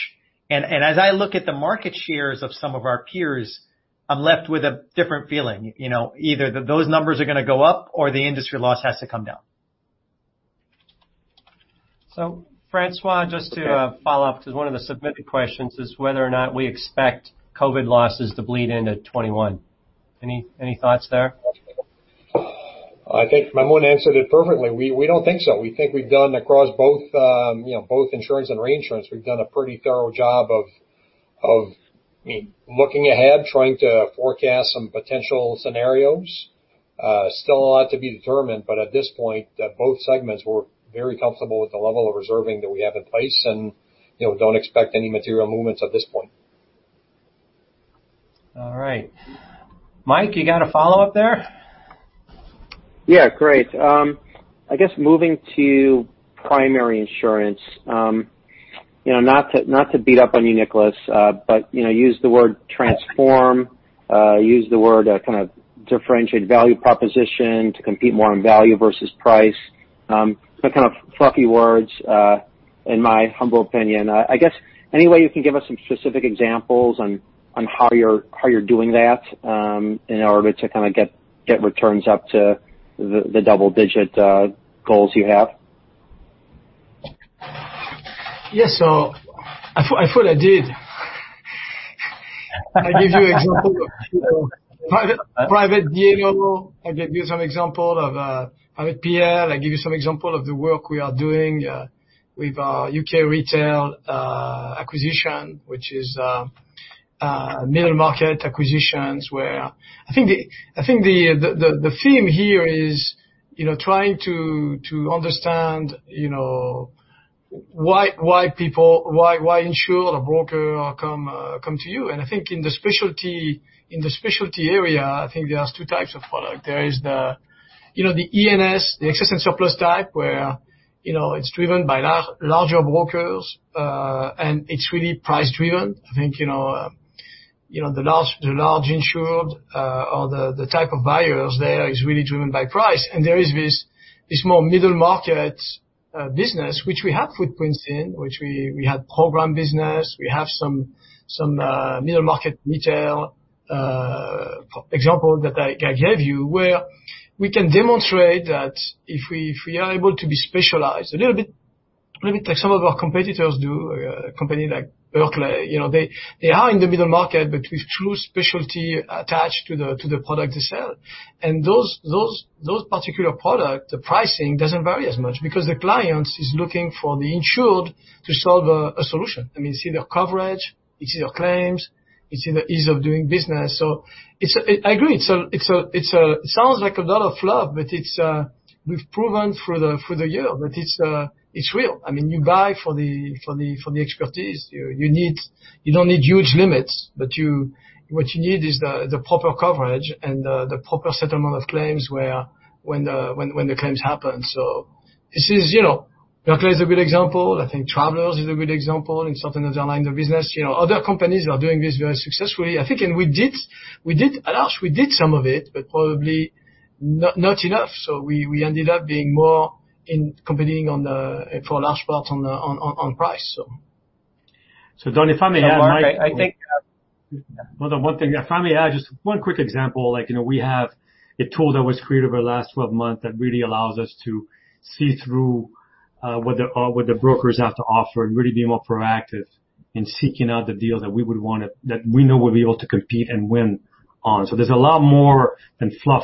As I look at the market shares of some of our peers, I'm left with a different feeling. You know, either those numbers are going to go up or the industry loss has to come down. François, just to follow up, because one of the submitted questions is whether or not we expect COVID losses to bleed into 2021. Any thoughts there? I think Mamoun answered it perfectly. We don't think so. We think we've done across both, you know, both insurance and reinsurance, we've done a pretty thorough job of, I mean, looking ahead, trying to forecast some potential scenarios. Still a lot to be determined. But at this point, both segments were very comfortable with the level of reserving that we have in place. And, you know, don't expect any material movements at this point. All right. Mike, you got a follow-up there? Yeah. Great. I guess moving to primary insurance, you know, not to beat up on you, Nicolas, but, you know, use the word transform, use the word kind of differentiate value proposition to compete more on value versus price. Kind of fluffy words in my humble opinion. I guess any way you can give us some specific examples on how you're doing that in order to kind of get returns up to the double-digit goals you have? Yes. So I thought I did. I gave you an example of private D&O. I gave you some example of PL. I gave you some example of the work we are doing with UK retail acquisition, which is middle market acquisitions where I think the theme here is, you know, trying to understand, you know, why people, why insurer or broker come to you. And I think in the specialty area, I think there are two types of product. There is the, you know, the E&S, the excess and surplus type where, you know, it's driven by larger brokers. And it's really price-driven. I think, you know, the large insured or the type of buyers there is really driven by price. And there is this more middle market business, which we have footprints in, which we had program business. We have some middle market retail example that I gave you where we can demonstrate that if we are able to be specialized a little bit, like some of our competitors do, a company like Berkeley, you know, they are in the middle market, but with true specialty attached to the product they sell. And those particular products, the pricing doesn't vary as much because the client is looking for the insured to solve a solution. I mean, see their coverage, see their claims, see the ease of doing business. So I agree. It sounds like a lot of fluff, but we've proven through the year that it's real. I mean, you buy for the expertise. You don't need huge limits. But what you need is the proper coverage and the proper settlement of claims when the claims happen. So this is, you know, Berkeley is a good example. I think Travelers is a good example in certain other lines of business. You know, other companies are doing this very successfully. I think, and we did, we did at Arch, we did some of it, but probably not enough. So we ended up being more competing for a large part on price. So. So, Don, if I may add, Mike. I think one thing, if I may add just one quick example, like, you know, we have a tool that was created over the last 12 months that really allows us to see through what the brokers have to offer and really be more proactive in seeking out the deal that we would want to, that we know we'll be able to compete and win on. So there's a lot more than fluff,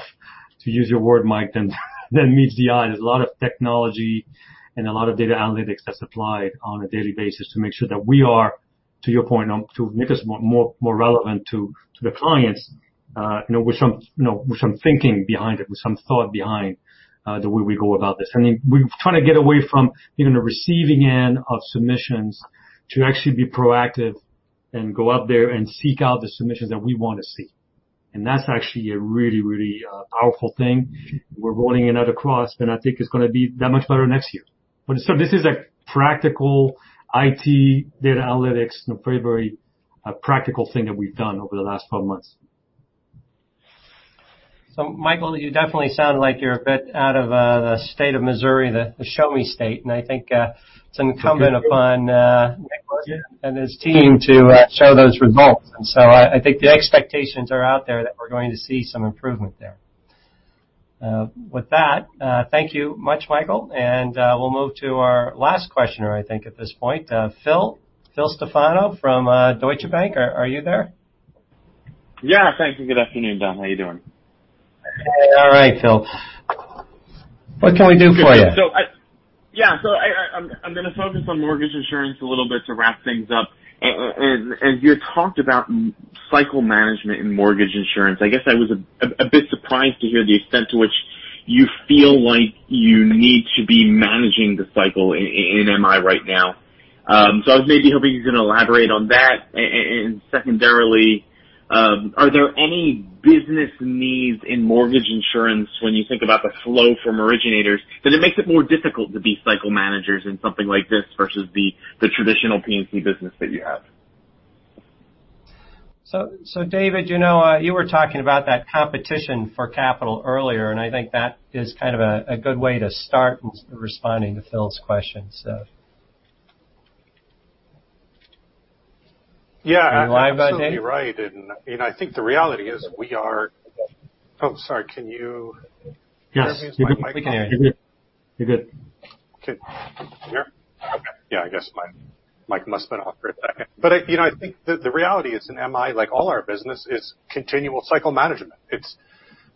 to use your word, Mike, than meets the eye. There's a lot of technology and a lot of data analytics that's applied on a daily basis to make sure that we are, to your point, to make us more relevant to the clients, you know, with some thinking behind it, with some thought behind the way we go about this. I mean, we're trying to get away from even the receiving end of submissions to actually be proactive and go out there and seek out the submissions that we want to see, and that's actually a really, really powerful thing. We're rolling it out across, and I think it's going to be that much better next year, but so this is a practical IT data analytics, very, very practical thing that we've done over the last 12 months. So Michael, you definitely sound like you're a bit out of the state of Missouri, the Show-Me State. And I think it's incumbent upon Nicolas and his team to show those results. And so I think the expectations are out there that we're going to see some improvement there. With that, thank you much, Michael. And we'll move to our last questioner, I think at this point, Phil Stefano from Deutsche Bank. Are you there? Yeah. Thank you. Good afternoon, Don. How are you doing? All right, Phil. What can we do for you? Yeah. So I'm going to focus on mortgage insurance a little bit to wrap things up. And you had talked about cycle management in mortgage insurance. I guess I was a bit surprised to hear the extent to which you feel like you need to be managing the cycle in MI right now. So I was maybe hoping you could elaborate on that. And secondarily, are there any business needs in mortgage insurance when you think about the flow from originators that it makes it more difficult to be cycle managers in something like this versus the traditional P&C business that you have? So David, you know, you were talking about that competition for capital earlier. And I think that is kind of a good way to start in responding to Phil's questions. Yeah. You're absolutely right. And I think the reality is we are, oh, sorry, can you hear me? Yes. We can hear you. You're good. Okay. Yeah. I guess Mike must have been off for a second, but you know, I think the reality is in MI, like all our business, is continual cycle management.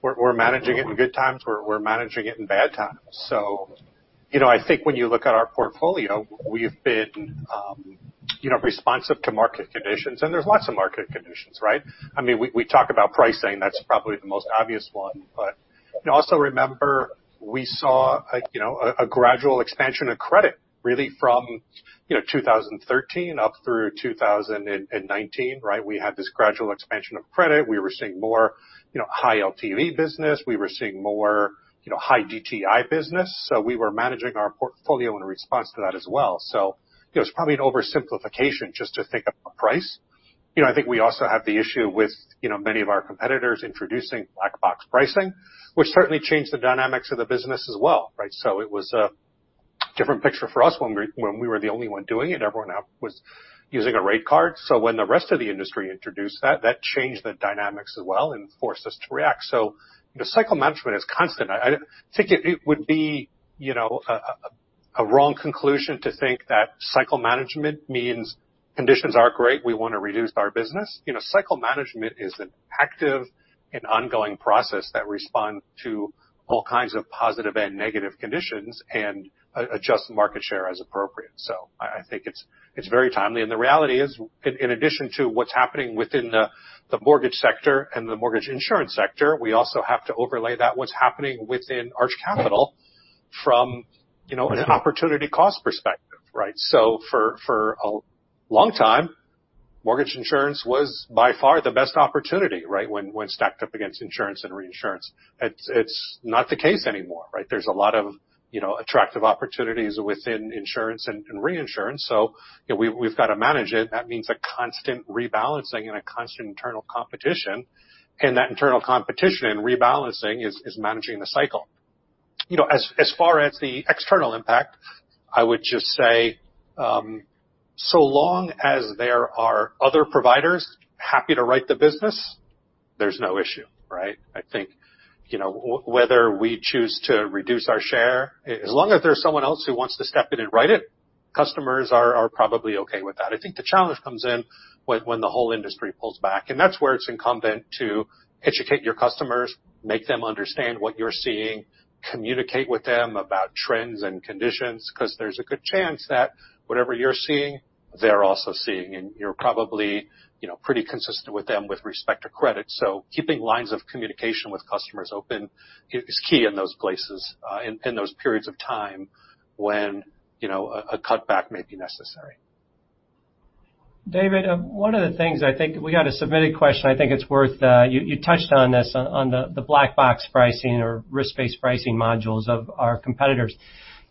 We're managing it in good times. We're managing it in bad times, so you know, I think when you look at our portfolio, we've been, you know, responsive to market conditions, and there's lots of market conditions, right? I mean, we talk about pricing. That's probably the most obvious one, but also remember, we saw, you know, a gradual expansion of credit really from, you know, 2013 up through 2019, right? We had this gradual expansion of credit. We were seeing more, you know, high LTV business. We were seeing more, you know, high DTI business, so we were managing our portfolio in response to that as well. So, you know, it's probably an oversimplification just to think about price. You know, I think we also have the issue with, you know, many of our competitors introducing black box pricing, which certainly changed the dynamics of the business as well, right? So it was a different picture for us when we were the only one doing it. Everyone else was using a rate card. So when the rest of the industry introduced that, that changed the dynamics as well and forced us to react. So, you know, cycle management is constant. I think it would be, you know, a wrong conclusion to think that cycle management means conditions are great. We want to reduce our business. You know, cycle management is an active and ongoing process that responds to all kinds of positive and negative conditions and adjusts market share as appropriate. So I think it's very timely. And the reality is, in addition to what's happening within the mortgage sector and the mortgage insurance sector, we also have to overlay that what's happening within Arch Capital from, you know, an opportunity cost perspective, right? So for a long time, mortgage insurance was by far the best opportunity, right, when stacked up against insurance and reinsurance. It's not the case anymore, right? There's a lot of, you know, attractive opportunities within insurance and reinsurance. So, you know, we've got to manage it. That means a constant rebalancing and a constant internal competition. And that internal competition and rebalancing is managing the cycle. You know, as far as the external impact, I would just say so long as there are other providers happy to write the business, there's no issue, right? I think, you know, whether we choose to reduce our share, as long as there's someone else who wants to step in and write it, customers are probably okay with that. I think the challenge comes in when the whole industry pulls back, and that's where it's incumbent to educate your customers, make them understand what you're seeing, communicate with them about trends and conditions, because there's a good chance that whatever you're seeing, they're also seeing, and you're probably, you know, pretty consistent with them with respect to credit, so keeping lines of communication with customers open is key in those places, in those periods of time when, you know, a cutback may be necessary. David, one of the things I think we got a submitted question. I think it's worth, you touched on this on the black box pricing or risk-based pricing models of our competitors.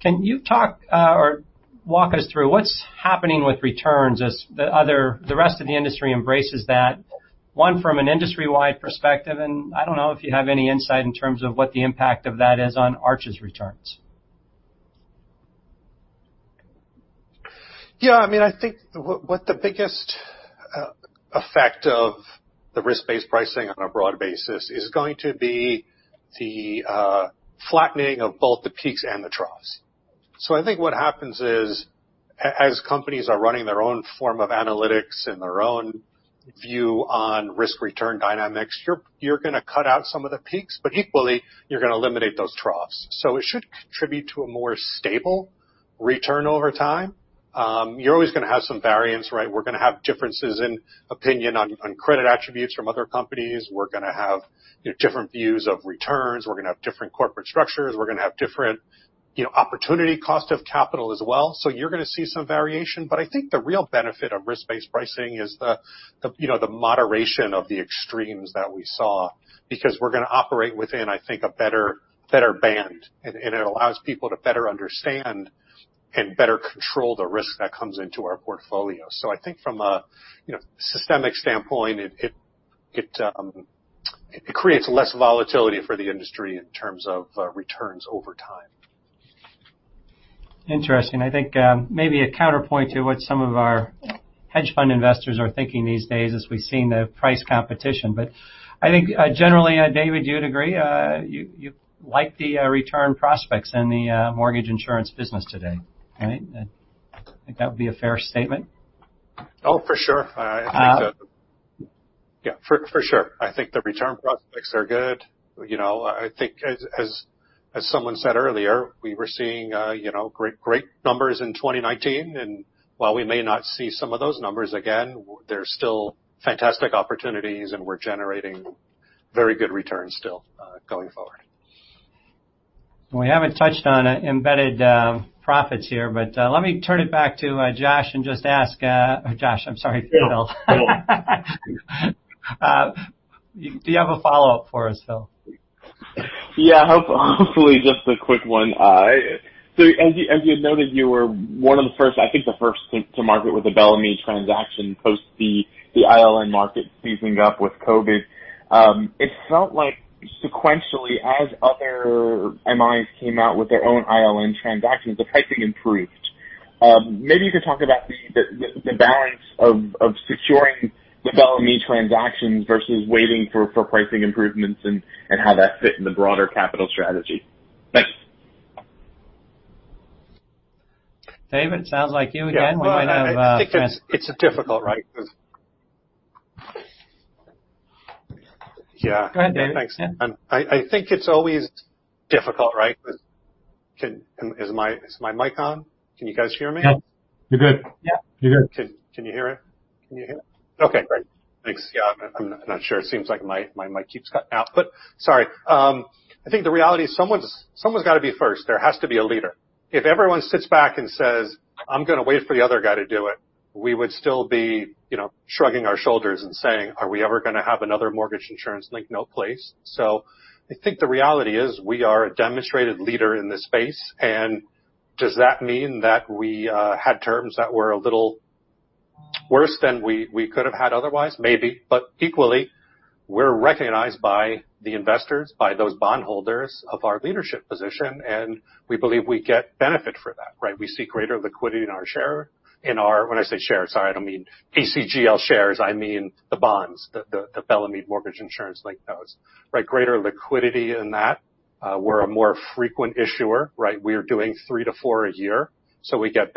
Can you talk or walk us through what's happening with returns as the rest of the industry embraces that, one from an industry-wide perspective? And I don't know if you have any insight in terms of what the impact of that is on Arch's returns. Yeah. I mean, I think what the biggest effect of the risk-based pricing on a broad basis is going to be the flattening of both the peaks and the troughs. So I think what happens is as companies are running their own form of analytics and their own view on risk-return dynamics, you're going to cut out some of the peaks, but equally, you're going to eliminate those troughs. So it should contribute to a more stable return over time. You're always going to have some variance, right? We're going to have differences in opinion on credit attributes from other companies. We're going to have different views of returns. We're going to have different corporate structures. We're going to have different, you know, opportunity cost of capital as well. So you're going to see some variation. But I think the real benefit of risk-based pricing is the, you know, the moderation of the extremes that we saw because we're going to operate within, I think, a better band. And it allows people to better understand and better control the risk that comes into our portfolio. So I think from a, you know, systemic standpoint, it creates less volatility for the industry in terms of returns over time. Interesting. I think maybe a counterpoint to what some of our hedge fund investors are thinking these days as we've seen the price competition. But I think generally, David, you'd agree. You like the return prospects in the mortgage insurance business today, right? I think that would be a fair statement. Oh, for sure. Yeah. For sure. I think the return prospects are good. You know, I think as someone said earlier, we were seeing, you know, great numbers in 2019. And while we may not see some of those numbers again, there's still fantastic opportunities. And we're generating very good returns still going forward. We haven't touched on embedded profits here. But let me turn it back to Josh and just ask, Josh, I'm sorry, Phil. Do you have a follow-up for us, Phil? Yeah. Hopefully just a quick one. So as you had noted, you were one of the first, I think the first to market with a Bellemeade transaction post the MILN market seizing up with COVID. It felt like sequentially, as other MIs came out with their own MILN transactions, the pricing improved. Maybe you could talk about the balance of securing the Bellemeade transactions versus waiting for pricing improvements and how that fit in the broader capital strategy. Thanks. David, it sounds like you again. We might have. It's difficult, right? Yeah. Go ahead, David. Thanks. I think it's always difficult, right? Is my mic on? Can you guys hear me? Yep. You're good. Yeah. You're good. Can you hear it? Can you hear it? Okay. Great. Thanks. Yeah. I'm not sure. It seems like my mic keeps cutting out. But sorry. I think the reality is someone's got to be first. There has to be a leader. If everyone sits back and says, "I'm going to wait for the other guy to do it," we would still be, you know, shrugging our shoulders and saying, "Are we ever going to have another mortgage insurance linked notes plays?" So I think the reality is we are a demonstrated leader in this space. And does that mean that we had terms that were a little worse than we could have had otherwise? Maybe. But equally, we're recognized by the investors, by those bondholders for our leadership position. And we believe we get benefit for that, right? We see greater liquidity in our shares. When I say share, sorry, I don't mean ACGL shares. I mean the bonds, the Bellemeade mortgage insurance-linked notes, right? Greater liquidity in that. We're a more frequent issuer, right? We're doing three to four a year. So we thought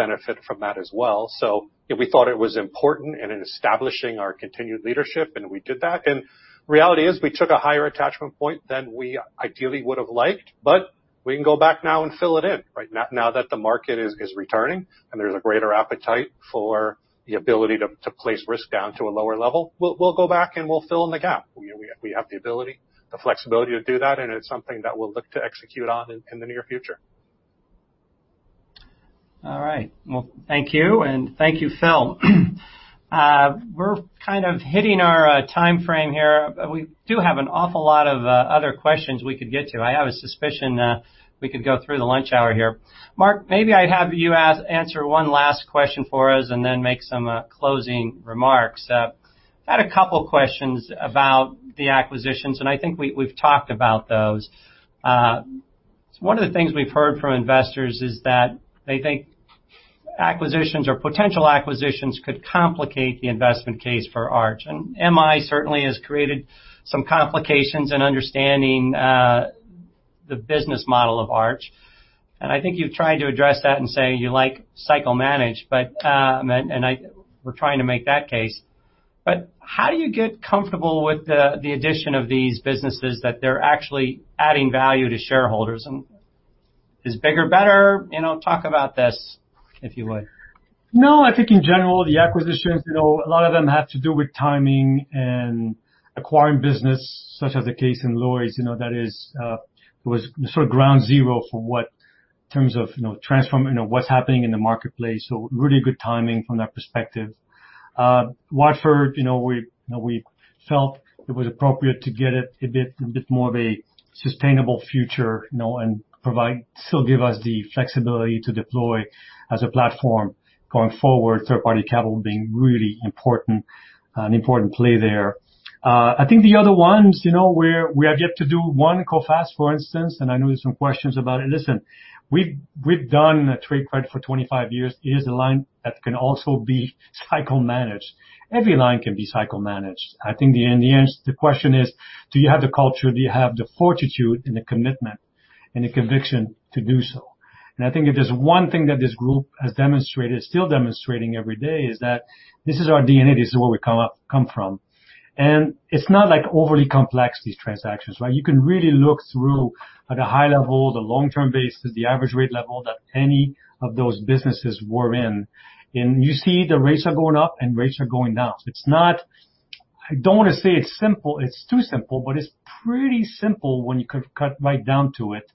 it was important in establishing our continued leadership. And we did that. And reality is we took a higher attachment point than we ideally would have liked. But we can go back now and fill it in, right? Now that the market is returning and there's a greater appetite for the ability to place risk down to a lower level, we'll go back and we'll fill in the gap. We have the ability, the flexibility to do that. And it's something that we'll look to execute on in the near future. All right. Well, thank you. And thank you, Phil. We're kind of hitting our time frame here. We do have an awful lot of other questions we could get to. I have a suspicion we could go through the lunch hour here. Mark, maybe I'd have you answer one last question for us and then make some closing remarks. I had a couple of questions about the acquisitions. And I think we've talked about those. One of the things we've heard from investors is that they think acquisitions or potential acquisitions could complicate the investment case for Arch. And MI certainly has created some complications in understanding the business model of Arch. And I think you've tried to address that and say you like cycle management. And we're trying to make that case. But how do you get comfortable with the addition of these businesses that they're actually adding value to shareholders? And is bigger better? You know, talk about this, if you would. No. I think in general, the acquisitions, you know, a lot of them have to do with timing and acquiring business, such as the case in Lloyd's. You know, that is sort of ground zero for what in terms of, you know, transforming what's happening in the marketplace. So really good timing from that perspective. Watford, you know, we felt it was appropriate to get a bit more of a sustainable future, you know, and still give us the flexibility to deploy as a platform going forward, third-party capital being really important, an important play there. I think the other ones, you know, we have yet to do one Coface, for instance. And I know there's some questions about it. Listen, we've done trade credit for 25 years. It is a line that can also be cycle managed. Every line can be cycle managed. I think in the end, the question is, do you have the culture? Do you have the fortitude and the commitment and the conviction to do so? And I think if there's one thing that this group has demonstrated, still demonstrating every day, is that this is our DNA. This is where we come from. And it's not like overly complex, these transactions, right? You can really look through at a high level, the long-term basis, the average rate level that any of those businesses were in. And you see the rates are going up and rates are going down. It's not, I don't want to say it's simple. It's too simple, but it's pretty simple when you cut right down to it.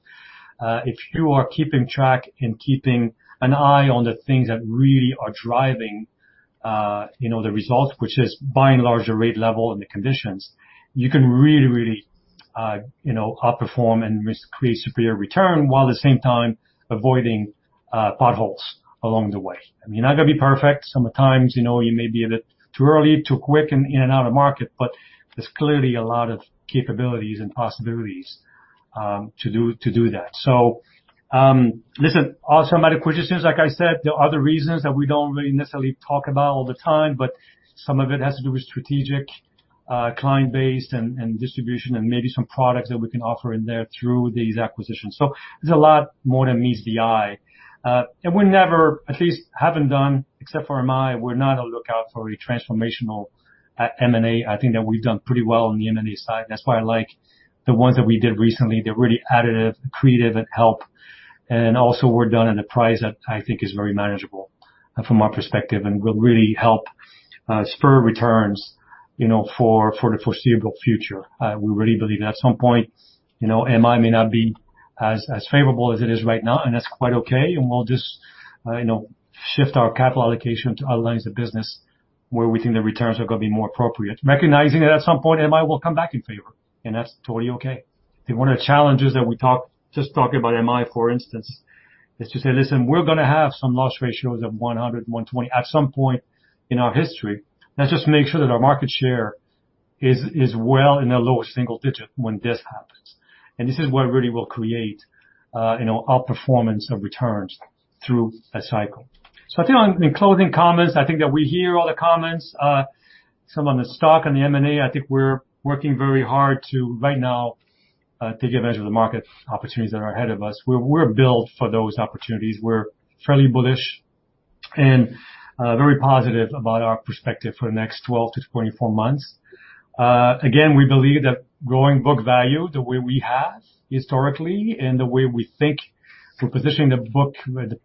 If you are keeping track and keeping an eye on the things that really are driving, you know, the results, which is by and large the rate level and the conditions, you can really, really, you know, outperform and create superior return while at the same time avoiding potholes along the way. I mean, you're not going to be perfect. Sometimes, you know, you may be a bit too early, too quick in and out of market. But there's clearly a lot of capabilities and possibilities to do that. So listen, also some other acquisitions, like I said, there are other reasons that we don't really necessarily talk about all the time. But some of it has to do with strategic, client-based and distribution, and maybe some products that we can offer in there through these acquisitions. So there's a lot more than meets the eye. We never, at least haven't done, except for MI, we're not on the lookout for a transformational M&A. I think that we've done pretty well on the M&A side. That's why I like the ones that we did recently. They're really additive, creative, and help. And also we're done at a price that I think is very manageable from our perspective. And we'll really help spur returns, you know, for the foreseeable future. We really believe that at some point, you know, MI may not be as favorable as it is right now. And that's quite okay. And we'll just, you know, shift our capital allocation to other lines of business where we think the returns are going to be more appropriate, recognizing that at some point MI will come back in favor. And that's totally okay. I think one of the challenges that we talked, just talking about MI, for instance, is to say, listen, we're going to have some loss ratios of 100, 120 at some point in our history. Let's just make sure that our market share is well in the lowest single digit when this happens. And this is what really will create, you know, outperformance of returns through a cycle. So I think in closing comments, I think that we hear all the comments, some on the stock and the M&A. I think we're working very hard to right now take advantage of the market opportunities that are ahead of us. We're built for those opportunities. We're fairly bullish and very positive about our perspective for the next 12-24 months. Again, we believe that growing book value, the way we have historically and the way we think we're positioning the book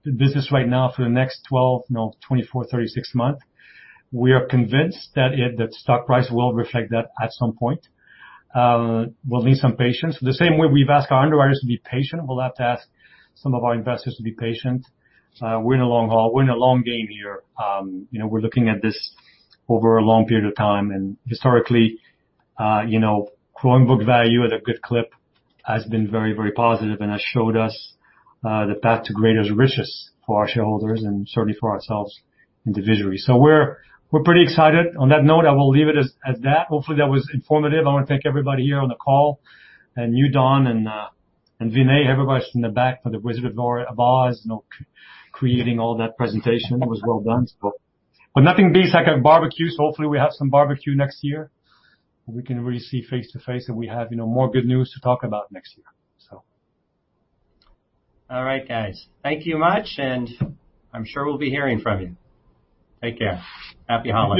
business right now for the next 12, no, 24, 36 months, we are convinced that the stock price will reflect that at some point. We'll need some patience. The same way we've asked our underwriters to be patient, we'll have to ask some of our investors to be patient. We're in a long haul. We're in a long game here. You know, we're looking at this over a long period of time. And historically, you know, growing book value at a good clip has been very, very positive. And that showed us the path to greater riches for our shareholders and certainly for ourselves individually. So we're pretty excited. On that note, I will leave it as that. Hopefully that was informative. I want to thank everybody here on the call, and you, Don, and Vinay, everybody in the back for the Wizard of Oz creating all that presentation. It was well done, but nothing beats like a barbecue. So hopefully we have some barbecue next year. We can really see face to face that we have, you know, more good news to talk about next year. All right, guys. Thank you much, and I'm sure we'll be hearing from you. Take care. Happy hauling.